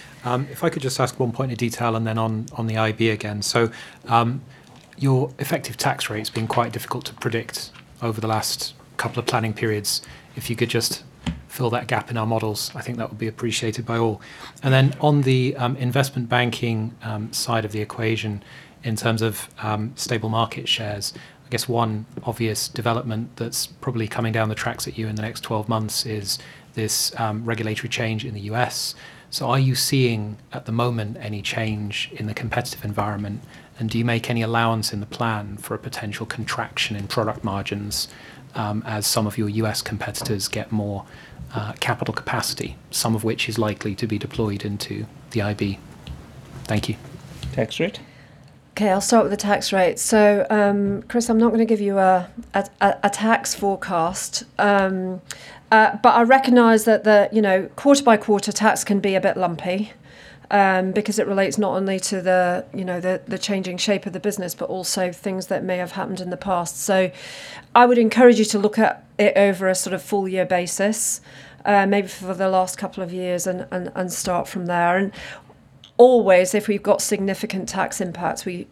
If I could just ask one point in detail and then on the IB again. So your effective tax rate's been quite difficult to predict over the last couple of planning periods. If you could just fill that gap in our models, I think that would be appreciated by all. And then on the investment banking side of the equation, in terms of stable market shares, I guess one obvious development that's probably coming down the tracks at you in the next 12 months is this regulatory change in the U.S. So are you seeing at the moment any change in the competitive environment? And do you make any allowance in the plan for a potential contraction in product margins as some of your U.S. competitors get more capital capacity, some of which is likely to be deployed into the IB? Thank you. Tax rate. Okay, I'll start with the tax rate. So Chris, I'm not going to give you a tax forecast. But I recognize that quarter by quarter, tax can be a bit lumpy because it relates not only to the changing shape of the business, but also things that may have happened in the past. So I would encourage you to look at it over a sort of full-year basis, maybe for the last couple of years, and start from there. And always, if we've got significant tax impacts, we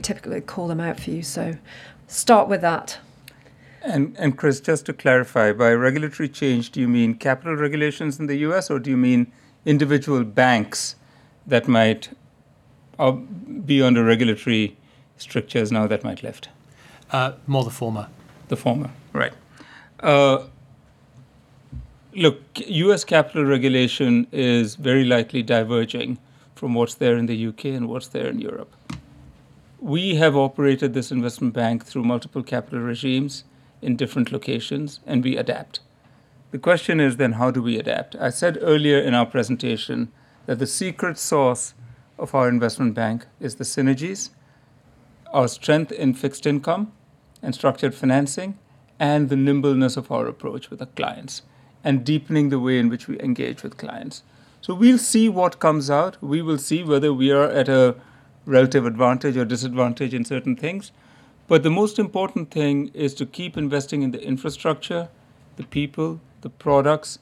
typically call them out for you. So start with that. Chris, just to clarify, by regulatory change, do you mean capital regulations in the U.S., or do you mean individual banks that might be under regulatory strictures now that might lift? More the former. The former, right. Look, U.S. capital regulation is very likely diverging from what's there in the U.K. and what's there in Europe. We have operated this investment bank through multiple capital regimes in different locations, and we adapt. The question is then, how do we adapt? I said earlier in our presentation that the secret source of our investment bank is the synergies, our strength in fixed income and structured financing, and the nimbleness of our approach with our clients and deepening the way in which we engage with clients. So we'll see what comes out. We will see whether we are at a relative advantage or disadvantage in certain things. But the most important thing is to keep investing in the infrastructure, the people, the products,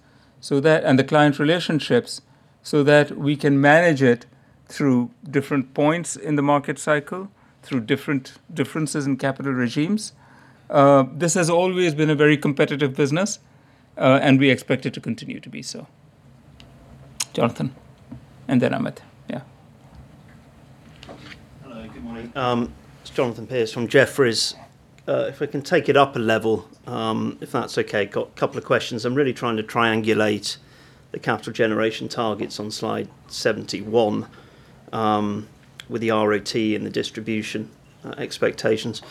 and the client relationships so that we can manage it through different points in the market cycle, through different differences in capital regimes. This has always been a very competitive business, and we expect it to continue to be so. Jonathan, and then Amit. Yeah. Hello, good morning. It's Jonathan Pierce from Jefferies. If we can take it up a level, if that's okay, got a couple of questions. I'm really trying to triangulate the capital generation targets on slide 71 with the RoTE and the distribution expectations.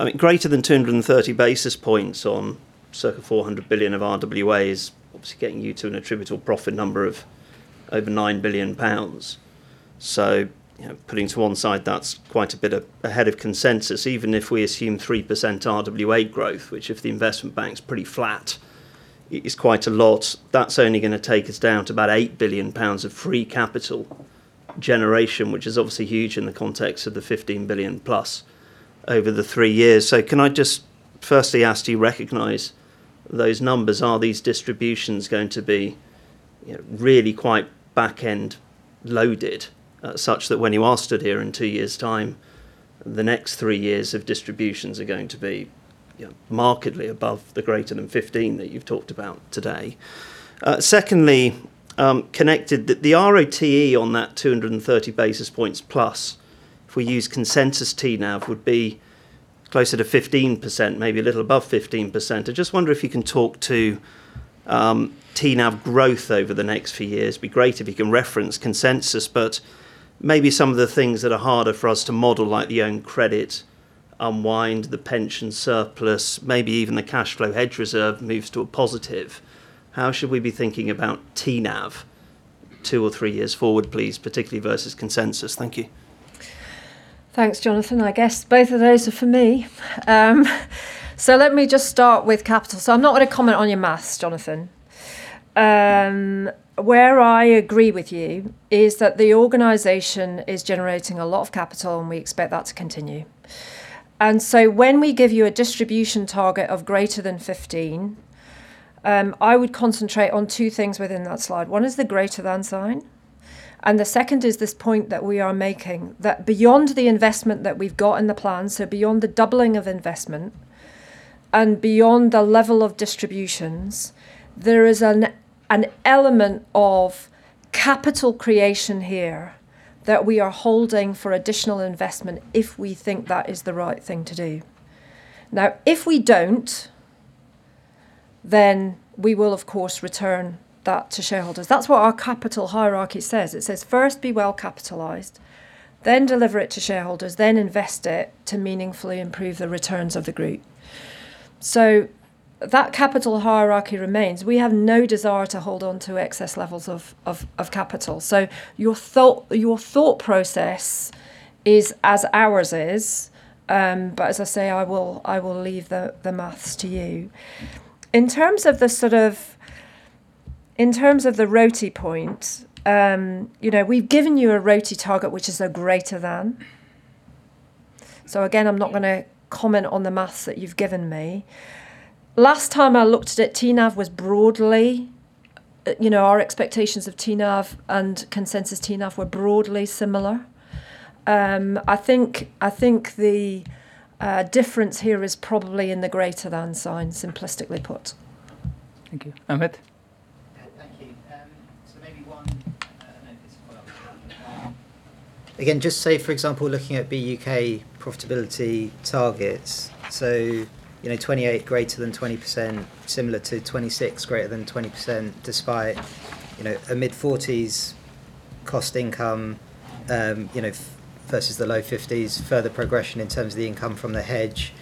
I mean, greater than 230 basis points on circa 400 billion of RWA is obviously getting you to an attributable profit number of over 9 billion pounds. So putting to one side, that's quite a bit ahead of consensus, even if we assume 3% RWA growth, which if the investment bank's pretty flat, is quite a lot. That's only going to take us down to about 8 billion pounds of free capital generation, which is obviously huge in the context of the 15 billion+ over the three years. So can I just firstly ask do you recognise those numbers? Are these distributions going to be really quite back-end loaded such that when you are stood here in two years' time, the next three years of distributions are going to be markedly above the greater than 15% that you've talked about today? Secondly, connected that the RoTE on that +230 basis points, if we use consensus TNAV, would be closer to 15%, maybe a little above 15%. I just wonder if you can talk to TNAV growth over the next few years. It'd be great if you can reference consensus, but maybe some of the things that are harder for us to model, like the own credit unwind, the pension surplus, maybe even the cash flow hedge reserve moves to a positive. How should we be thinking about TNAV two or three years forward, please, particularly versus consensus? Thank you. Thanks, Jonathan. I guess both of those are for me. So let me just start with capital. So I'm not going to comment on your math, Jonathan. Where I agree with you is that the organisation is generating a lot of capital, and we expect that to continue. And so when we give you a distribution target of greater than 15%, I would concentrate on two things within that slide. One is the greater than sign. And the second is this point that we are making that beyond the investment that we've got in the plan, so beyond the doubling of investment and beyond the level of distributions, there is an element of capital creation here that we are holding for additional investment if we think that is the right thing to do. Now, if we don't, then we will, of course, return that to shareholders. That's what our capital hierarchy says. It says, "First, be well capitalized, then deliver it to shareholders, then invest it to meaningfully improve the returns of the group." So that capital hierarchy remains. We have no desire to hold onto excess levels of capital. So your thought process is as ours is. But as I say, I will leave the math to you. In terms of the RoTE point, we've given you a RoTE target, which is a greater than. So again, I'm not going to comment on the math that you've given me. Last time I looked at it, TNAV was broadly our expectations of TNAV, and consensus TNAV were broadly similar. I think the difference here is probably in the greater than sign, simplistically put. Thank you. Amit? Yeah, thank you. So maybe one, no, this is quite obvious. Again, just say, for example, looking at B-UK profitability targets, so 2028 greater than 20%, similar to 2026 greater than 20% despite a mid-40s cost income versus the low 50s, further progression in terms of the income from the hedge.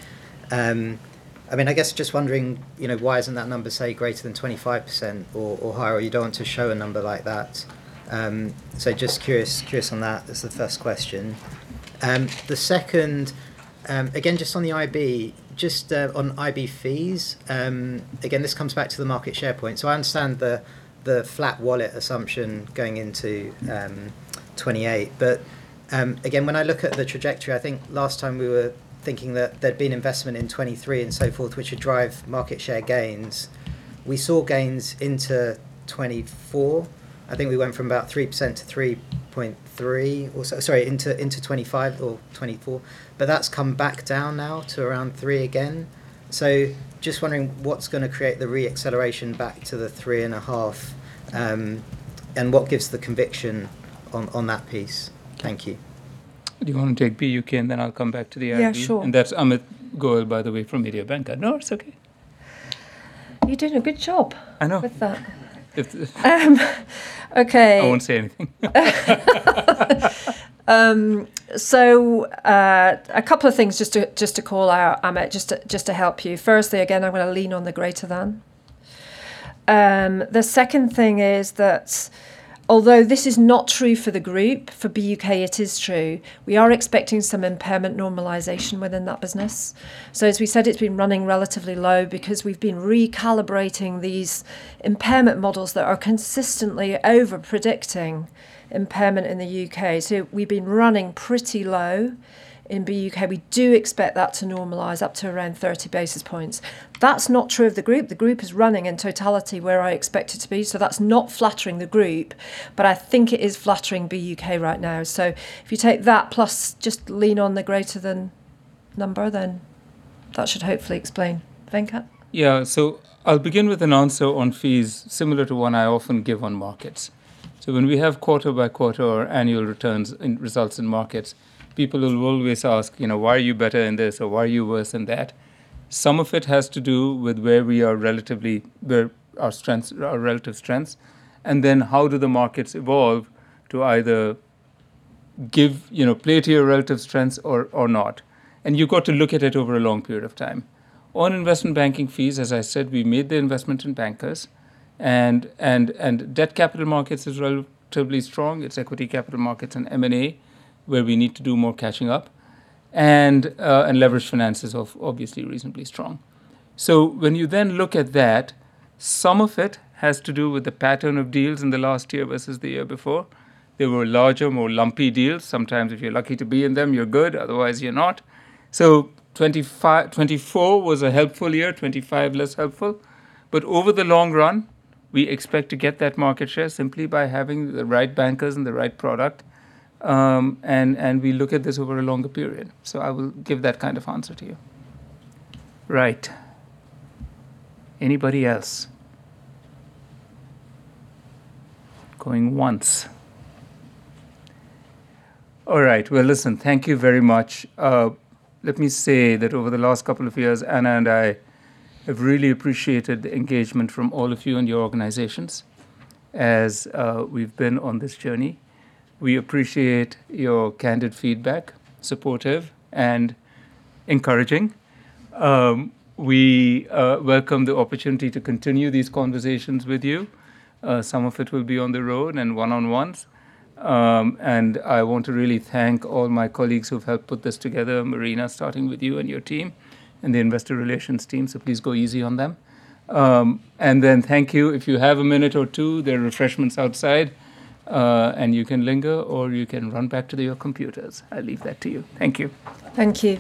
I mean, I guess just wondering, why isn't that number, say, greater than 25% or higher? You don't want to show a number like that. So just curious on that as the first question. The second, again, just on the IB, just on IB fees, again, this comes back to the market share point. So I understand the flat wallet assumption going into 2028. But again, when I look at the trajectory, I think last time we were thinking that there'd been investment in 2023 and so forth, which would drive market share gains. We saw gains into 2024. I think we went from about 3% to 3.3% or so, sorry, into 2025 or 2024. But that's come back down now to around 3% again. So just wondering what's going to create the re-acceleration back to the 3.5% and what gives the conviction on that piece. Thank you. Do you want to take B-UK, and then I'll come back to the IB? Yeah, sure. That's Amit Goel, by the way, from Mediobanca. No, it's okay. You're doing a good job with that. I know. Okay. I won't say anything. So a couple of things just to call out, Amit, just to help you. Firstly, again, I'm going to lean on the greater than. The second thing is that although this is not true for the group, for B-UK, it is true, we are expecting some impairment normalisation within that business. So as we said, it's been running relatively low because we've been recalibrating these impairment models that are consistently overpredicting impairment in the U.K. So we've been running pretty low in B-UK. We do expect that to normalise up to around 30 basis points. That's not true of the group. The group is running in totality where I expect it to be. So that's not flattering the group. But I think it is flattering B-UK right now. So if you take that plus just lean on the greater than number, then that should hopefully explain. Venkat? Yeah, so I'll begin with an answer on fees similar to one I often give on markets. So when we have quarter by quarter or annual results in markets, people will always ask, "Why are you better in this?" or "Why are you worse in that?" Some of it has to do with where we are relatively where our relative strengths and then how do the markets evolve to either play to your relative strengths or not. And you've got to look at it over a long period of time. On investment banking fees, as I said, we made the investment in bankers. And Debt Capital Markets are relatively strong. It's Equity Capital Markets and M&A where we need to do more catching up. And Leveraged Finance are obviously reasonably strong. So when you then look at that, some of it has to do with the pattern of deals in the last year versus the year before. There were larger, more lumpy deals. Sometimes if you're lucky to be in them, you're good. Otherwise, you're not. So 2024 was a helpful year, 2025 less helpful. But over the long run, we expect to get that market share simply by having the right bankers and the right product. And we look at this over a longer period. So I will give that kind of answer to you. Right. Anybody else? Going once. All right, well, listen, thank you very much. Let me say that over the last couple of years, Anna and I have really appreciated the engagement from all of you and your organizations as we've been on this journey. We appreciate your candid feedback, supportive, and encouraging. We welcome the opportunity to continue these conversations with you. Some of it will be on the road and one-on-ones. And I want to really thank all my colleagues who've helped put this together, Marina, starting with you and your team and the investor relations team. So please go easy on them. And then thank you. If you have a minute or two, there are refreshments outside, and you can linger, or you can run back to your computers. I leave that to you. Thank you. Thank you.